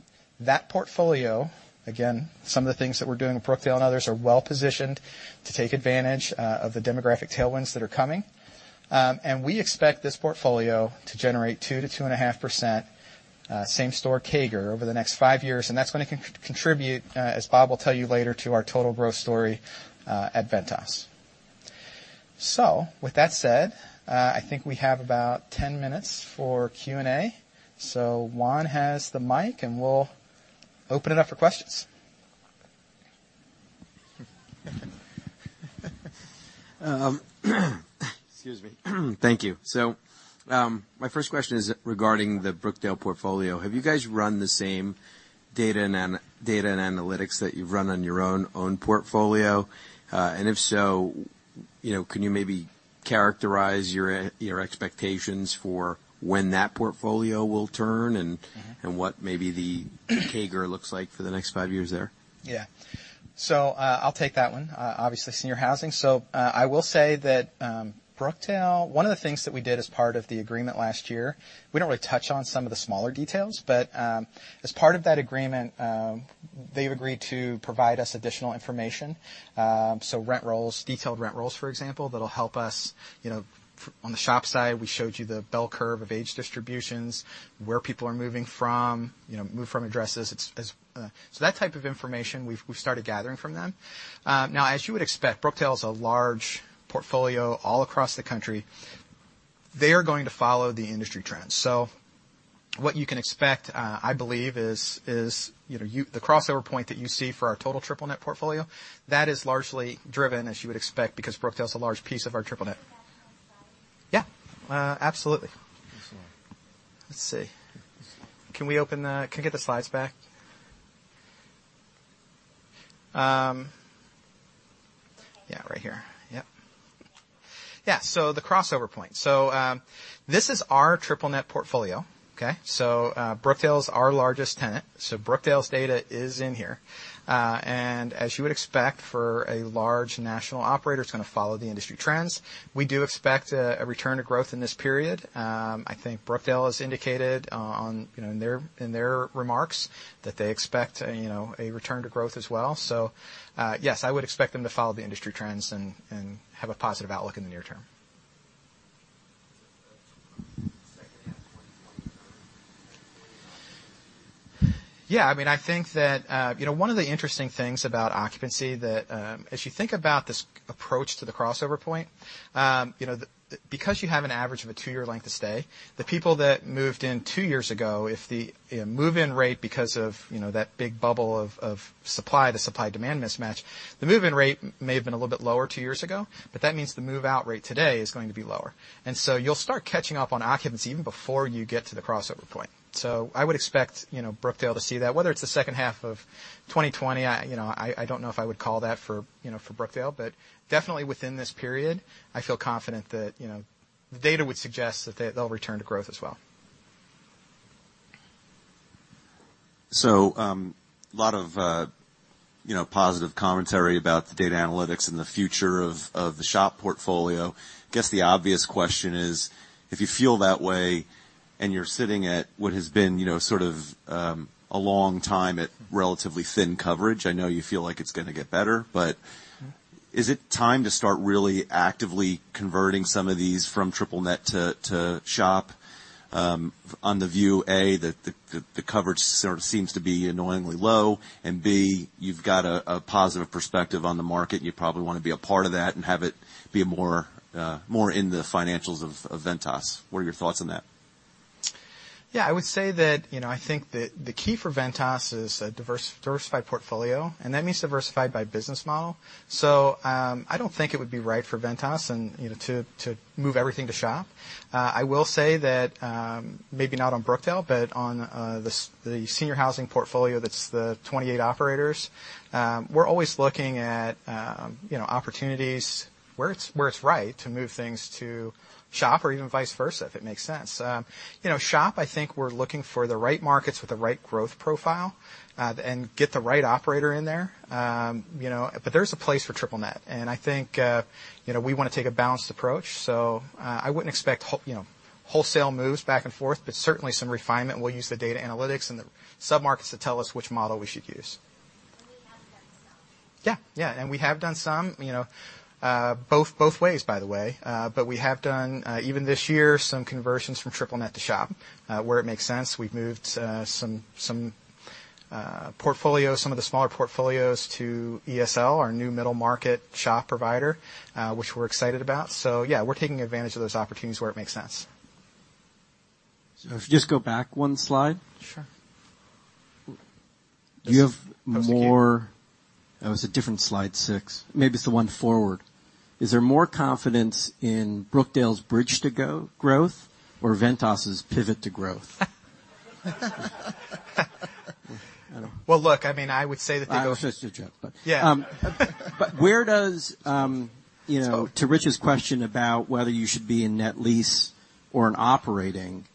that portfolio, again, some of the things that we're doing with Brookdale and others, are well-positioned to take advantage of the demographic tailwinds that are coming, and we expect this portfolio to generate 2%-2.5% same-store CAGR over the next five years, and that's gonna contribute, as Bob will tell you later, to our total growth story at Ventas. So with that said, I think we have about 10 minutes for Q&A. So Juan has the mic, and we'll open it up for questions. Excuse me. Thank you. My first question is regarding the Brookdale portfolio. Have you guys run the same data and analytics that you've run on your own portfolio? If so, you know, can you maybe characterize your expectations for when that portfolio will turn and what maybe the CAGR looks like for the next five years there? Yeah. So, I'll take that one, obviously, senior housing. So, I will say that, Brookdale. One of the things that we did as part of the agreement last year, we don't really touch on some of the smaller details, but, as part of that agreement, they've agreed to provide us additional information. So rent rolls, detailed rent rolls, for example, that'll help us, you know, on the SHOP side, we showed you the bell curve of age distributions, where people are moving from, you know, move-from addresses. It's, so that type of information, we've started gathering from them. Now, as you would expect, Brookdale's a large portfolio all across the country. They're going to follow the industry trends. So what you can expect, I believe, is you know, the crossover point that you see for our total triple net portfolio. That is largely driven, as you would expect, because Brookdale's a large piece of our triple net. Can you go back to those slides? Yeah. Absolutely. Absolutely. The crossover point. This is our triple net portfolio, okay? Brookdale is our largest tenant, so Brookdale's data is in here. And as you would expect for a large national operator, it's gonna follow the industry trends. We do expect a return to growth in this period. I think Brookdale has indicated, on, you know, in their remarks, that they expect, you know, a return to growth as well. Yes, I would expect them to follow the industry trends and have a positive outlook in the near term. Second half of 2020? Yeah, I mean, I think that, you know, one of the interesting things about occupancy that, as you think about this approach to the crossover point, you know, the because you have an average of a two-year length of stay, the people that moved in two years ago, if you know, move-in rate, because of, you know, that big bubble of supply, the supply-demand mismatch, the move-in rate may have been a little bit lower two years ago. But that means the move-out rate today is going to be lower, and so you'll start catching up on occupancy even before you get to the crossover point. So I would expect, you know, Brookdale to see that. Whether it's the second half of 2020, you know, I don't know if I would call that for, you know, for Brookdale. But definitely within this period, I feel confident that, you know, the data would suggest that they'll return to growth as well. Lot of, you know, positive commentary about the data analytics and the future of the SHOP portfolio. Guess the obvious question is, if you feel that way, and you're sitting at what has been, you know, sort of, a long time at relatively thin coverage. I know you feel like it's gonna get better. But is it time to start really actively converting some of these from triple net to SHOP, on the view, A, that the coverage sort of seems to be annoyingly low, and, B, you've got a positive perspective on the market, and you probably wanna be a part of that and have it be more in the financials of Ventas? What are your thoughts on that? Yeah, I would say that, you know, I think that the key for Ventas is a diversified portfolio, and that means diversified by business model. So, I don't think it would be right for Ventas and, you know, to move everything to SHOP. I will say that, maybe not on Brookdale, but on the senior housing portfolio, that's the 28 operators, we're always looking at, you know, opportunities where it's right to move things to SHOP or even vice versa, if it makes sense. You know, SHOP, I think we're looking for the right markets with the right growth profile, and get the right operator in there. You know, but there's a place for triple net, and I think, you know, we wanna take a balanced approach. So, I wouldn't expect you know, wholesale moves back and forth, but certainly some refinement. We'll use the data analytics and the submarkets to tell us which model we should use. Yeah, yeah, and we have done some, you know, both ways, by the way. But we have done, even this year, some conversions from triple-net to SHOP. Where it makes sense, we've moved some portfolios, some of the smaller portfolios to Eclipse Senior Living, our new middle market SHOP provider, which we're excited about. So yeah, we're taking advantage of those opportunities where it makes sense. So if you just go back one slide? Sure. Do you have more? Oh, it's a different slide six. Maybe it's the one forward. Is there more confidence in Brookdale's bridge to growth or Ventas' pivot to growth? Well, look, I mean, I would say that the- It's just a joke, but- Yeah. But where does, you know, to Rich's question about whether you should be in net lease or in operating,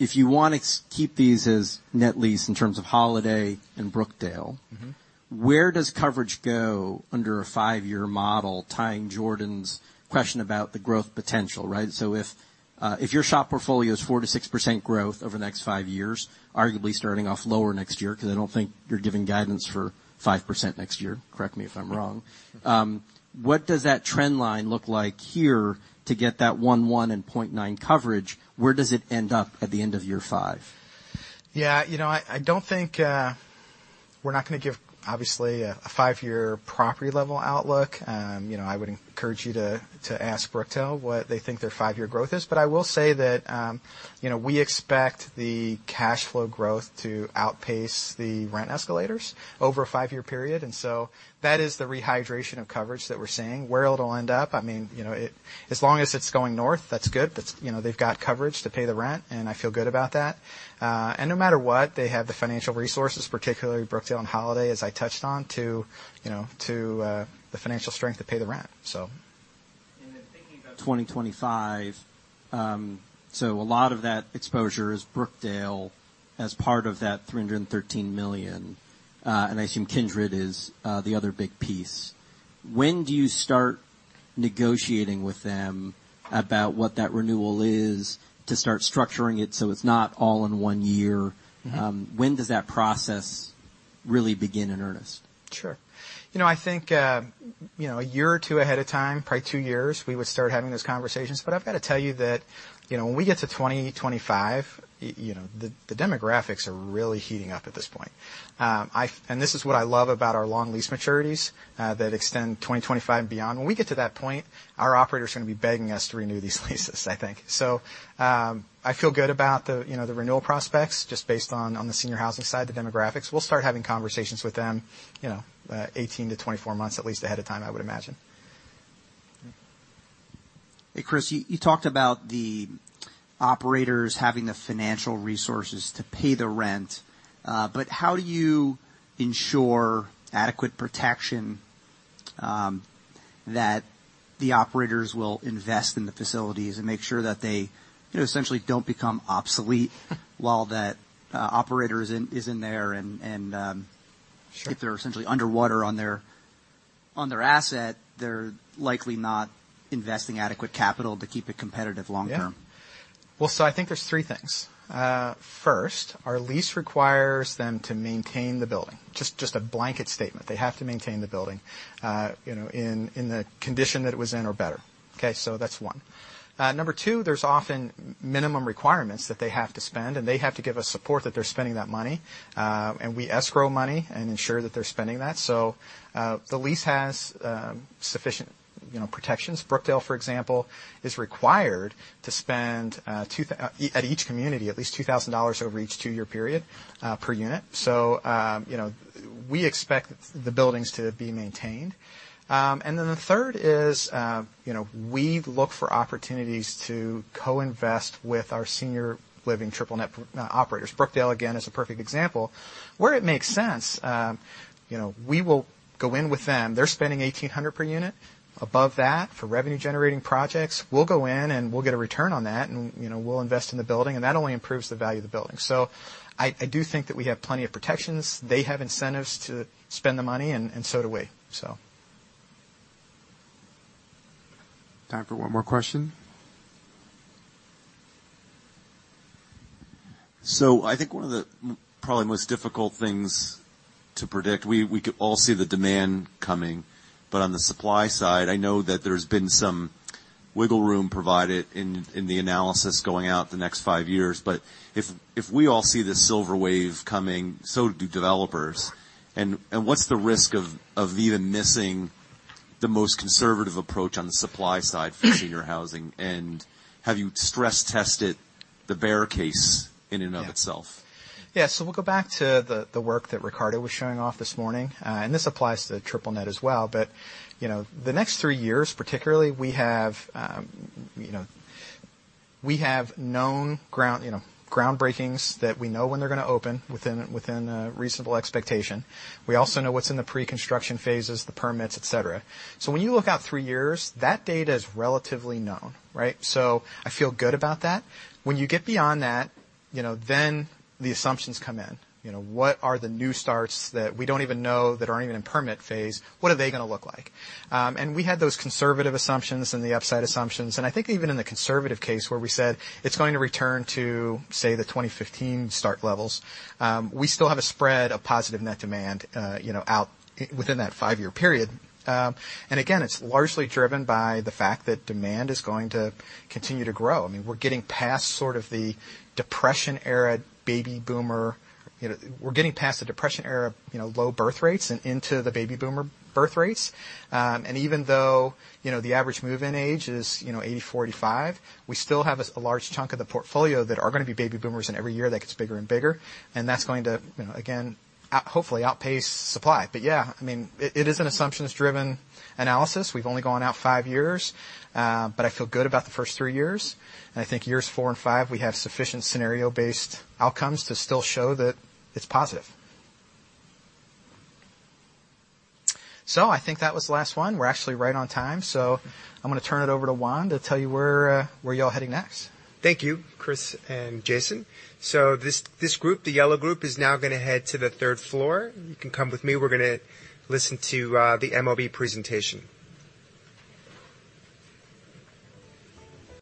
if you want to keep these as net lease in terms of Holiday and Brookdale. Where does coverage go under a five-year model, tying Jordan's question about the growth potential, right? So if, if your SHOP portfolio is 4%-6% growth over the next five years, arguably starting off lower next year, 'cause I don't think you're giving guidance for 5% next year. Correct me if I'm wrong. What does that trend line look like here to get that one point one and point nine coverage? Where does it end up at the end of year five? Yeah, you know, I don't think. We're not gonna give, obviously, a five-year property level outlook. You know, I would encourage you to ask Brookdale what they think their five-year growth is. But I will say that, you know, we expect the cash flow growth to outpace the rent escalators over a five-year period, and so that is the rehydration of coverage that we're seeing. Where it'll end up, I mean, you know, as long as it's going north, that's good. That's, you know, they've got coverage to pay the rent, and I feel good about that. And no matter what, they have the financial resources, particularly Brookdale and Holiday, as I touched on, to, you know, the financial strength to pay the rent, so. And then thinking about 2025, so a lot of that exposure is Brookdale as part of that $313 million, and I assume Kindred is the other big piece. When do you start negotiating with them about what that renewal is, to start structuring it so it's not all in one year? When does that process really begin in earnest? Sure. You know, I think, you know, a year or two ahead of time, probably two years, we would start having those conversations. But I've got to tell you that, you know, when we get to 2025, you know, the, the demographics are really heating up at this point. And this is what I love about our long lease maturities, that extend 2025 and beyond. When we get to that point, our operators are gonna be begging us to renew these leases, I think. So, I feel good about the, you know, the renewal prospects, just based on, on the senior housing side, the demographics. We'll start having conversations with them, you know, 18-24 months, at least, ahead of time, I would imagine. Hey, Chris, you talked about the operators having the financial resources to pay the rent, but how do you ensure adequate protection that the operators will invest in the facilities and make sure that they, you know, essentially don't become obsolete while that operator is in there, and Sure... if they're essentially underwater on their asset, they're likely not investing adequate capital to keep it competitive long term. Yeah. Well, so I think there's three things. First, our lease requires them to maintain the building. Just a blanket statement. They have to maintain the building, you know, in the condition that it was in or better, okay? So that's one. Number two, there's often minimum requirements that they have to spend, and they have to give us support that they're spending that money, and we escrow money and ensure that they're spending that. So, the lease has sufficient, you know, protections. Brookdale, for example, is required to spend $2,000 at each community, at least $2,000 over each two-year period, per unit. So, you know, we expect the buildings to be maintained. And then the third is, you know, we look for opportunities to co-invest with our senior living triple-net operators. Brookdale, again, is a perfect example. Where it makes sense, you know, we will go in with them. They're spending 1,800 per unit. Above that, for revenue-generating projects, we'll go in, and we'll get a return on that, and, you know, we'll invest in the building, and that only improves the value of the building. So I do think that we have plenty of protections. They have incentives to spend the money, and so do we, so. Time for one more question. So I think one of the probably most difficult things to predict, we could all see the demand coming, but on the supply side, I know that there's been some wiggle room provided in the analysis going out the next five years. But if we all see this silver wave coming, so do developers. And what's the risk of even missing the most conservative approach on the supply side for senior housing? And have you stress-tested the bear case? Yeah in and of itself? Yeah, so we'll go back to the work that Ricardo was showing off this morning, and this applies to triple net as well. But, you know, the next three years, particularly, we have, you know, we have known ground, you know, groundbreakings, that we know when they're gonna open within a reasonable expectation. We also know what's in the pre-construction phases, the permits, et cetera. So when you look out three years, that data is relatively known, right? So I feel good about that. When you get beyond that, you know, then the assumptions come in. You know, what are the new starts that we don't even know, that aren't even in permit phase, what are they gonna look like? And we had those conservative assumptions and the upside assumptions, and I think even in the conservative case, where we said it's going to return to, say, the 2015 start levels, we still have a spread of positive net demand, you know, out within that five-year period. And again, it's largely driven by the fact that demand is going to continue to grow. I mean, we're getting past sort of the Depression era, you know, low birth rates and into the baby boomer birth rates. And even though, you know, the average move-in age is, you know, 85, we still have a large chunk of the portfolio that are gonna be baby boomers, and every year, that gets bigger and bigger, and that's going to, you know, again, hopefully outpace supply. But yeah, I mean, it, it is an assumptions-driven analysis. We've only gone out five years, but I feel good about the first three years, and I think years four and five, we have sufficient scenario-based outcomes to still show that it's positive. So I think that was the last one. We're actually right on time, so I'm gonna turn it over to Juan to tell you where, where you're all heading next. Thank you, Chris and Jason. So this, this group, the yellow group, is now gonna head to the third floor. You can come with me. We're gonna listen to the MOB presentation.